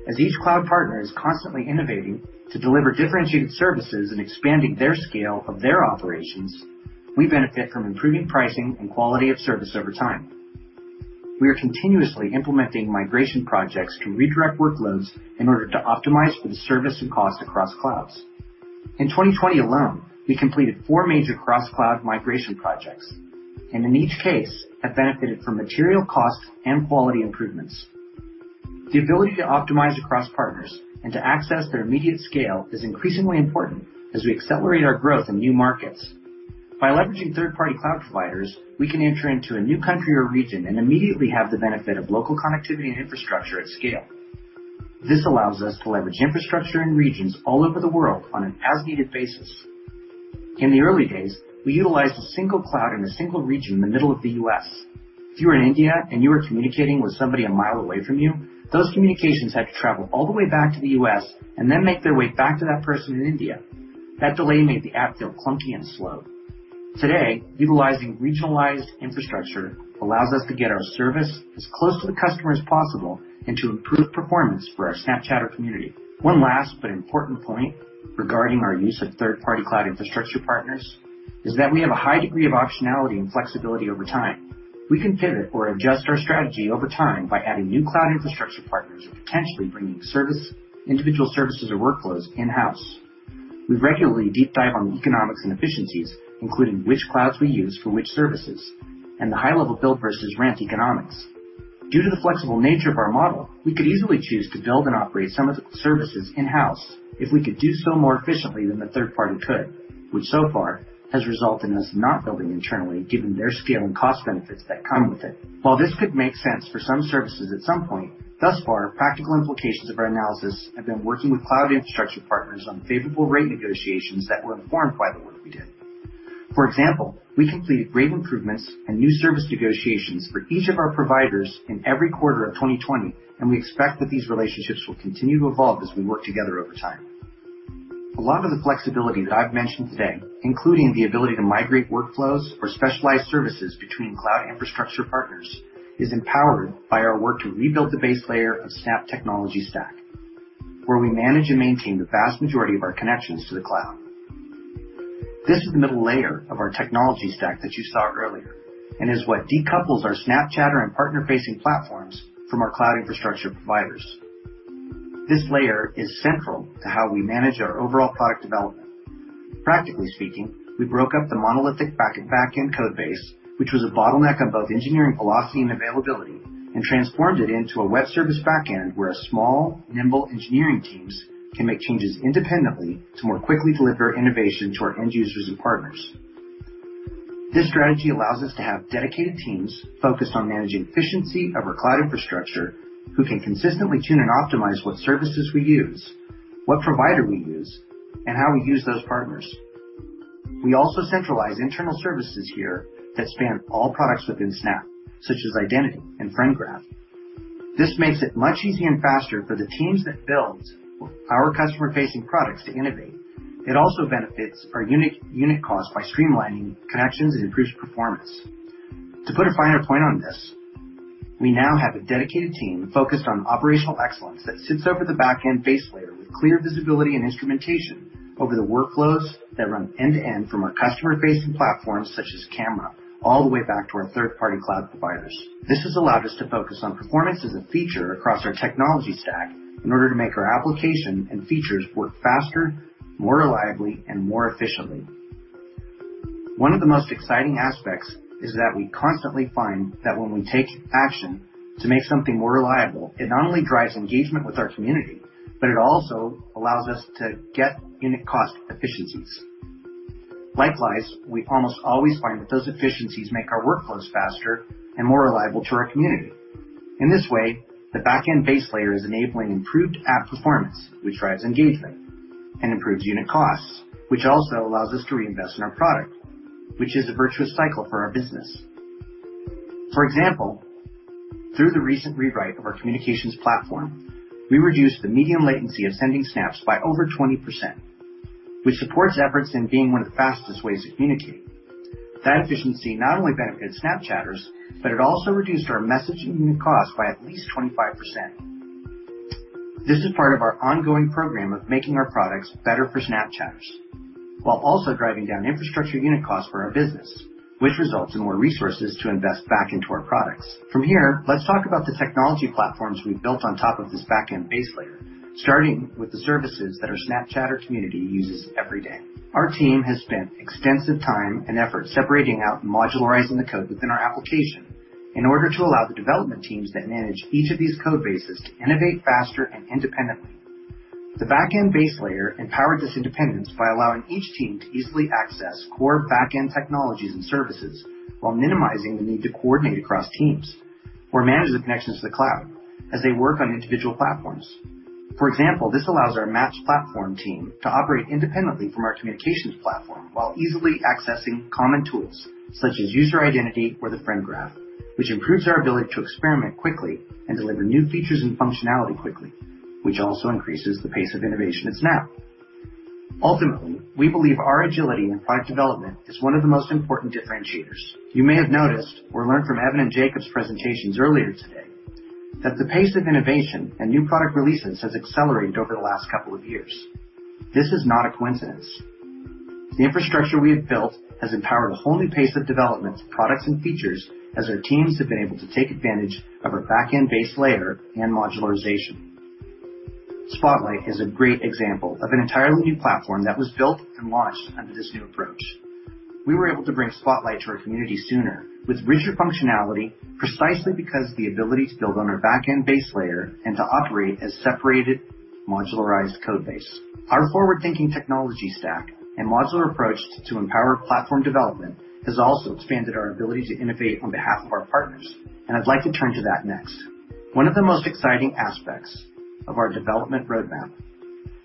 Speaker 12: As each cloud partner is constantly innovating to deliver differentiated services and expanding their scale of their operations, we benefit from improving pricing and quality of service over time. We are continuously implementing migration projects to redirect workloads in order to optimize for the service and cost across clouds. In 2020 alone, we completed four major cross-cloud migration projects, and in each case have benefited from material cost and quality improvements. The ability to optimize across partners and to access their immediate scale is increasingly important as we accelerate our growth in new markets. By leveraging third-party cloud providers, we can enter into a new country or region and immediately have the benefit of local connectivity and infrastructure at scale. This allows us to leverage infrastructure in regions all over the world on an as-needed basis. In the early days, we utilized a single cloud in a single region in the middle of the U.S. If you were in India and you were communicating with somebody one mile away from you, those communications had to travel all the way back to the U.S. and then make their way back to that person in India. That delay made the app feel clunky and slow. Today, utilizing regionalized infrastructure allows us to get our service as close to the customer as possible and to improve performance for our Snapchatter community. One last but important point regarding our use of third-party cloud infrastructure partners. Is that we have a high degree of optionality and flexibility over time. We can pivot or adjust our strategy over time by adding new cloud infrastructure partners or potentially bringing individual services or workflows in-house. We regularly deep dive on the economics and efficiencies, including which clouds we use for which services and the high-level build versus rent economics. Due to the flexible nature of our model, we could easily choose to build and operate some of the services in-house if we could do so more efficiently than the third party could, which so far has resulted in us not building internally given their scale and cost benefits that come with it. While this could make sense for some services at some point, thus far, practical implications of our analysis have been working with cloud infrastructure partners on favorable rate negotiations that were informed by the work we did. For example, we completed rate improvements and new service negotiations for each of our providers in every quarter of 2020, we expect that these relationships will continue to evolve as we work together over time. A lot of the flexibility that I've mentioned today, including the ability to migrate workflows or specialized services between cloud infrastructure partners, is empowered by our work to rebuild the base layer of Snap technology stack, where we manage and maintain the vast majority of our connections to the cloud. This is the middle layer of our technology stack that you saw earlier and is what decouples our Snapchatter and partner-facing platforms from our cloud infrastructure providers. This layer is central to how we manage our overall product development. Practically speaking, we broke up the monolithic back-end code base, which was a bottleneck of both engineering velocity and availability, and transformed it into a web service back end where small, nimble engineering teams can make changes independently to more quickly deliver innovation to our end users and partners. This strategy allows us to have dedicated teams focused on managing efficiency of our cloud infrastructure who can consistently tune and optimize what services we use, what provider we use, and how we use those partners. We also centralize internal services here that span all products within Snap, such as Identity and Friend Graph. This makes it much easier and faster for the teams that build our customer-facing products to innovate. It also benefits our unit cost by streamlining connections and improves performance. To put a finer point on this, we now have a dedicated team focused on operational excellence that sits over the back-end base layer with clear visibility and instrumentation over the workflows that run end-to-end from our customer-facing platforms such as Camera, all the way back to our third-party cloud providers. This has allowed us to focus on performance as a feature across our technology stack in order to make our application and features work faster, more reliably, and more efficiently. One of the most exciting aspects is that we constantly find that when we take action to make something more reliable, it not only drives engagement with our community, but it also allows us to get unit cost efficiencies. Likewise, we almost always find that those efficiencies make our workflows faster and more reliable to our community. In this way, the back-end base layer is enabling improved app performance, which drives engagement and improves unit costs, which also allows us to reinvest in our product, which is a virtuous cycle for our business. For example, through the recent rewrite of our Communications platform, we reduced the median latency of sending Snaps by over 20%, which supports efforts in being one of the fastest ways to communicate. That efficiency not only benefited Snapchatters, but it also reduced our messaging unit cost by at least 25%. This is part of our ongoing program of making our products better for Snapchatters while also driving down infrastructure unit costs for our business, which results in more resources to invest back into our products. From here, let's talk about the technology platforms we've built on top of this back-end base layer, starting with the services that our Snapchatter community uses every day. Our team has spent extensive time and effort separating out and modularizing the code within our application in order to allow the development teams that manage each of these code bases to innovate faster and independently. The back-end base layer empowered this independence by allowing each team to easily access core back-end technologies and services while minimizing the need to coordinate across teams or manage the connections to the cloud as they work on individual platforms. For example, this allows our Maps platform team to operate independently from our Communications platform while easily accessing common tools such as user Identity or the Friend Graph, which improves our ability to experiment quickly and deliver new features and functionality quickly, which also increases the pace of innovation at Snap. Ultimately, we believe our agility in product development is one of the most important differentiators. You may have noticed or learned from Evan and Jacob's presentations earlier today that the pace of innovation and new product releases has accelerated over the last couple of years. This is not a coincidence. The infrastructure we have built has empowered a whole new pace of development of products and features as our teams have been able to take advantage of our back-end base layer and modularization. Spotlight is a great example of an entirely new platform that was built and launched under this new approach. We were able to bring Spotlight to our community sooner with richer functionality, precisely because of the ability to build on our back-end base layer and to operate as separated, modularized code base. Our forward-thinking technology stack and modular approach to empower platform development has also expanded our ability to innovate on behalf of our partners, and I'd like to turn to that next. One of the most exciting aspects of our development roadmap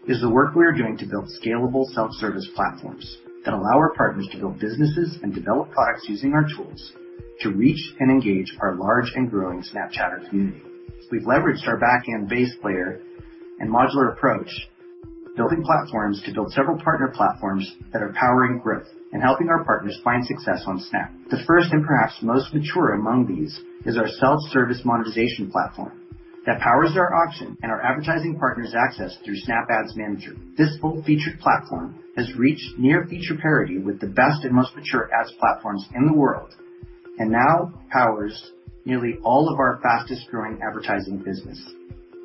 Speaker 12: is the work we are doing to build scalable self-service platforms that allow our partners to build businesses and develop products using our tools to reach and engage our large and growing Snapchatter community. We've leveraged our back-end base layer and modular approach, building platforms to build several partner platforms that are powering growth and helping our partners find success on Snap. The first and perhaps most mature among these is our self-service monetization platform that powers our auction and our advertising partners access through Snap Ads Manager. This full-featured platform has reached near feature parity with the best and most mature ads platforms in the world and now powers nearly all of our fastest-growing advertising business.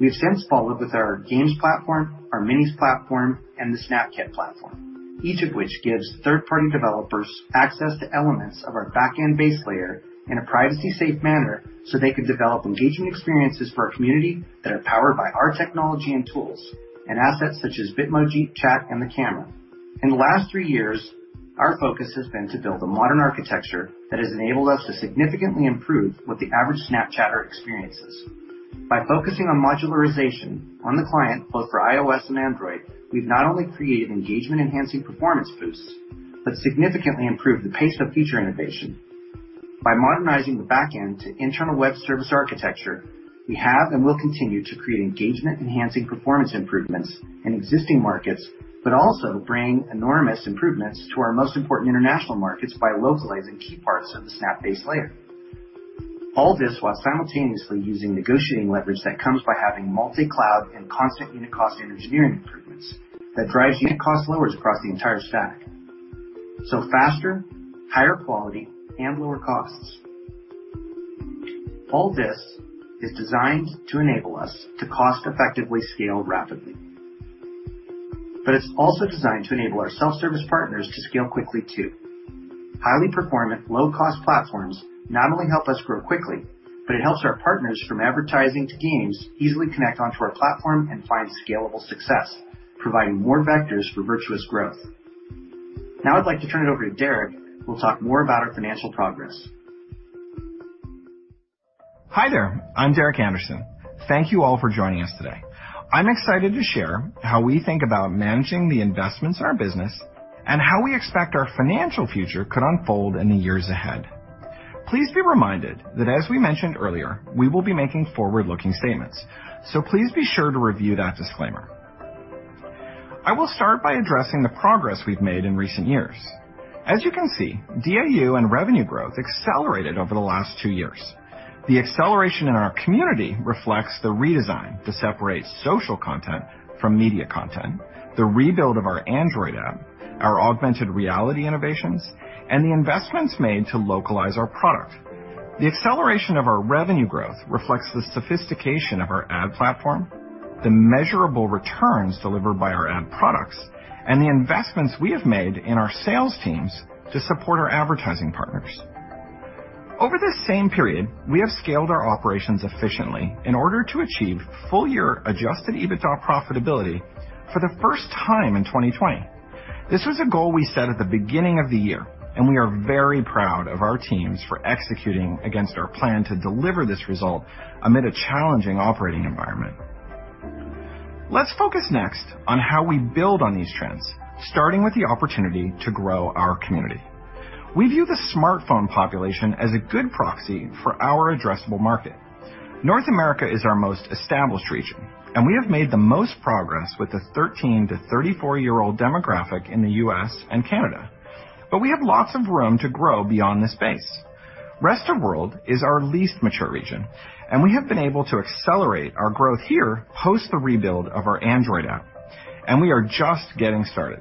Speaker 12: We have since followed with our Games platform, our Minis platform, and the Snap Kit platform, each of which gives third-party developers access to elements of our backend base layer in a privacy-safe manner so they can develop engaging experiences for our community that are powered by our technology and tools and assets such as Bitmoji, Chat, and the Camera. In the last three years, our focus has been to build a modern architecture that has enabled us to significantly improve what the average Snapchatter experiences. By focusing on modularization on the client, both for iOS and Android, we've not only created engagement-enhancing performance boosts but significantly improved the pace of feature innovation. By modernizing the backend to internal web service architecture, we have and will continue to create engagement-enhancing performance improvements in existing markets, but also bring enormous improvements to our most important international markets by localizing key parts of the Snap base layer. All this while simultaneously using negotiating leverage that comes by having multi-cloud and constant unit cost and engineering improvements that drives unit cost lowers across the entire stack. Faster, higher quality, and lower costs. All this is designed to enable us to cost-effectively scale rapidly. It's also designed to enable our self-service partners to scale quickly, too. Highly performant, low-cost platforms not only help us grow quickly, but it helps our partners from advertising to games easily connect onto our platform and find scalable success, providing more vectors for virtuous growth. Now I'd like to turn it over to Derek, who will talk more about our financial progress.
Speaker 13: Hi there. I'm Derek Andersen. Thank you all for joining us today. I'm excited to share how we think about managing the investments in our business and how we expect our financial future could unfold in the years ahead. Please be reminded that, as we mentioned earlier, we will be making forward-looking statements, so please be sure to review that disclaimer. I will start by addressing the progress we've made in recent years. As you can see, DAU and revenue growth accelerated over the last two years. The acceleration in our community reflects the redesign to separate social content from media content, the rebuild of our Android app, our augmented reality innovations, and the investments made to localize our product. The acceleration of our revenue growth reflects the sophistication of our ad platform, the measurable returns delivered by our ad products, and the investments we have made in our sales teams to support our advertising partners. Over this same period, we have scaled our operations efficiently in order to achieve full-year Adjusted EBITDA profitability for the first time in 2020. This was a goal we set at the beginning of the year, and we are very proud of our teams for executing against our plan to deliver this result amid a challenging operating environment. Let's focus next on how we build on these trends, starting with the opportunity to grow our community. We view the smartphone population as a good proxy for our addressable market. North America is our most established region, and we have made the most progress with the 13 to 34-year-old demographic in the U.S. and Canada. We have lots of room to grow beyond this base. Rest of World is our least mature region, and we have been able to accelerate our growth here post the rebuild of our Android app. We are just getting started.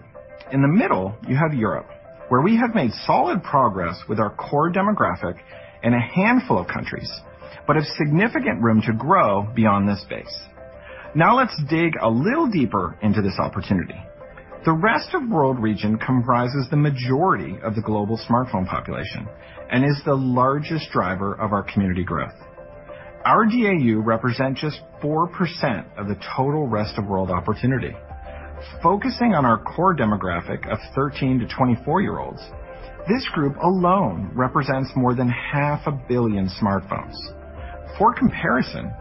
Speaker 13: In the middle, you have Europe, where we have made solid progress with our core demographic in a handful of countries, but have significant room to grow beyond this base. Let's dig a little deeper into this opportunity. The Rest of World region comprises the majority of the global smartphone population and is the largest driver of our community growth. Our DAU represent just 4% of the total Rest of World opportunity. Focusing on our core demographic of 13 to 24-year-olds, this group alone represents more than half a billion smartphones. For comparison,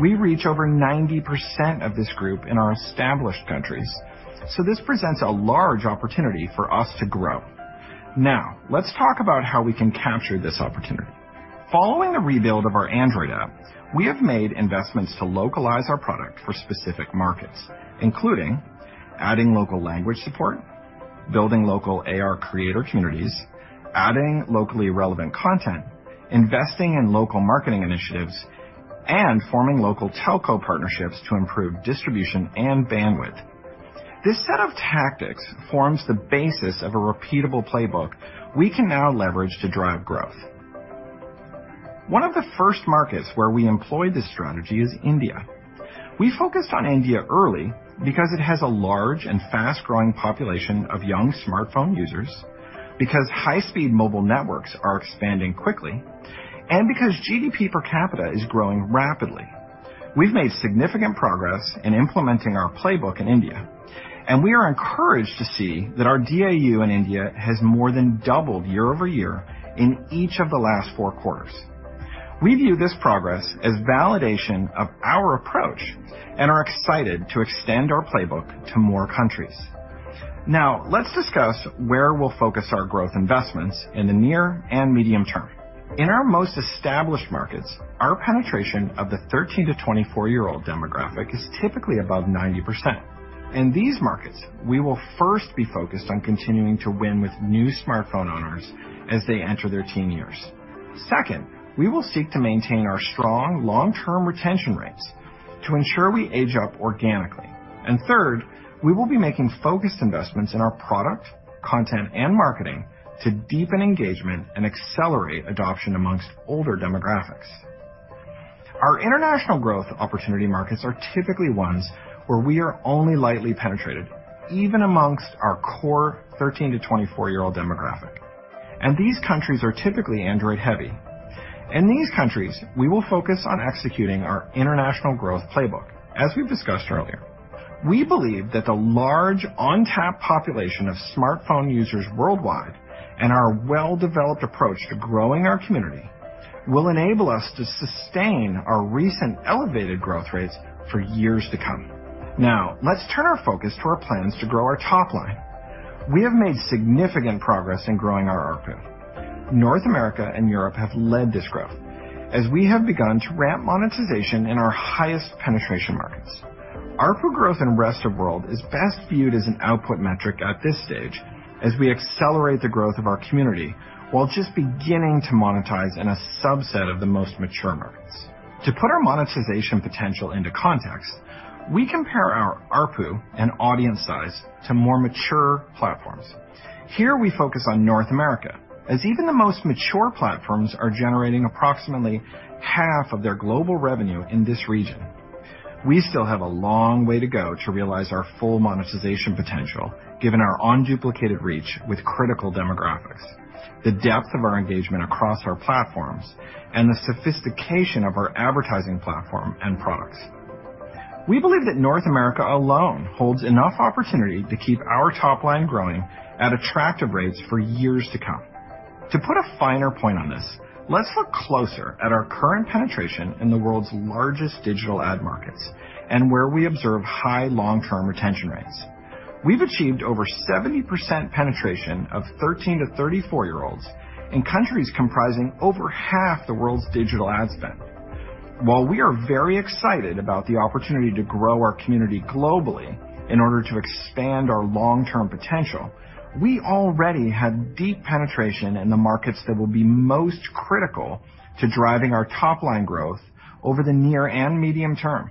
Speaker 13: we reach over 90% of this group in our established countries. This presents a large opportunity for us to grow. Let's talk about how we can capture this opportunity. Following the rebuild of our Android app, we have made investments to localize our product for specific markets, including adding local language support, building local AR creator communities, adding locally relevant content, investing in local marketing initiatives, and forming local telco partnerships to improve distribution and bandwidth. This set of tactics forms the basis of a repeatable playbook we can now leverage to drive growth. One of the first markets where we employ this strategy is India. We focused on India early because it has a large and fast-growing population of young smartphone users, because high-speed mobile networks are expanding quickly, and because GDP per capita is growing rapidly. We've made significant progress in implementing our playbook in India. We are encouraged to see that our DAU in India has more than doubled year-over-year in each of the last four quarters. We view this progress as validation of our approach and are excited to extend our playbook to more countries. Now, let's discuss where we'll focus our growth investments in the near and medium term. In our most established markets, our penetration of the 13 to 24-year-old demographic is typically above 90%. In these markets, we will first be focused on continuing to win with new smartphone owners as they enter their teen years. Second, we will seek to maintain our strong long-term retention rates. To ensure we age up organically. Third, we will be making focused investments in our product, content, and marketing to deepen engagement and accelerate adoption amongst older demographics. Our international growth opportunity markets are typically ones where we are only lightly penetrated, even amongst our core 13 to 24-year-old demographic, and these countries are typically Android heavy. In these countries, we will focus on executing our international growth playbook. As we've discussed earlier, we believe that the large untapped population of smartphone users worldwide and our well-developed approach to growing our community will enable us to sustain our recent elevated growth rates for years to come. Now, let's turn our focus to our plans to grow our top line. We have made significant progress in growing our ARPU. North America and Europe have led this growth as we have begun to ramp monetization in our highest penetration markets. ARPU growth in rest of world is best viewed as an output metric at this stage as we accelerate the growth of our community while just beginning to monetize in a subset of the most mature markets. To put our monetization potential into context, we compare our ARPU and audience size to more mature platforms. Here we focus on North America, as even the most mature platforms are generating approximately half of their global revenue in this region. We still have a long way to go to realize our full monetization potential given our unduplicated reach with critical demographics, the depth of our engagement across our platforms, and the sophistication of our advertising platform and products. We believe that North America alone holds enough opportunity to keep our top line growing at attractive rates for years to come. To put a finer point on this, let's look closer at our current penetration in the world's largest digital ad markets and where we observe high long-term retention rates. We've achieved over 70% penetration of 13 to 34-year-olds in countries comprising over half the world's digital ad spend. While we are very excited about the opportunity to grow our community globally in order to expand our long-term potential, we already have deep penetration in the markets that will be most critical to driving our top-line growth over the near and medium term.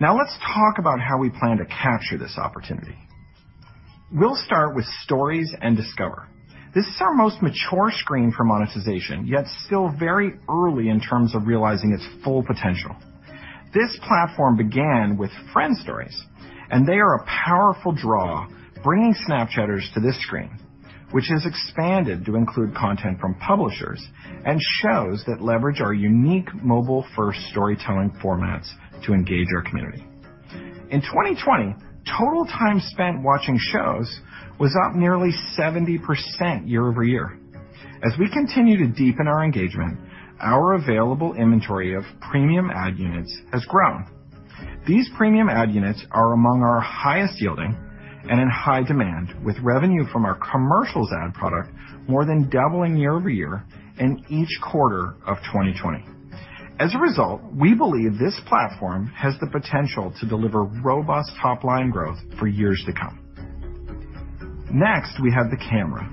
Speaker 13: Now let's talk about how we plan to capture this opportunity. We'll start with Stories and Discover. This is our most mature screen for monetization, yet still very early in terms of realizing its full potential. This platform began with Friend Stories, and they are a powerful draw, bringing Snapchatters to this screen, which has expanded to include content from publishers and shows that leverage our unique mobile-first storytelling formats to engage our community. In 2020, total time spent watching shows was up nearly 70% year-over-year. As we continue to deepen our engagement, our available inventory of premium ad units has grown. These premium ad units are among our highest yielding and in high demand with revenue from our commercials ad product more than doubling year-over-year in each quarter of 2020. As a result, we believe this platform has the potential to deliver robust top-line growth for years to come. Next, we have the Camera.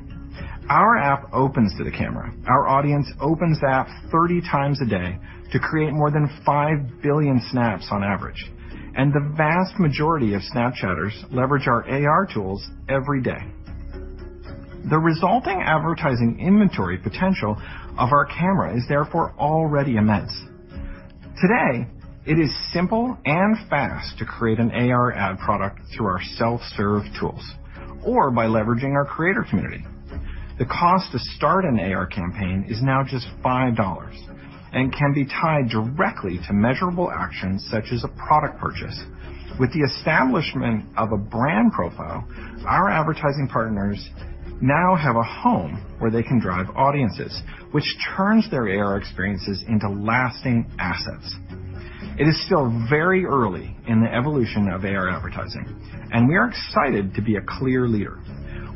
Speaker 13: Our app opens to the Camera. Our audience opens the app 30 times a day to create more than 5 billion Snaps on average, and the vast majority of Snapchatters leverage our AR tools every day. The resulting advertising inventory potential of our Camera is therefore already immense. Today, it is simple and fast to create an AR ad product through our self-serve tools or by leveraging our creator community. The cost to start an AR campaign is now just $5 and can be tied directly to measurable actions such as a product purchase. With the establishment of a Brand Profile, our advertising partners now have a home where they can drive audiences, which turns their AR experiences into lasting assets. It is still very early in the evolution of AR advertising, and we are excited to be a clear leader.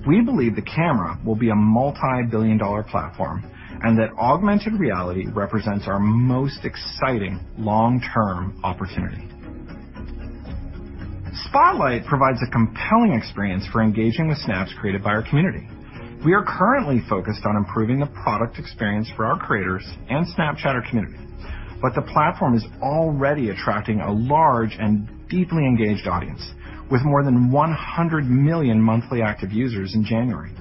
Speaker 13: We believe the Camera will be a multi-billion-dollar platform and that augmented reality represents our most exciting long-term opportunity. Spotlight provides a compelling experience for engaging with snaps created by our community. We are currently focused on improving the product experience for our creators and Snapchatter community, but the platform is already attracting a large and deeply engaged audience with more than 100 million monthly active users in January.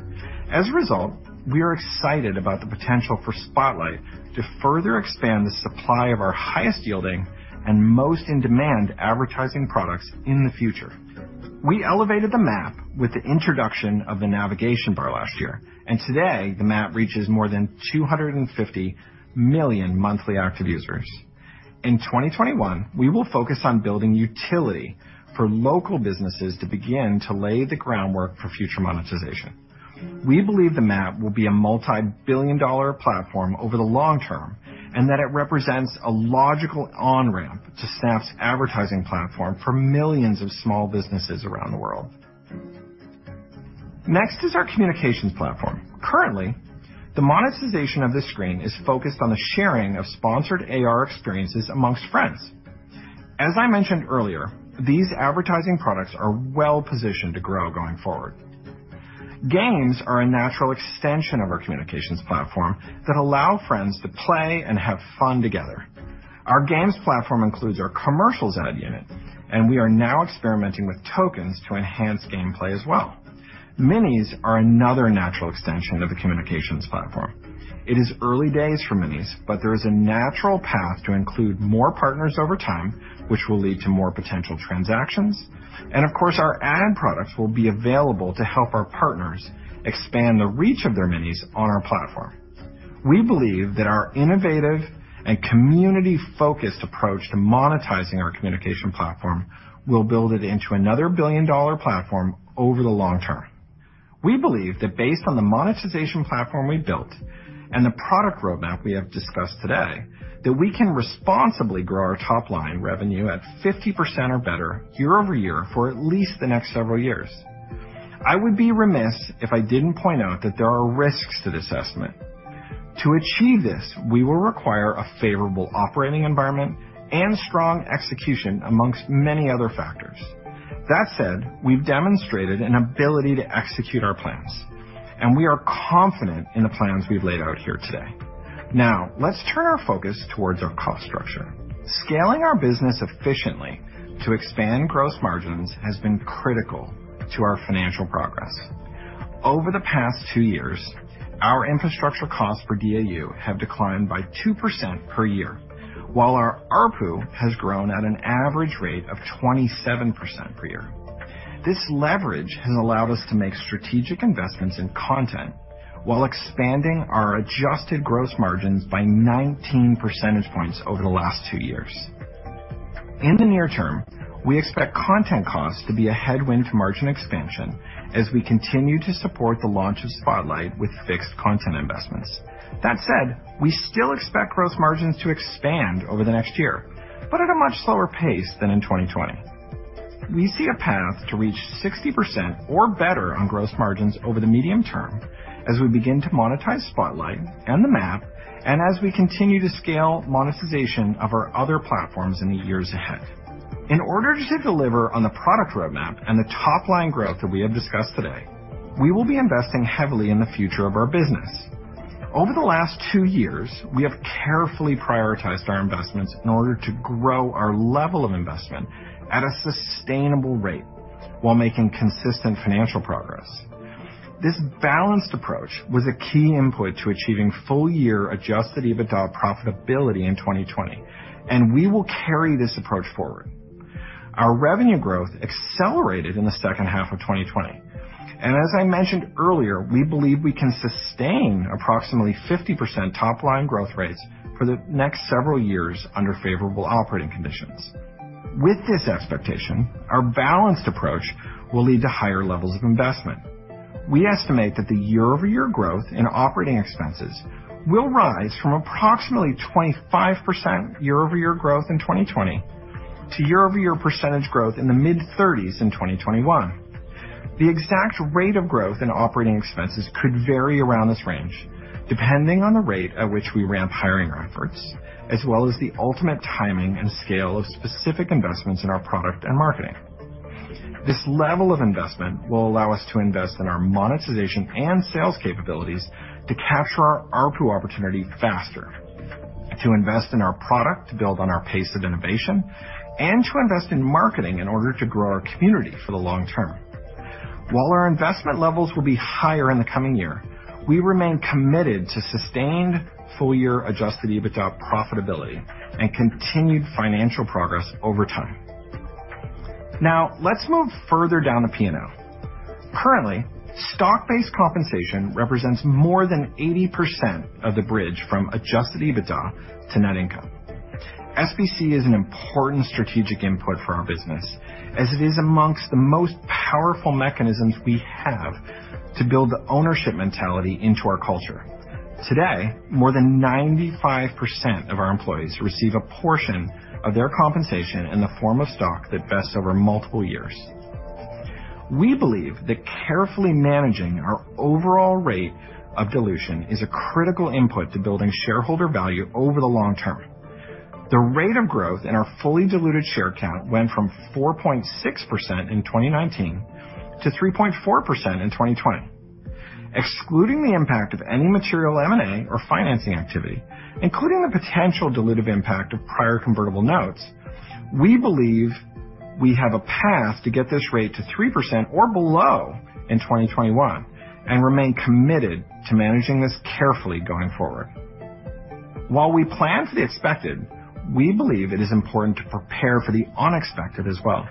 Speaker 13: As a result, we are excited about the potential for Spotlight to further expand the supply of our highest yielding and most in-demand advertising products in the future. We elevated the Map with the introduction of the navigation bar last year, and today, the Map reaches more than 250 million monthly active users. In 2021, we will focus on building utility for local businesses to begin to lay the groundwork for future monetization. We believe the Map will be a multi-billion-dollar platform over the long term, and that it represents a logical on-ramp to Snap's advertising platform for millions of small businesses around the world. Next is our Communications platform. Currently, the monetization of this screen is focused on the sharing of sponsored AR experiences amongst friends. As I mentioned earlier, these advertising products are well-positioned to grow going forward. Games are a natural extension of our Communications platform that allow friends to play and have fun together. Our Games platform includes our Commercials ad unit, and we are now experimenting with tokens to enhance gameplay as well. Minis are another natural extension of the Communications platform. It is early days for Minis, but there is a natural path to include more partners over time, which will lead to more potential transactions. Of course, our ad products will be available to help our partners expand the reach of their Minis on our platform. We believe that our innovative and community-focused approach to monetizing our Communication platform will build it into another billion-dollar platform over the long term. We believe that based on the monetization platform we built and the product roadmap we have discussed today, that we can responsibly grow our top-line revenue at 50% or better year-over-year for at least the next several years. I would be remiss if I didn't point out that there are risks to this estimate. To achieve this, we will require a favorable operating environment and strong execution, amongst many other factors. That said, we've demonstrated an ability to execute our plans, and we are confident in the plans we've laid out here today. Now, let's turn our focus towards our cost structure. Scaling our business efficiently to expand gross margins has been critical to our financial progress. Over the past two years, our infrastructure costs per DAU have declined by 2% per year, while our ARPU has grown at an average rate of 27% per year. This leverage has allowed us to make strategic investments in content while expanding our adjusted gross margins by 19 percentage points over the last two years. In the near term, we expect content costs to be a headwind to margin expansion as we continue to support the launch of Spotlight with fixed content investments. That said, we still expect gross margins to expand over the next year, but at a much slower pace than in 2020. We see a path to reach 60% or better on gross margins over the medium term as we begin to monetize Spotlight and the Map, as we continue to scale monetization of our other platforms in the years ahead. In order to deliver on the product roadmap and the top-line growth that we have discussed today, we will be investing heavily in the future of our business. Over the last two years, we have carefully prioritized our investments in order to grow our level of investment at a sustainable rate while making consistent financial progress. This balanced approach was a key input to achieving full-year Adjusted EBITDA profitability in 2020, we will carry this approach forward. Our revenue growth accelerated in the second half of 2020. As I mentioned earlier, we believe we can sustain approximately 50% top-line growth rates for the next several years under favorable operating conditions. With this expectation, our balanced approach will lead to higher levels of investment. We estimate that the year-over-year growth in operating expenses will rise from approximately 25% year-over-year growth in 2020 to year-over-year percentage growth in the mid-30s in 2021. The exact rate of growth in operating expenses could vary around this range depending on the rate at which we ramp hiring efforts, as well as the ultimate timing and scale of specific investments in our product and marketing. This level of investment will allow us to invest in our monetization and sales capabilities to capture our ARPU opportunity faster, to invest in our product to build on our pace of innovation, and to invest in marketing in order to grow our community for the long term. While our investment levels will be higher in the coming year, we remain committed to sustained full-year Adjusted EBITDA profitability and continued financial progress over time. Now, let's move further down the P&L. Currently, stock-based compensation represents more than 80% of the bridge from Adjusted EBITDA to net income. SBC is an important strategic input for our business, as it is amongst the most powerful mechanisms we have to build ownership mentality into our culture. Today, more than 95% of our employees receive a portion of their compensation in the form of stock that vests over multiple years. We believe that carefully managing our overall rate of dilution is a critical input to building shareholder value over the long term. The rate of growth in our fully diluted share count went from 4.6% in 2019 to 3.4% in 2020. Excluding the impact of any material M&A or financing activity, including the potential dilutive impact of prior convertible notes, we believe we have a path to get this rate to 3% or below in 2021, and remain committed to managing this carefully going forward. While we plan for the expected, we believe it is important to prepare for the unexpected as well.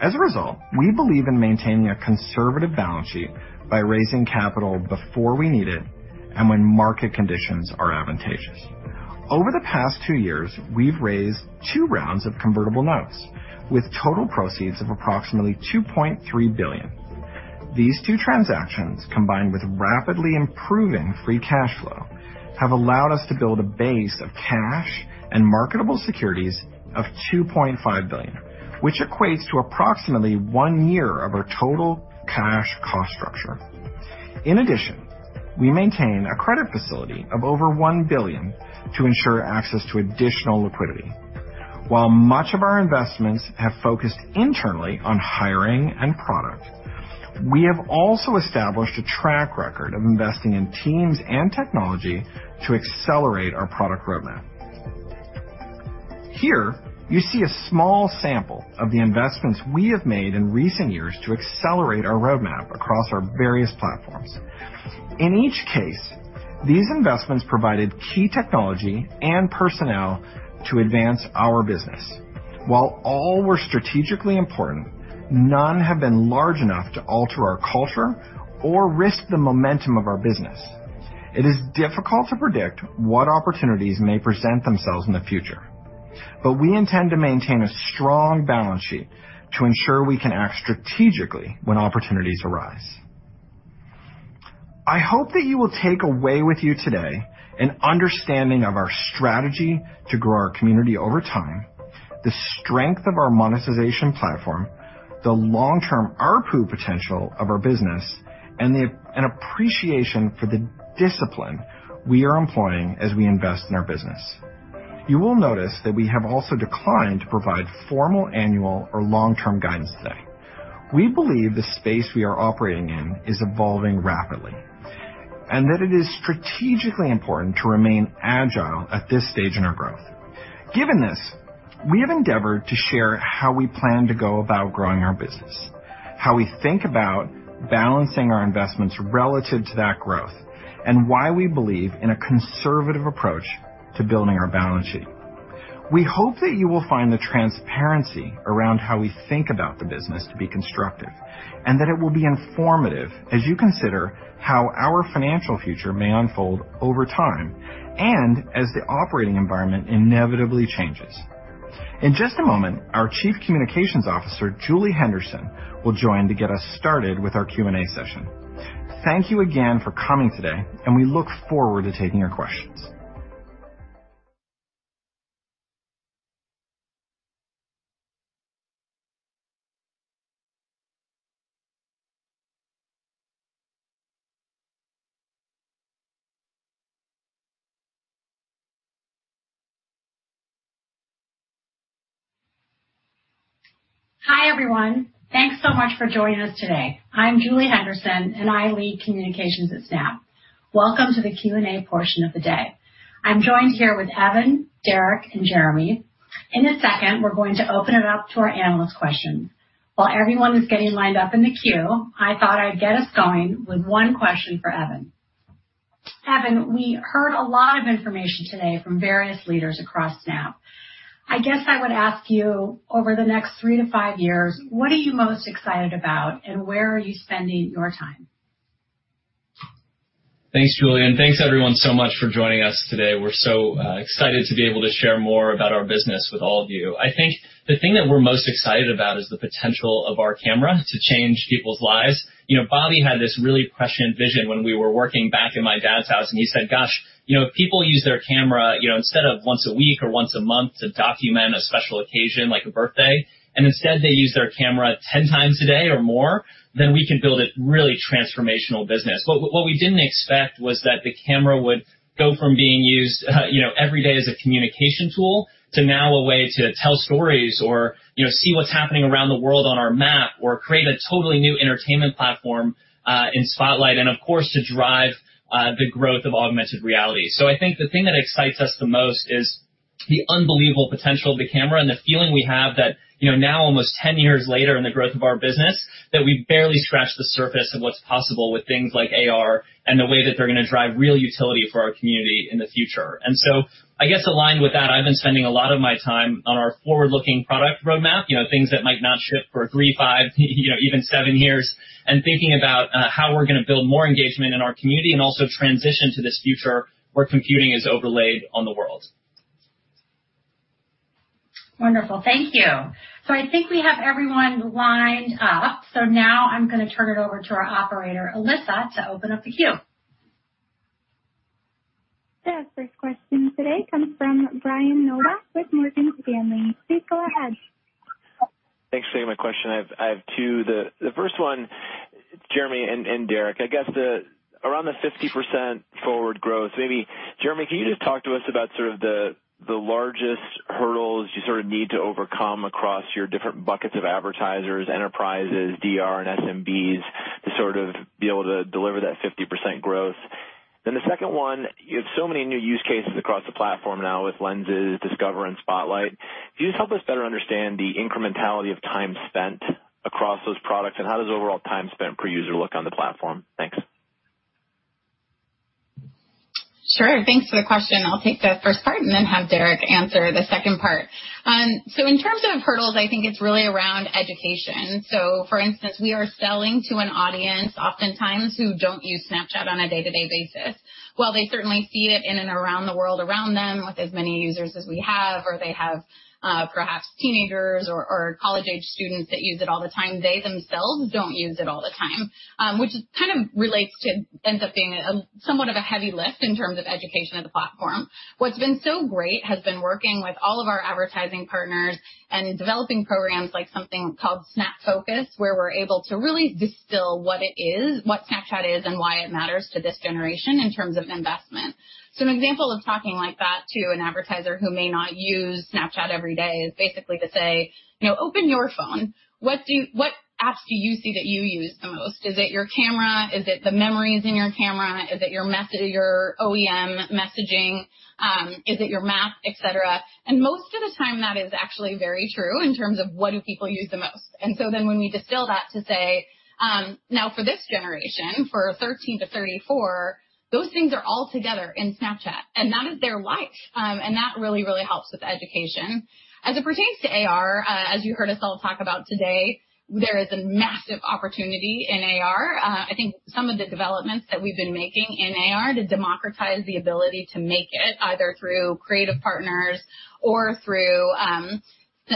Speaker 13: As a result, we believe in maintaining a conservative balance sheet by raising capital before we need it and when market conditions are advantageous. Over the past two years, we've raised two rounds of convertible notes with total proceeds of approximately $2.3 billion. These two transactions, combined with rapidly improving free cash flow, have allowed us to build a base of cash and marketable securities of $2.5 billion, which equates to approximately one year of our total cash cost structure. In addition, we maintain a credit facility of over $1 billion to ensure access to additional liquidity. While much of our investments have focused internally on hiring and product, we have also established a track record of investing in teams and technology to accelerate our product roadmap. Here, you see a small sample of the investments we have made in recent years to accelerate our roadmap across our various platforms. In each case, these investments provided key technology and personnel to advance our business. While all were strategically important, none have been large enough to alter our culture or risk the momentum of our business. It is difficult to predict what opportunities may present themselves in the future. We intend to maintain a strong balance sheet to ensure we can act strategically when opportunities arise. I hope that you will take away with you today an understanding of our strategy to grow our community over time, the strength of our monetization platform, the long-term ARPU potential of our business, and an appreciation for the discipline we are employing as we invest in our business. You will notice that we have also declined to provide formal annual or long-term guidance today. We believe the space we are operating in is evolving rapidly. It is strategically important to remain agile at this stage in our growth. Given this, we have endeavored to share how we plan to go about growing our business, how we think about balancing our investments relative to that growth, and why we believe in a conservative approach to building our balance sheet. We hope that you will find the transparency around how we think about the business to be constructive, and that it will be informative as you consider how our financial future may unfold over time and as the operating environment inevitably changes. In just a moment, our Chief Communications Officer, Julie Henderson, will join to get us started with our Q&A session. Thank you again for coming today. We look forward to taking your questions.
Speaker 14: Hi, everyone. Thanks so much for joining us today. I'm Julie Henderson, and I lead communications at Snap. Welcome to the Q&A portion of the day. I'm joined here with Evan, Derek, and Jeremi. In a second, we're going to open it up to our analyst questions. While everyone is getting lined up in the queue, I thought I'd get us going with one question for Evan. Evan, we heard a lot of information today from various leaders across Snap. I guess I would ask you, over the next three to five years, what are you most excited about, and where are you spending your time?
Speaker 3: Thanks, Julie, and thanks everyone so much for joining us today. We're so excited to be able to share more about our business with all of you. I think the thing that we're most excited about is the potential of our Camera to change people's lives. Bobby had this really prescient vision when we were working back in my dad's house, and he said, "Gosh, if people use their camera instead of once a week or once a month to document a special occasion like a birthday, and instead they use their camera 10 times a day or more, then we can build a really transformational business." What we didn't expect was that the Camera would go from being used every day as a communication tool to now a way to tell stories or see what's happening around the world on our Map or create a totally new entertainment platform in Spotlight and, of course, to drive the growth of augmented reality. I think the thing that excites us the most is the unbelievable potential of the Camera and the feeling we have that now almost 10 years later in the growth of our business, that we've barely scratched the surface of what's possible with things like AR and the way that they're going to drive real utility for our community in the future. I guess aligned with that, I've been spending a lot of my time on our forward-looking product roadmap, things that might not ship for three, five, even seven years, and thinking about how we're going to build more engagement in our community and also transition to this future where computing is overlaid on the world.
Speaker 14: Wonderful. Thank you. I think we have everyone lined up. Now I'm going to turn it over to our operator, Alyssa, to open up the queue.
Speaker 15: The first question today comes from Brian Nowak with Morgan Stanley. Please go ahead.
Speaker 16: Thanks for taking my question. I have two. The first one, Jeremi and Derek, I guess around the 50% forward growth, maybe Jeremi, can you just talk to us about the largest hurdles you need to overcome across your different buckets of advertisers, enterprises, DR, and SMBs to be able to deliver that 50% growth? The second one, you have so many new use cases across the platform now with Lenses, Discover, and Spotlight. Can you just help us better understand the incrementality of time spent across those products, and how does overall time spent per user look on the platform? Thanks.
Speaker 8: Sure. Thanks for the question. I'll take the first part and then have Derek Andersen answer the second part. In terms of hurdles, I think it's really around education. For instance, we are selling to an audience oftentimes who don't use Snapchat on a day-to-day basis. While they certainly see it in and around the world around them with as many users as we have, or they have, perhaps teenagers or college-age students that use it all the time, they themselves don't use it all the time, which kind of relates to ends up being somewhat of a heavy lift in terms of education of the platform. What's been so great has been working with all of our advertising partners. Developing programs like something called Snap Focus, where we're able to really distill what it is, what Snapchat is, and why it matters to this generation in terms of investment. An example of talking like that to an advertiser who may not use Snapchat every day is basically to say, "Open your phone. What apps do you see that you use the most? Is it your camera? Is it the memories in your camera? Is it your OEM messaging? Is it your map?" Et cetera. Most of the time, that is actually very true in terms of what do people use the most. When we distill that to say, now for this generation, for 13-34, those things are all together in Snapchat, and that is their life. That really helps with education. As it pertains to AR, as you heard us all talk about today, there is a massive opportunity in AR. I think some of the developments that we've been making in AR to democratize the ability to make it, either through creative partners or through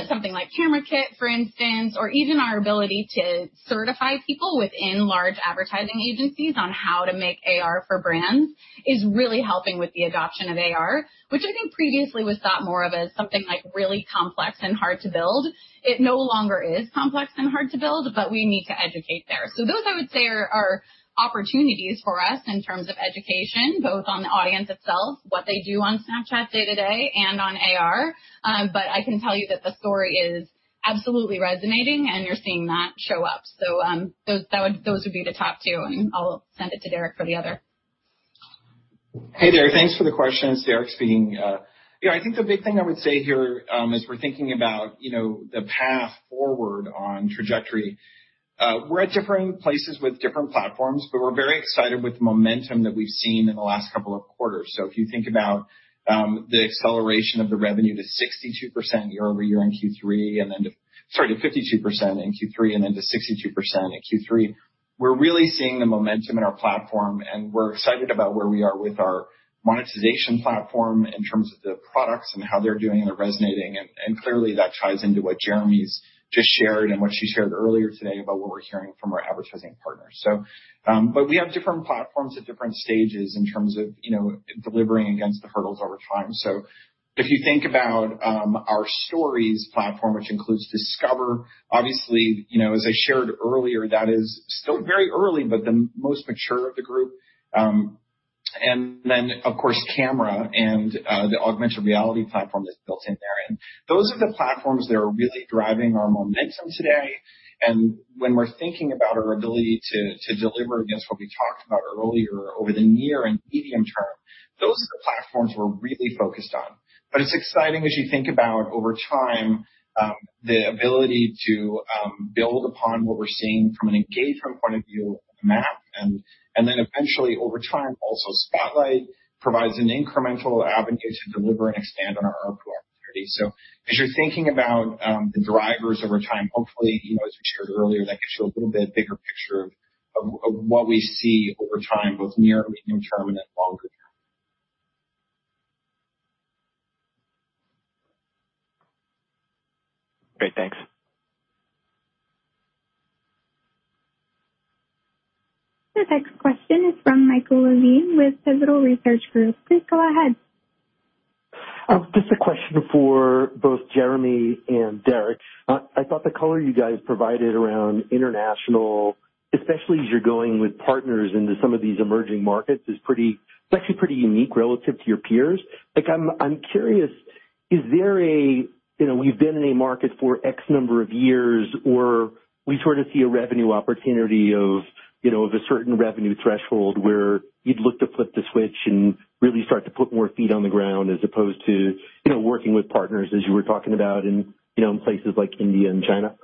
Speaker 8: something like Camera Kit, for instance, or even our ability to certify people within large advertising agencies on how to make AR for brands, is really helping with the adoption of AR, which I think previously was thought more of as something really complex and hard to build. It no longer is complex and hard to build, but we need to educate there. Those I would say are opportunities for us in terms of education, both on the audience itself, what they do on Snapchat day-to-day and on AR. I can tell you that the story is absolutely resonating and you're seeing that show up. Those would be the top two, and I'll send it to Derek for the other.
Speaker 13: Hey, there. Thanks for the questions. Derek speaking. I think the big thing I would say here, as we're thinking about the path forward on trajectory, we're at different places with different platforms, but we're very excited with the momentum that we've seen in the last couple of quarters. If you think about the acceleration of the revenue to 52% year-over-year in Q3 and then to 62% in Q3, we're really seeing the momentum in our platform, and we're excited about where we are with our monetization platform in terms of the products and how they're doing and they're resonating. Clearly, that ties into what Jeremi's just shared and what she shared earlier today about what we're hearing from our advertising partners. We have different platforms at different stages in terms of delivering against the hurdles over time. If you think about our Stories platform, which includes Discover, obviously, as I shared earlier, that is still very early, but the most mature of the group. Then, of course, Camera and the augmented reality platform that's built in there. Those are the platforms that are really driving our momentum today. When we're thinking about our ability to deliver against what we talked about earlier over the near and medium term, those are the platforms we're really focused on. It's exciting as you think about over time, the ability to build upon what we're seeing from an engagement point of view on the Map, and then eventually over time, also Spotlight provides an incremental avenue to deliver and expand on our AR product category. As you're thinking about the drivers over time, hopefully, as we shared earlier, that gives you a little bit bigger picture of what we see over time, both near and medium-term and then longer-term.
Speaker 16: Great. Thanks.
Speaker 15: The next question is from Michael Levine with Pivotal Research Group. Please go ahead.
Speaker 17: Just a question for both Jeremi and Derek. I thought the color you guys provided around international, especially as you're going with partners into some of these emerging markets, is actually pretty unique relative to your peers. I'm curious, we've been in a market for X number of years, or we sort of see a revenue opportunity of a certain revenue threshold where you'd look to flip the switch and really start to put more feet on the ground as opposed to working with partners as you were talking about in places like India and China?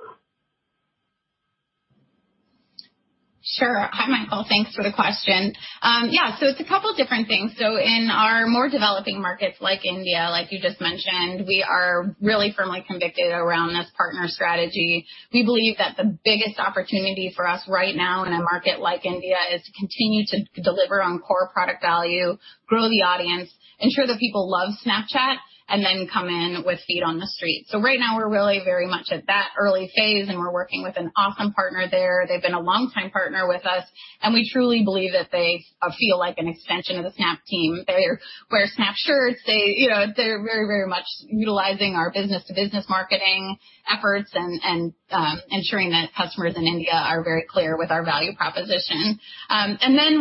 Speaker 8: Sure. Hi, Michael. Thanks for the question. It's a couple different things. In our more developing markets like India, like you just mentioned, we are really firmly convicted around this partner strategy. We believe that the biggest opportunity for us right now in a market like India is to continue to deliver on core product value, grow the audience, ensure that people love Snapchat, and then come in with feet on the street. Right now, we're really very much at that early phase, and we're working with an awesome partner there. They've been a longtime partner with us, and we truly believe that they feel like an extension of the Snap team. They wear Snap shirts. They're very much utilizing our business-to-business marketing efforts and ensuring that customers in India are very clear with our value proposition.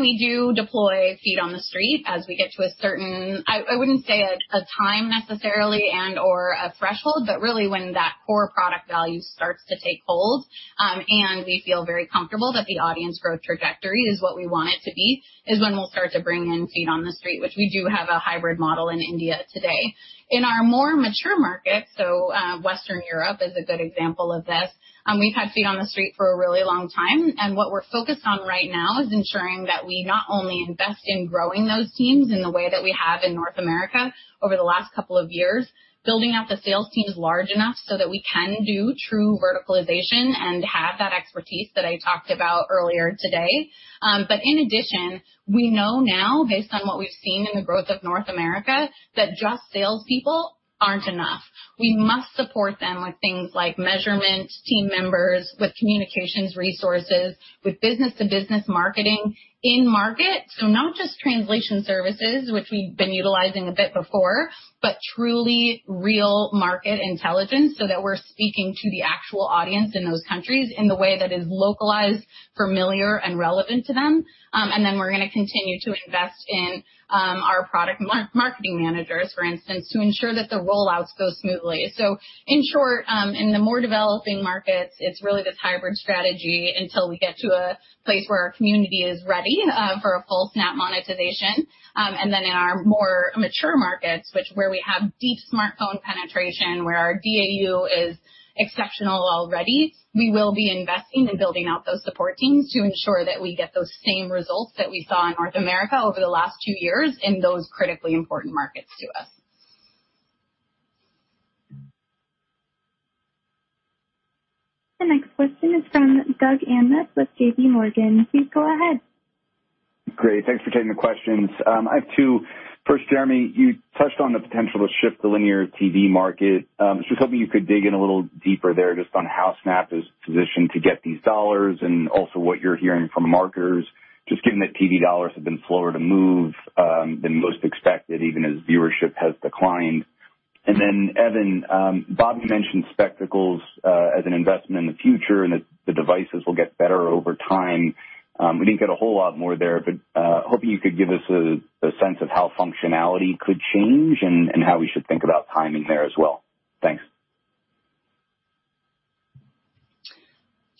Speaker 8: We do deploy feet on the street as we get to a certain, I wouldn't say a time necessarily and/or a threshold, but really when that core product value starts to take hold, and we feel very comfortable that the audience growth trajectory is what we want it to be, is when we'll start to bring in feet on the street, which we do have a hybrid model in India today. In our more mature markets, so Western Europe is a good example of this, we've had feet on the street for a really long time, and what we're focused on right now is ensuring that we not only invest in growing those teams in the way that we have in North America over the last couple of years, building out the sales teams large enough so that we can do true verticalization and have that expertise that I talked about earlier today. In addition, we know now, based on what we've seen in the growth of North America, that just salespeople aren't enough. We must support them with things like measurement team members, with communications resources, with business-to-business marketing in market. Not just translation services, which we've been utilizing a bit before, but truly real market intelligence so that we're speaking to the actual audience in those countries in the way that is localized, familiar, and relevant to them. Then we're going to continue to invest in our product marketing managers, for instance, to ensure that the rollouts go smoothly. In short, in the more developing markets, it's really this hybrid strategy until we get to a place where our community is ready for a full Snap monetization. Then in our more mature markets, where we have deep smartphone penetration, where our DAU is exceptional already, we will be investing in building out those support teams to ensure that we get those same results that we saw in North America over the last two years in those critically important markets to us.
Speaker 15: The next question is from Doug Anmuth with JPMorgan. Please go ahead.
Speaker 18: Great. Thanks for taking the questions. I have two. First, Jeremi, you touched on the potential to shift the linear TV market. I was just hoping you could dig in a little deeper there just on how Snap is positioned to get these dollars and also what you're hearing from marketers, just given that TV dollars have been slower to move than most expected, even as viewership has declined. Evan, Bobby mentioned Spectacles as an investment in the future and that the devices will get better over time. We didn't get a whole lot more there, hoping you could give us a sense of how functionality could change and how we should think about timing there as well. Thanks.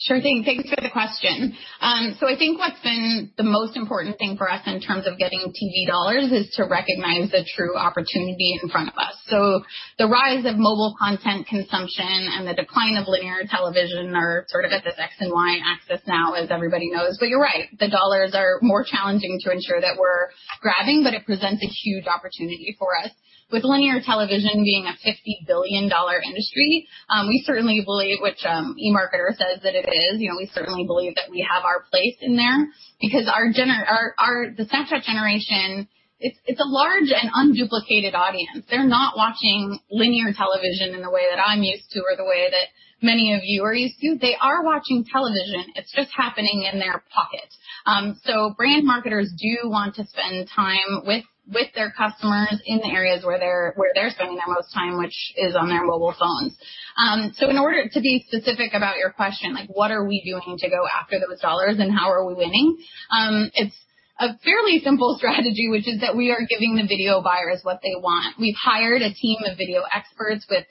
Speaker 8: Sure thing. Thanks for the question. I think what's been the most important thing for us in terms of getting TV dollars is to recognize the true opportunity in front of us. The rise of mobile content consumption and the decline of linear television are sort of at this X and Y-axis now, as everybody knows. You're right, the dollars are more challenging to ensure that we're grabbing, but it presents a huge opportunity for us. With linear television being a $50 billion industry, we certainly believe, which eMarketer says that it is, we certainly believe that we have our place in there because the Snapchat generation, it's a large and unduplicated audience. They're not watching linear television in the way that I'm used to or the way that many of you are used to. They are watching television. It's just happening in their pocket. Brand marketers do want to spend time with their customers in the areas where they're spending their most time, which is on their mobile phones. In order to be specific about your question, like what are we doing to go after those dollars and how are we winning? It's a fairly simple strategy, which is that we are giving the video buyers what they want. We've hired a team of video experts with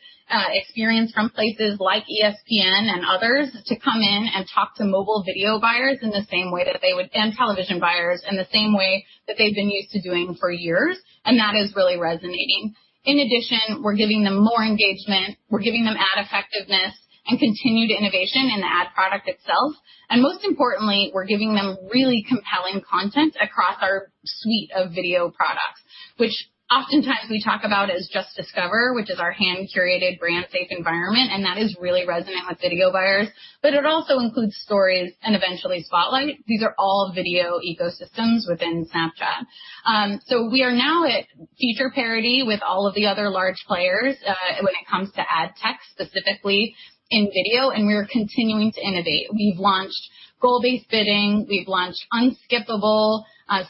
Speaker 8: experience from places like ESPN and others to come in and talk to mobile video buyers in the same way that they would, and television buyers, in the same way that they've been used to doing for years, and that is really resonating. In addition, we're giving them more engagement. We're giving them ad effectiveness and continued innovation in the ad product itself. Most importantly, we're giving them really compelling content across our suite of video products, which oftentimes we talk about as just Discover, which is our hand-curated brand safe environment, and that is really resonant with video buyers. It also includes Stories and eventually Spotlight. These are all video ecosystems within Snapchat. We are now at feature parity with all of the other large players when it comes to ad tech, specifically in video, and we are continuing to innovate. We've launched goal-based bidding. We've launched unskippable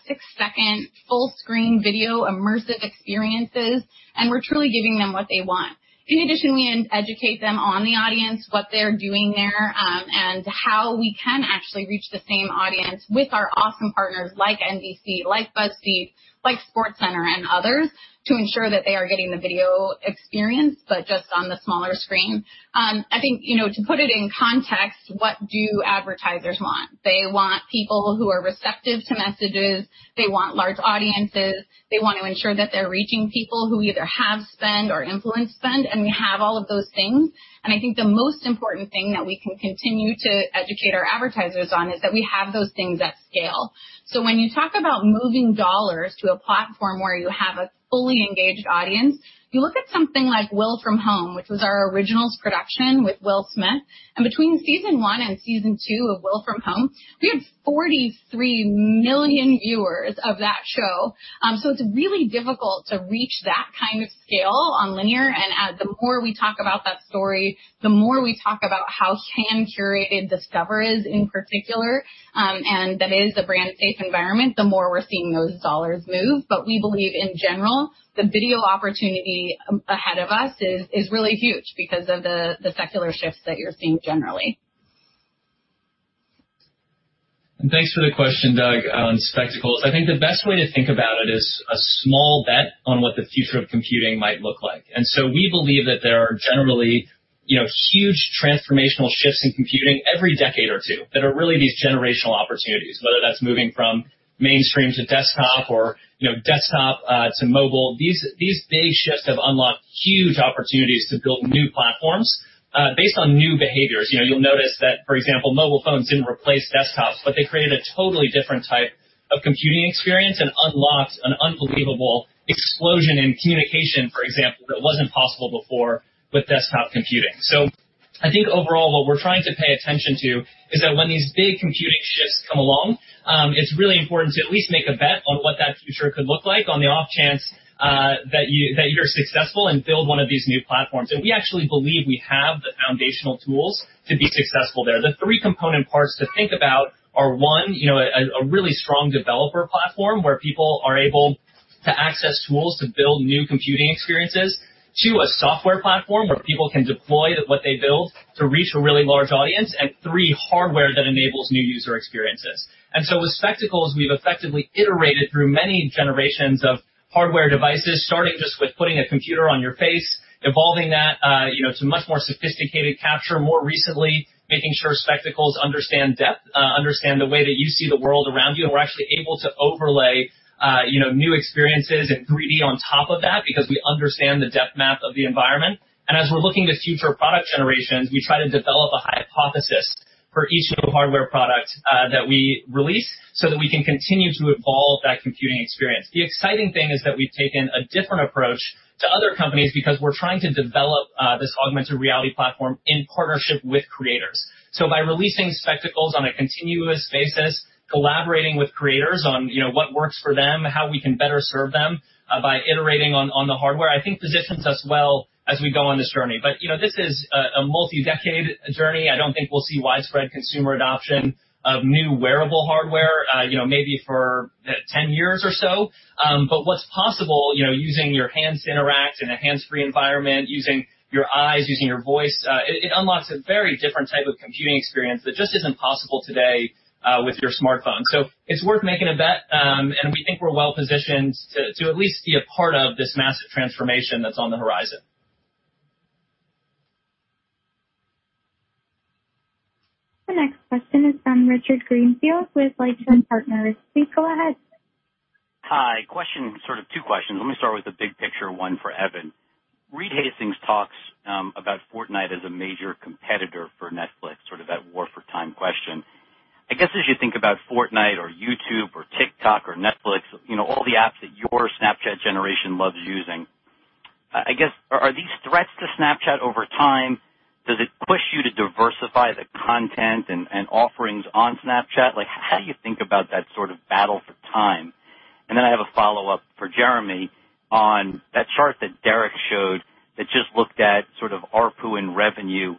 Speaker 8: six-second full-screen video immersive experiences, and we're truly giving them what they want. In addition, we educate them on the audience, what they're doing there, and how we can actually reach the same audience with our awesome partners like NBC, like BuzzFeed, like SportsCenter, and others to ensure that they are getting the video experience but just on the smaller screen. I think to put it in context, what do advertisers want? They want people who are receptive to messages. They want large audiences. They want to ensure that they're reaching people who either have spend or influence spend, and we have all of those things. I think the most important thing that we can continue to educate our advertisers on is that we have those things at scale. When you talk about moving dollars to a platform where you have a fully engaged audience, you look at something like "Will From Home," which was our originals production with Will Smith. Between season one and season two of Will From Home, we had 43 million viewers of that show. It's really difficult to reach that kind of scale on linear. The more we talk about that story, the more we talk about how hand-curated Discover is in particular, and that it is a brand safe environment, the more we're seeing those dollars move. We believe in general, the video opportunity ahead of us is really huge because of the secular shifts that you're seeing generally.
Speaker 3: Thanks for the question, Doug, on Spectacles. I think the best way to think about it is a small bet on what the future of computing might look like. We believe that there are generally huge transformational shifts in computing every decade or two that are really these generational opportunities, whether that's moving from mainstream to desktop or desktop to mobile. These big shifts have unlocked huge opportunities to build new platforms based on new behaviors. You'll notice that, for example, mobile phones didn't replace desktops, but they created a totally different type of computing experience and unlocked an unbelievable explosion in communication, for example, that wasn't possible before with desktop computing. I think overall what we're trying to pay attention to is that when these big computing shifts come along, it's really important to at least make a bet on what that future could look like on the off chance that you're successful and build one of these new platforms. We actually believe we have the foundational tools to be successful there. The three component parts to think about are, one, a really strong developer platform where people are able to access tools to build new computing experiences. Two, a software platform where people can deploy what they build to reach a really large audience. Three, hardware that enables new user experiences. With Spectacles, we've effectively iterated through many generations of hardware devices, starting just with putting a computer on your face, evolving that to much more sophisticated capture, more recently, making sure Spectacles understand depth, understand the way that you see the world around you. We're actually able to overlay new experiences in 3D on top of that because we understand the depth map of the environment. As we're looking to future product generations, we try to develop a hypothesis for each new hardware product that we release so that we can continue to evolve that computing experience. The exciting thing is that we've taken a different approach to other companies because we're trying to develop this augmented reality platform in partnership with creators. By releasing Spectacles on a continuous basis, collaborating with creators on what works for them and how we can better serve them, by iterating on the hardware, I think positions us well as we go on this journey. This is a multi-decade journey. I don't think we'll see widespread consumer adoption of new wearable hardware maybe for 10 years or so. What's possible using your hands to interact in a hands-free environment, using your eyes, using your voice, it unlocks a very different type of computing experience that just isn't possible today with your smartphone. It's worth making a bet, and we think we're well-positioned to at least be a part of this massive transformation that's on the horizon.
Speaker 15: The next question is from Richard Greenfield with LightShed Partners. Please go ahead.
Speaker 19: Hi. Question, sort of two questions. Let me start with the big picture one for Evan. Reed Hastings talks about Fortnite as a major competitor for Netflix, sort of that war for time question. I guess, as you think about Fortnite or YouTube or TikTok or Netflix, all the apps that your Snapchat generation loves using, I guess, are these threats to Snapchat over time? Does it push you to diversify the content and offerings on Snapchat? How do you think about that sort of battle for time? Then I have a follow-up for Jeremi on that chart that Derek showed that just looked at sort of ARPU and revenue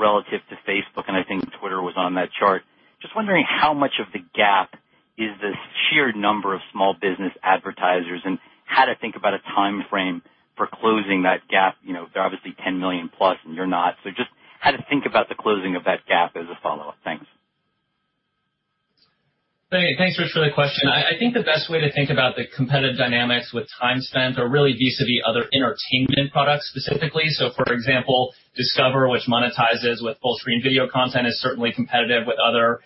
Speaker 19: relative to Facebook, and I think Twitter was on that chart. Just wondering how much of the gap is the sheer number of small business advertisers and how to think about a timeframe for closing that gap. They're obviously $10 million plus and you're not. Just how to think about the closing of that gap as a follow-up. Thanks.
Speaker 3: Thanks, Rich, for the question. I think the best way to think about the competitive dynamics with time spent are really vis-à-vis other entertainment products specifically. For example, Discover, which monetizes with full-screen video content, is certainly competitive with other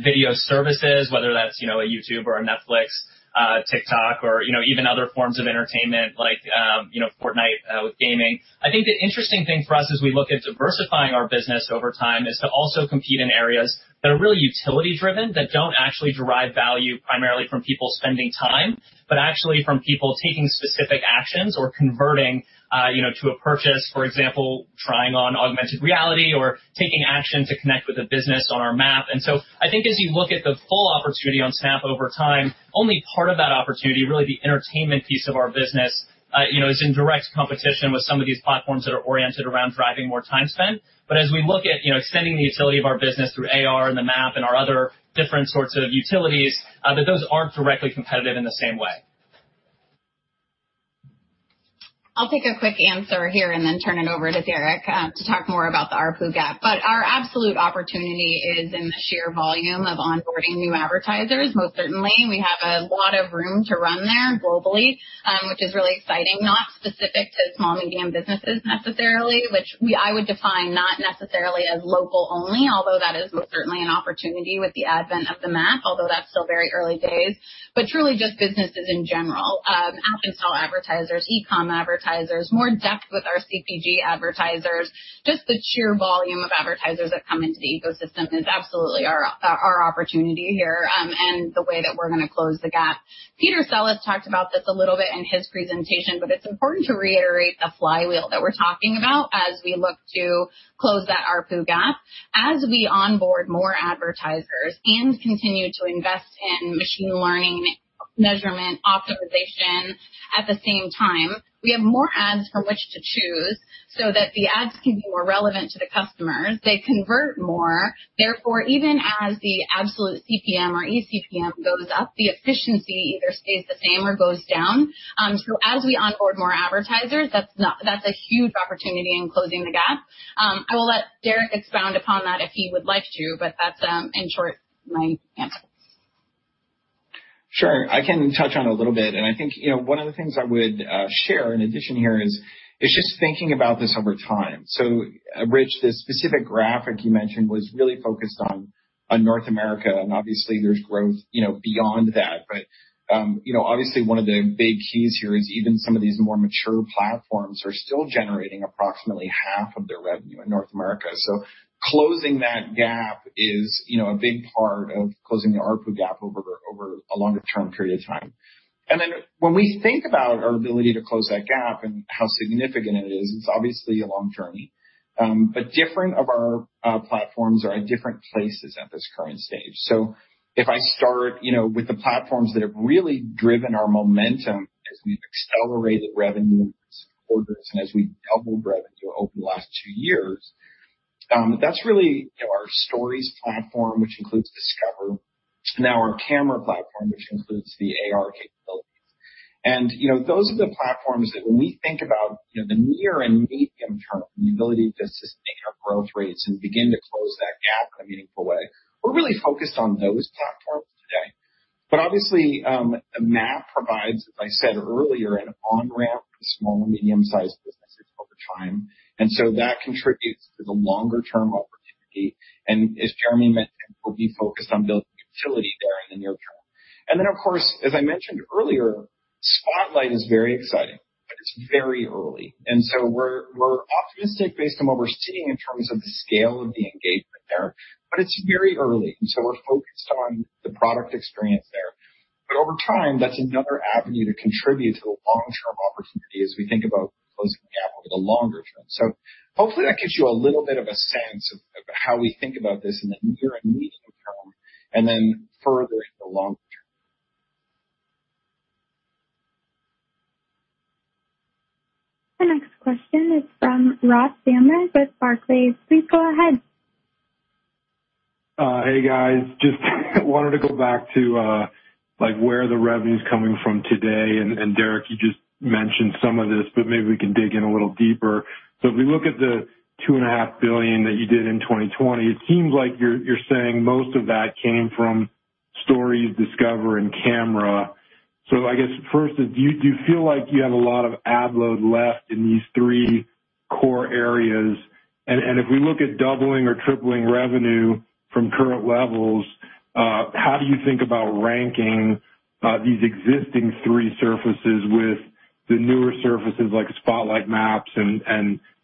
Speaker 3: video services, whether that's a YouTube or a Netflix, TikTok, or even other forms of entertainment like Fortnite with gaming. I think the interesting thing for us as we look at diversifying our business over time is to also compete in areas that are really utility-driven, that don't actually derive value primarily from people spending time, but actually from people taking specific actions or converting to a purchase. For example, trying on augmented reality or taking action to connect with a business on our Map. I think as you look at the full opportunity on Snap over time, only part of that opportunity, really the entertainment piece of our business is in direct competition with some of these platforms that are oriented around driving more time spent. As we look at extending the utility of our business through AR and the Map and our other different sorts of utilities, that those aren't directly competitive in the same way.
Speaker 8: I'll take a quick answer here and then turn it over to Derek to talk more about the ARPU gap. Our absolute opportunity is in the sheer volume of onboarding new advertisers. Most certainly. We have a lot of room to run there globally, which is really exciting. Not specific to small, medium businesses necessarily, which I would define not necessarily as local only, although that is most certainly an opportunity with the advent of the Map, although that's still very early days. Truly just businesses in general. App install advertisers, e-com advertisers, more depth with our CPG advertisers. Just the sheer volume of advertisers that come into the ecosystem is absolutely our opportunity here and the way that we're going to close the gap. Peter Sellis talked about this a little bit in his presentation, but it's important to reiterate the flywheel that we're talking about as we look to close that ARPU gap. As we onboard more advertisers and continue to invest in machine learning, measurement, optimization at the same time, we have more ads from which to choose so that the ads can be more relevant to the customers. They convert more, therefore, even as the absolute CPM or eCPM goes up, the efficiency either stays the same or goes down. As we onboard more advertisers, that's a huge opportunity in closing the gap. I will let Derek expound upon that if he would like to, but that's, in short, my answer.
Speaker 13: Sure. I can touch on a little bit, and I think one of the things I would share in addition here is just thinking about this over time. Rich, this specific graphic you mentioned was really focused on North America, and obviously there's growth beyond that. Obviously one of the big keys here is even some of these more mature platforms are still generating approximately half of their revenue in North America. Closing that gap is a big part of closing the ARPU gap over a longer-term period of time. When we think about our ability to close that gap and how significant it is, it's obviously a long journey. Different of our platforms are at different places at this current stage. If I start with the platforms that have really driven our momentum as we've accelerated revenue in recent quarters and as we doubled revenue over the last two years, that's really our Stories platform, which includes Discover. Now our Camera platform, which includes the AR capabilities. Those are the platforms that when we think about the near and medium-term, the ability to sustain our growth rates and begin to close that gap in a meaningful way, we're really focused on those platforms today. Obviously, the Map provides, as I said earlier, an on-ramp for small and medium-sized businesses over time. That contributes to the longer-term opportunity. As Jeremi mentioned, we'll be focused on building utility there in the near term. Then, of course, as I mentioned earlier, Spotlight is very exciting, but it's very early. We're optimistic based on what we're seeing in terms of the scale of the engagement there, but it's very early. We're focused on the product experience there. Over time, that's another avenue to contribute to the long-term opportunity as we think about closing the gap over the longer-term. Hopefully that gives you a little bit of a sense of how we think about this in the near and medium-term, and then further in the longer-term.
Speaker 15: The next question is from Ross Sandler with Barclays. Please go ahead.
Speaker 20: Hey, guys. Just wanted to go back to where the revenue's coming from today. Derek, you just mentioned some of this, but maybe we can dig in a little deeper. If we look at the $2.5 billion that you did in 2020, it seems like you're saying most of that came from Stories, Discover, and Camera. I guess first is, do you feel like you have a lot of ad load left in these three core areas? If we look at doubling or tripling revenue from current levels, how do you think about ranking these existing three surfaces with the newer surfaces like Spotlight, Maps, and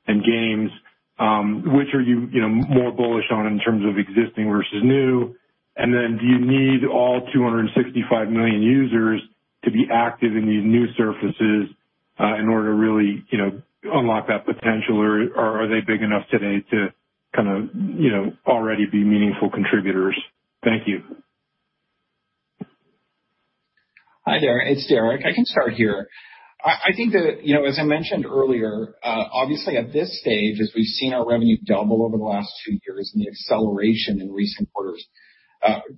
Speaker 20: Games? Which are you more bullish on in terms of existing versus new? Do you need all 265 million users to be active in these new surfaces in order to really unlock that potential? Are they big enough today to kind of already be meaningful contributors? Thank you.
Speaker 13: Hi there, it's Derek. I can start here. I think that, as I mentioned earlier, obviously at this stage, as we've seen our revenue double over the last two years and the acceleration in recent quarters,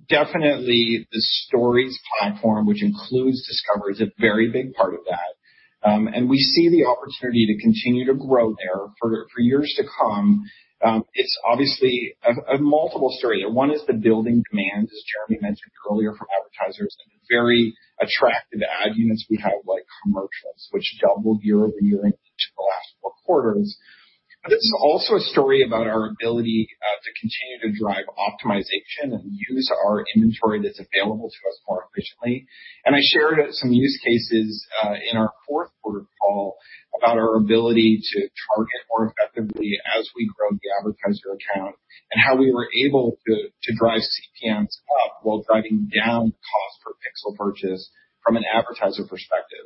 Speaker 13: definitely the Stories platform, which includes Discover, is a very big part of that. We see the opportunity to continue to grow there for years to come. It's obviously a multiple story. One is the building demand, as Jeremi mentioned earlier, from advertisers, and the very attractive ad units we have, like commercials, which doubled year-over-year in each of the last four quarters. It's also a story about our ability to continue to drive optimization and use our inventory that's available to us more efficiently. I shared some use cases, in our fourth quarter call about our ability to target more effectively as we grow the advertiser account and how we were able to drive CPMs up while driving down cost per Pixel purchase from an advertiser perspective.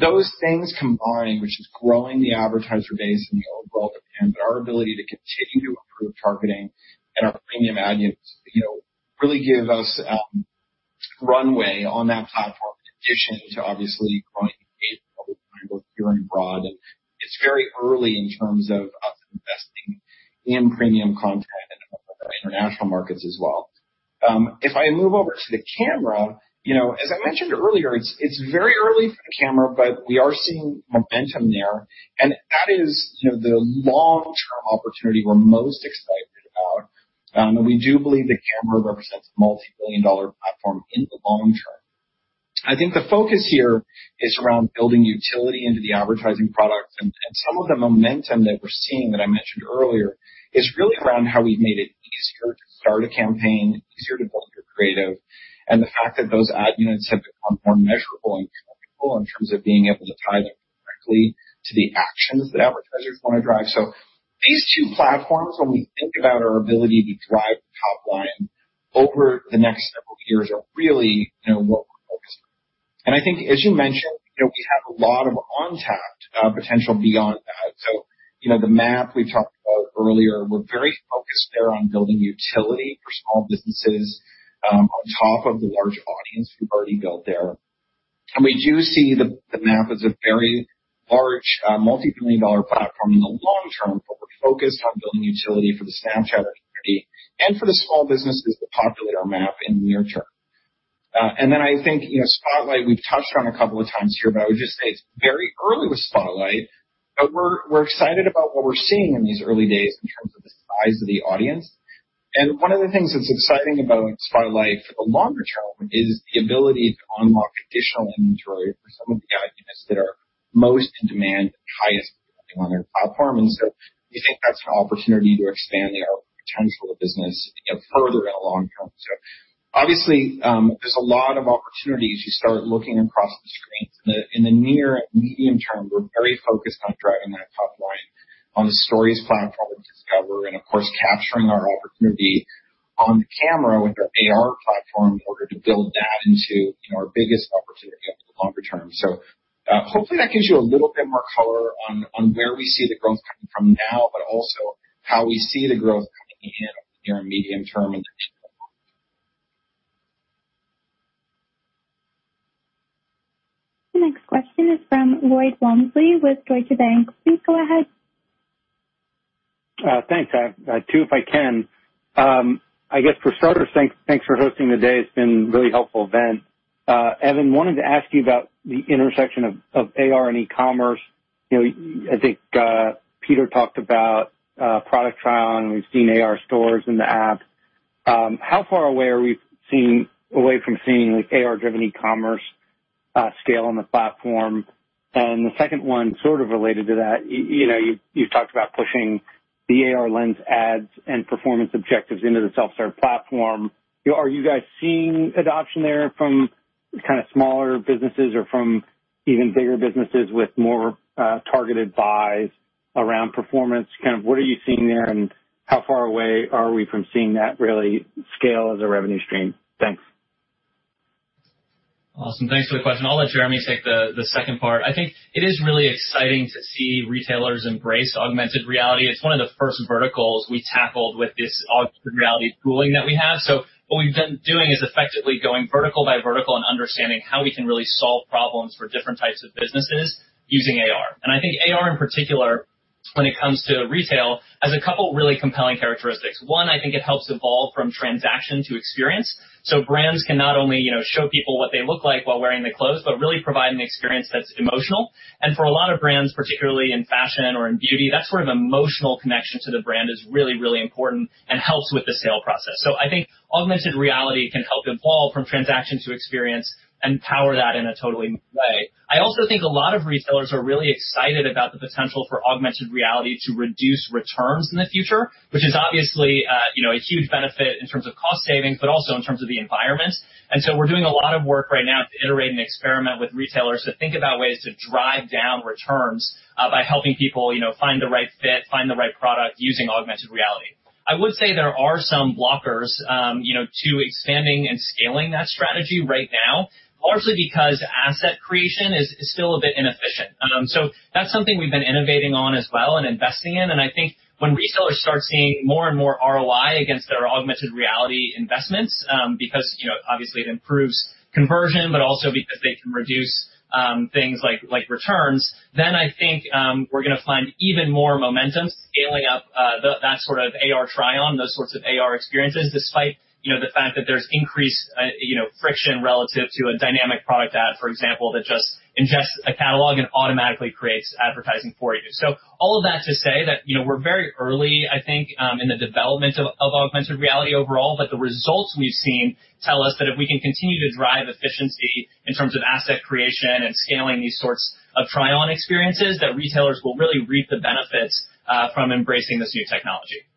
Speaker 13: Those things combined, which is growing the advertiser base and the overall [CPM,] but our ability to continue to improve targeting and our premium ad units really give us runway on that platform in addition to obviously growing engagement both here and abroad. It's very early in terms of us investing in premium content in a number of our international markets as well. If I move over to the Camera, as I mentioned earlier, it's very early for the Camera, but we are seeing momentum there, and that is the long-term opportunity we're most excited about. We do believe that Camera represents a multi-billion-dollar platform in the long term. I think the focus here is around building utility into the advertising product. Some of the momentum that we're seeing that I mentioned earlier is really around how we've made it easier to start a campaign, easier to build your creative, and the fact that those ad units have become more measurable and clickable in terms of being able to tie them directly to the actions that advertisers want to drive. These two platforms, when we think about our ability to drive the top line over the next several years, are really what we're focused on. I think as you mentioned, we have a lot of untapped potential beyond that. The Map we talked about earlier, we're very focused there on building utility for small businesses, on top of the large audience we've already built there. We do see the Map as a very large, multi-billion-dollar platform in the long term, but we're focused on building utility for the Snapchat community and for the small businesses that populate our Map in the near term. Then I think Spotlight we've touched on a couple of times here, but I would just say it's very early with Spotlight, but we're excited about what we're seeing in these early days in terms of the size of the audience. One of the things that's exciting about Spotlight for the longer term is the ability to unlock additional inventory for some of the ad units that are most in demand and highest performing on our platform. We think that's an opportunity to expand our potential business further in the long term. Obviously, there's a lot of opportunity as you start looking across the screens. In the near and medium-term, we're very focused on driving that top line on the Stories platform with Discover and, of course, capturing our opportunity on the Camera with our AR platform in order to build that into our biggest opportunity over the longer term. Hopefully that gives you a little bit more color on where we see the growth coming from now, but also how we see the growth coming in over the near and medium term and into the longer term.
Speaker 15: The next question is from Lloyd Walmsley with Deutsche Bank. Please go ahead.
Speaker 21: Thanks. Two if I can. I guess for starters, thanks for hosting today. It's been really helpful event. Evan, wanted to ask you about the intersection of AR and e-commerce. I think Peter talked about product trial, and we've seen AR stores in the app. How far away are we from seeing AR-driven e-commerce scale on the platform? The second one sort of related to that, you've talked about pushing the AR Lens ads and performance objectives into the self-serve platform. Are you guys seeing adoption there from kind of smaller businesses or from even bigger businesses with more targeted buys around performance? Kind of what are you seeing there, and how far away are we from seeing that really scale as a revenue stream? Thanks.
Speaker 3: Awesome. Thanks for the question. I'll let Jeremi take the second part. I think it is really exciting to see retailers embrace augmented reality. It's one of the first verticals we tackled with this augmented reality tooling that we have. What we've been doing is effectively going vertical by vertical and understanding how we can really solve problems for different types of businesses using AR. I think AR in particular, when it comes to retail, has a couple of really compelling characteristics. One, I think it helps evolve from transaction to experience. Brands can not only show people what they look like while wearing the clothes, but really provide an experience that's emotional. For a lot of brands, particularly in fashion or in beauty, that sort of emotional connection to the brand is really, really important and helps with the sale process. I think augmented reality can help evolve from transaction to experience and power that in a totally new way. I also think a lot of retailers are really excited about the potential for augmented reality to reduce returns in the future, which is obviously a huge benefit in terms of cost savings, but also in terms of the environment. We're doing a lot of work right now to iterate and experiment with retailers to think about ways to drive down returns by helping people find the right fit, find the right product using augmented reality. I would say there are some blockers to expanding and scaling that strategy right now, partially because asset creation is still a bit inefficient. That's something we've been innovating on as well and investing in. I think when retailers start seeing more and more ROI against their augmented reality investments, because obviously it improves conversion, but also because they can reduce things like returns, then I think we're going to find even more momentum scaling up that sort of AR try-on, those sorts of AR experiences, despite the fact that there's increased friction relative to a dynamic product ad, for example, that just ingests a catalog and automatically creates advertising for you. All of that to say that we're very early, I think, in the development of augmented reality overall, but the results we've seen tell us that if we can continue to drive efficiency in terms of asset creation and scaling these sorts of try-on experiences, that retailers will really reap the benefits from embracing this new technology.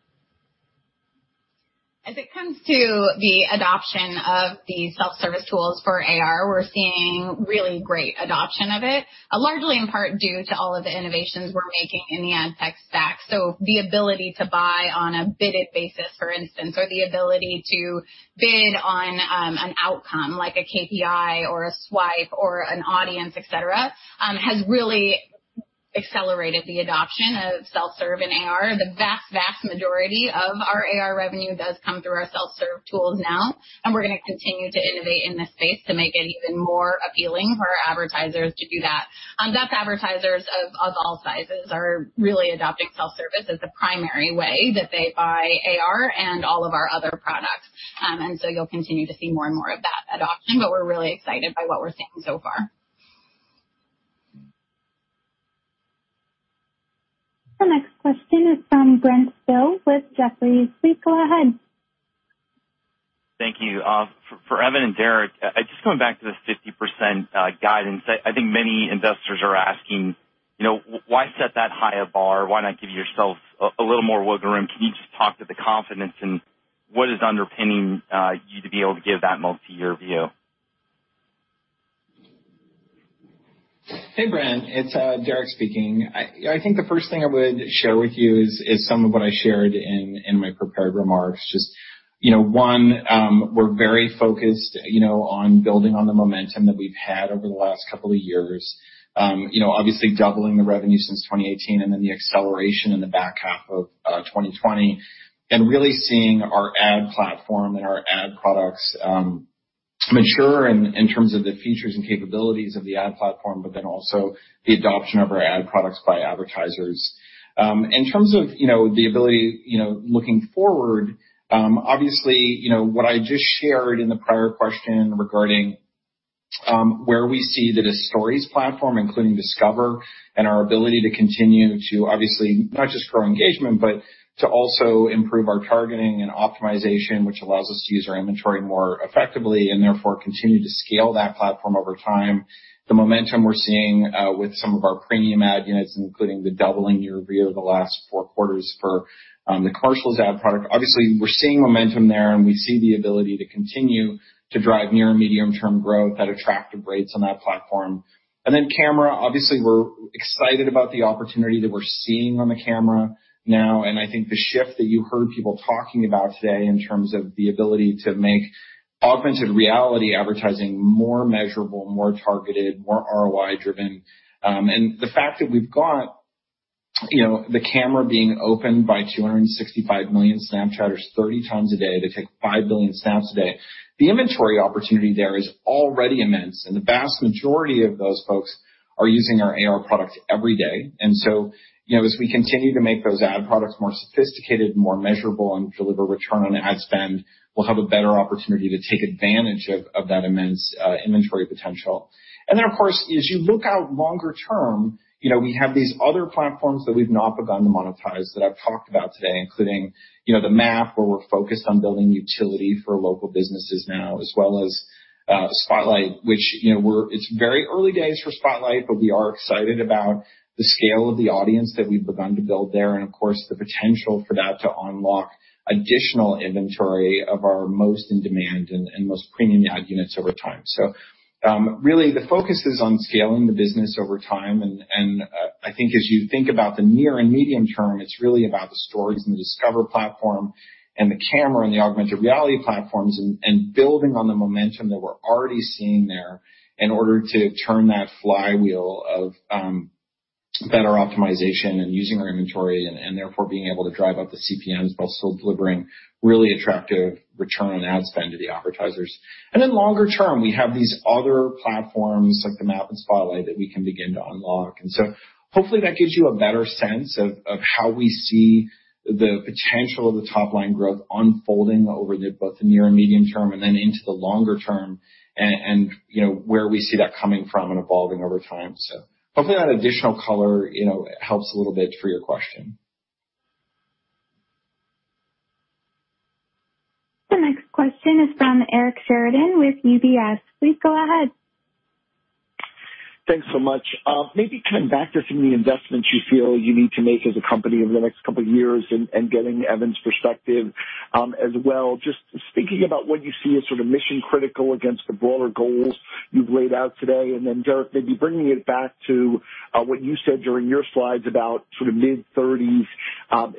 Speaker 8: As it comes to the adoption of the self-service tools for AR, we're seeing really great adoption of it, largely in part due to all of the innovations we're making in the ad tech stack. The ability to buy on a bidded basis, for instance, or the ability to bid on an outcome like a KPI or a swipe or an audience, et cetera, has really accelerated the adoption of self-serve in AR. The vast majority of our AR revenue does come through our self-serve tools now, and we're going to continue to innovate in this space to make it even more appealing for advertisers to do that. Advertisers of all sizes are really adopting self-service as the primary way that they buy AR and all of our other products. You'll continue to see more and more of that adoption, but we're really excited by what we're seeing so far.
Speaker 15: The next question is from Brent Thill with Jefferies. Please go ahead.
Speaker 22: Thank you. For Evan and Derek, just going back to this 50% guidance, I think many investors are asking, why set that high a bar? Why not give yourself a little more wiggle room? Can you just talk to the confidence and what is underpinning you to be able to give that multi-year view?
Speaker 13: Hey, Brent, it's Derek speaking. I think the first thing I would share with you is some of what I shared in my prepared remarks. Just one, we're very focused on building on the momentum that we've had over the last couple of years. Obviously doubling the revenue since 2018 and then the acceleration in the back half of 2020, and really seeing our ad platform and our ad products mature in terms of the features and capabilities of the ad platform, but then also the adoption of our ad products by advertisers. In terms of the ability looking forward, obviously, what I just shared in the prior question regarding where we see the Stories platform, including Discover and our ability to continue to obviously not just grow engagement, but to also improve our targeting and optimization, which allows us to use our inventory more effectively and therefore continue to scale that platform over time. The momentum we're seeing with some of our premium ad units, including the doubling year-over-year the last four quarters for the Commercials ad product. We're seeing momentum there, and we see the ability to continue to drive near and medium-term growth at attractive rates on that platform. Camera, obviously, we're excited about the opportunity that we're seeing on the Camera now, and I think the shift that you heard people talking about today in terms of the ability to make augmented reality advertising more measurable, more targeted, more ROI-driven. The Camera being open by 265 million Snapchatters 30 times a day. They take 5 billion snaps a day. The inventory opportunity there is already immense, and the vast majority of those folks are using our AR product every day. As we continue to make those ad products more sophisticated and more measurable and deliver return on ad spend, we'll have a better opportunity to take advantage of that immense inventory potential. Of course, as you look out longer term, we have these other platforms that we've not begun to monetize that I've talked about today, including the Map, where we're focused on building utility for local businesses now, as well as Spotlight. It's very early days for Spotlight, but we are excited about the scale of the audience that we've begun to build there, and of course, the potential for that to unlock additional inventory of our most in-demand and most premium ad units over time. Really the focus is on scaling the business over time and I think as you think about the near and medium term, it's really about the Stories and the Discover platform and the Camera and the augmented reality platforms and building on the momentum that we're already seeing there in order to turn that flywheel of better optimization and using our inventory, and therefore, being able to drive up the CPMs while still delivering really attractive return on ad spend to the advertisers. Longer term, we have these other platforms like the Map and Spotlight that we can begin to unlock. Hopefully that gives you a better sense of how we see the potential of the top-line growth unfolding over both the near and medium term, and then into the longer term and where we see that coming from and evolving over time. Hopefully that additional color helps a little bit for your question.
Speaker 15: The next question is from Eric Sheridan with UBS. Please go ahead.
Speaker 23: Thanks so much. Maybe kind of back to some of the investments you feel you need to make as a company over the next couple of years and getting Evan's perspective as well, just thinking about what you see as sort of mission-critical against the broader goals you've laid out today. Derek, maybe bringing it back to what you said during your slides about sort of mid-30s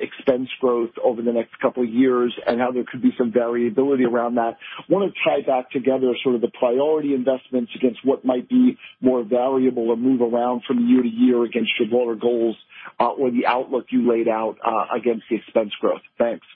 Speaker 23: expense growth over the next couple of years and how there could be some variability around that. Want to tie back together sort of the priority investments against what might be more variable or move around from year to year against your broader goals or the outlook you laid out against the expense growth. Thanks.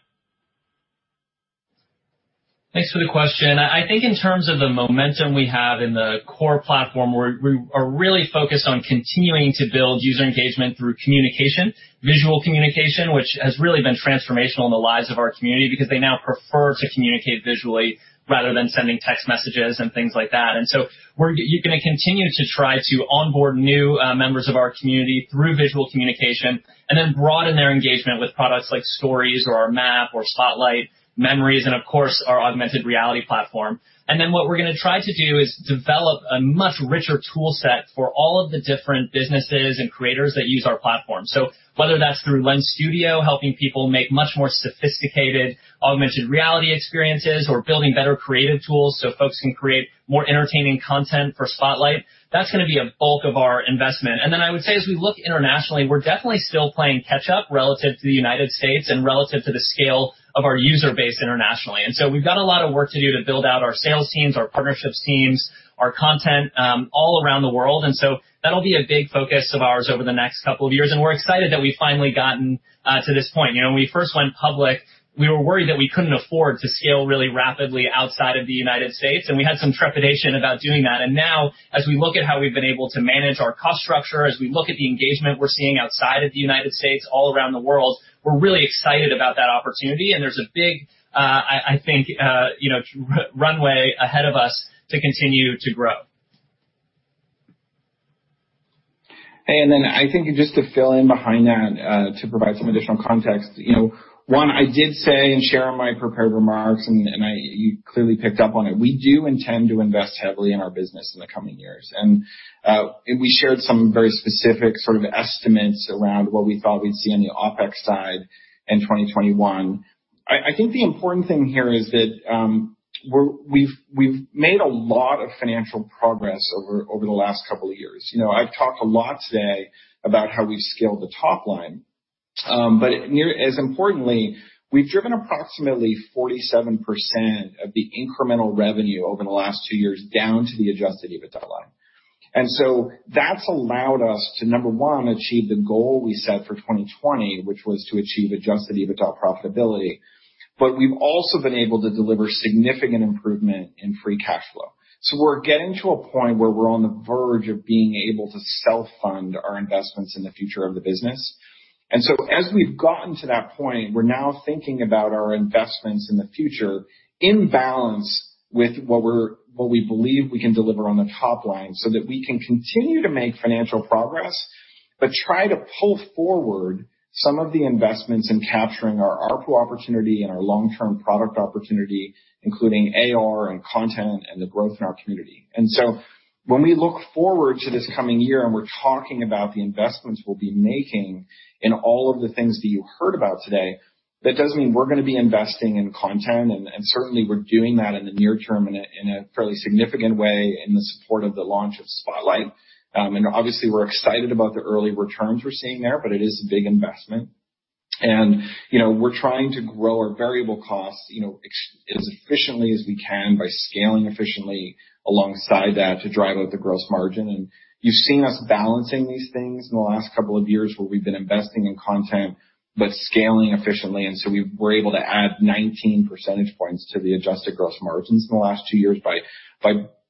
Speaker 3: Thanks for the question. I think in terms of the momentum we have in the core platform, we are really focused on continuing to build user engagement through communication, visual communication, which has really been transformational in the lives of our community because they now prefer to communicate visually rather than sending text messages and things like that. We're going to continue to try to onboard new members of our community through visual communication and then broaden their engagement with products like Stories or our Map or Spotlight, Memories, and of course, our augmented reality platform. What we're going to try to do is develop a much richer tool set for all of the different businesses and creators that use our platform. Whether that's through Lens Studio, helping people make much more sophisticated augmented reality experiences or building better creative tools so folks can create more entertaining content for Spotlight, that's going to be a bulk of our investment. Then I would say, as we look internationally, we're definitely still playing catch up relative to the United States and relative to the scale of our user base internationally. We've got a lot of work to do to build out our sales teams, our partnerships teams, our content all around the world. That'll be a big focus of ours over the next couple of years, and we're excited that we've finally gotten to this point. When we first went public, we were worried that we couldn't afford to scale really rapidly outside of the United States, and we had some trepidation about doing that. Now, as we look at how we've been able to manage our cost structure, as we look at the engagement we're seeing outside of the United States all around the world, we're really excited about that opportunity. There's a big, I think, runway ahead of us to continue to grow.
Speaker 13: Hey, I think just to fill in behind that to provide some additional context. One, I did say and share in my prepared remarks, and you clearly picked up on it, we do intend to invest heavily in our business in the coming years. We shared some very specific sort of estimates around what we thought we'd see on the OpEx side in 2021. I think the important thing here is that we've made a lot of financial progress over the last couple of years. I've talked a lot today about how we've scaled the top line. As importantly, we've driven approximately 47% of the incremental revenue over the last two years down to the Adjusted EBITDA line. That's allowed us to, number one, achieve the goal we set for 2020, which was to achieve Adjusted EBITDA profitability. We've also been able to deliver significant improvement in free cash flow. We're getting to a point where we're on the verge of being able to self-fund our investments in the future of the business. As we've gotten to that point, we're now thinking about our investments in the future in balance with what we believe we can deliver on the top line so that we can continue to make financial progress but try to pull forward some of the investments in capturing our ARPU opportunity and our long-term product opportunity, including AR and content and the growth in our community. When we look forward to this coming year and we're talking about the investments we'll be making in all of the things that you heard about today, that does mean we're going to be investing in content, and certainly, we're doing that in the near term in a fairly significant way in the support of the launch of Spotlight. Obviously, we're excited about the early returns we're seeing there, but it is a big investment. And we're trying to grow our variable costs as efficiently as we can by scaling efficiently alongside that to drive out the gross margin. You've seen us balancing these things in the last couple of years where we've been investing in content but scaling efficiently. We were able to add 19 percentage points to the adjusted gross margins in the last two years by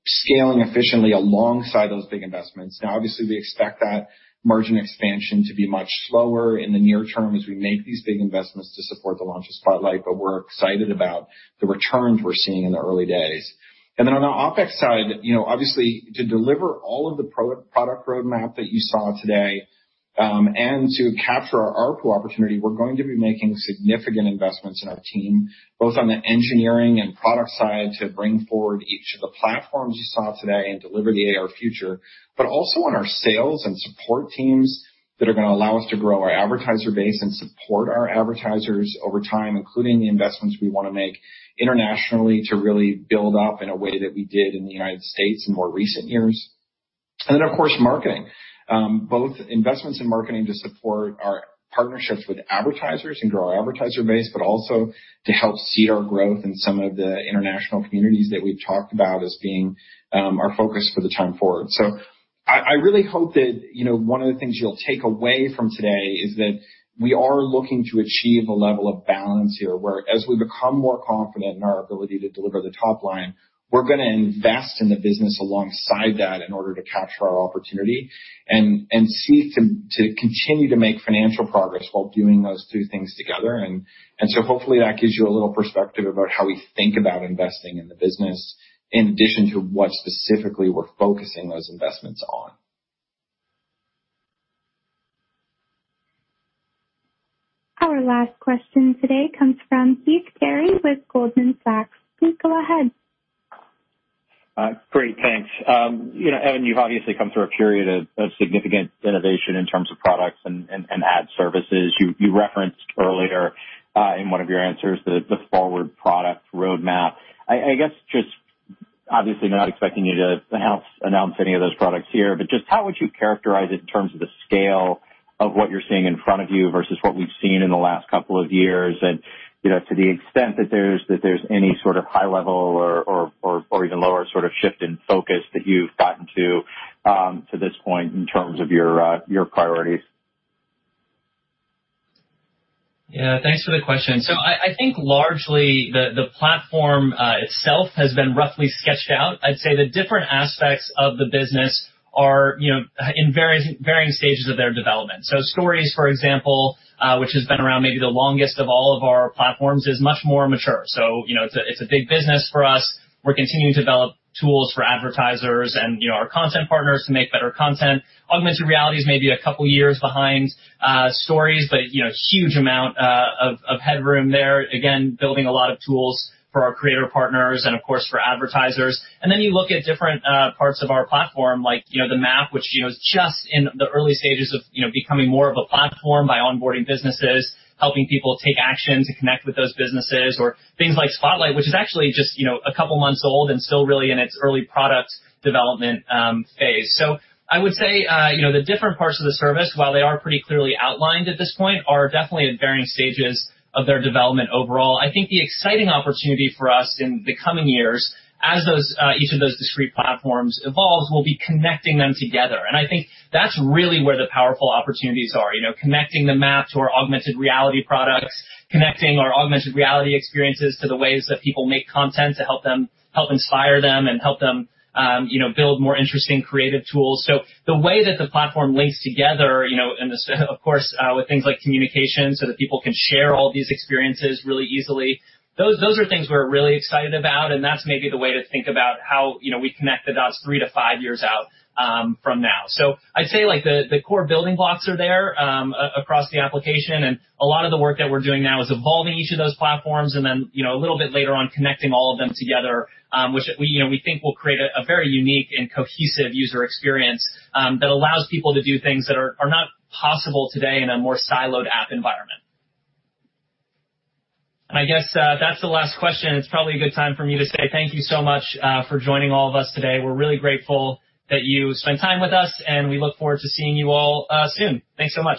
Speaker 13: scaling efficiently alongside those big investments. Now, obviously, we expect that margin expansion to be much slower in the near term as we make these big investments to support the launch of Spotlight, but we're excited about the returns we're seeing in the early days. On the OpEx side, obviously, to deliver all of the product roadmap that you saw today, and to capture our ARPU opportunity, we're going to be making significant investments in our team, both on the engineering and product side to bring forward each of the platforms you saw today and deliver the AR future. Also on our sales and support teams that are going to allow us to grow our advertiser base and support our advertisers over time, including the investments we want to make internationally to really build up in a way that we did in the United States in more recent years. Of course, marketing. Both investments in marketing to support our partnerships with advertisers and grow our advertiser base, but also to help seed our growth in some of the international communities that we've talked about as being our focus for the time forward. I really hope that one of the things you'll take away from today is that we are looking to achieve a level of balance here, where as we become more confident in our ability to deliver the top line, we're going to invest in the business alongside that in order to capture our opportunity and seek to continue to make financial progress while doing those two things together. Hopefully that gives you a little perspective about how we think about investing in the business, in addition to what specifically we're focusing those investments on.
Speaker 15: Our last question today comes from Heath Terry with Goldman Sachs. Please go ahead.
Speaker 24: Great. Thanks. Evan, you've obviously come through a period of significant innovation in terms of products and ad services. You referenced earlier, in one of your answers, the forward product roadmap. I guess, obviously not expecting you to announce any of those products here, but just how would you characterize it in terms of the scale of what you're seeing in front of you versus what we've seen in the last couple of years? To the extent that there's any sort of high level or even lower sort of shift in focus that you've gotten to this point in terms of your priorities.
Speaker 3: Yeah. Thanks for the question. I think largely the platform itself has been roughly sketched out. I'd say the different aspects of the business are in varying stages of their development. Stories, for example, which has been around maybe the longest of all of our platforms, is much more mature. It's a big business for us. We're continuing to develop tools for advertisers and our content partners to make better content. augmented reality is maybe a couple of years behind Stories, but a huge amount of headroom there. Again, building a lot of tools for our creator partners and of course for advertisers. You look at different parts of our platform, like the Map, which is just in the early stages of becoming more of a platform by onboarding businesses, helping people take action to connect with those businesses. Things like Spotlight, which is actually just a couple of months old and still really in its early product development phase. I would say the different parts of the service, while they are pretty clearly outlined at this point, are definitely at varying stages of their development overall. I think the exciting opportunity for us in the coming years, as each of those discrete platforms evolves, will be connecting them together. I think that's really where the powerful opportunities are. Connecting the Map to our augmented reality products, connecting our augmented reality experiences to the ways that people make content to help inspire them and help them build more interesting creative tools. The way that the platform links together, of course, with things like communication so that people can share all these experiences really easily, those are things we're really excited about, and that's maybe the way to think about how we connect the dots three to five years out from now. I'd say the core building blocks are there across the application, and a lot of the work that we're doing now is evolving each of those platforms and then a little bit later on connecting all of them together, which we think will create a very unique and cohesive user experience that allows people to do things that are not possible today in a more siloed app environment. I guess that's the last question. It's probably a good time for me to say thank you so much for joining all of us today. We're really grateful that you spent time with us. We look forward to seeing you all soon. Thanks so much.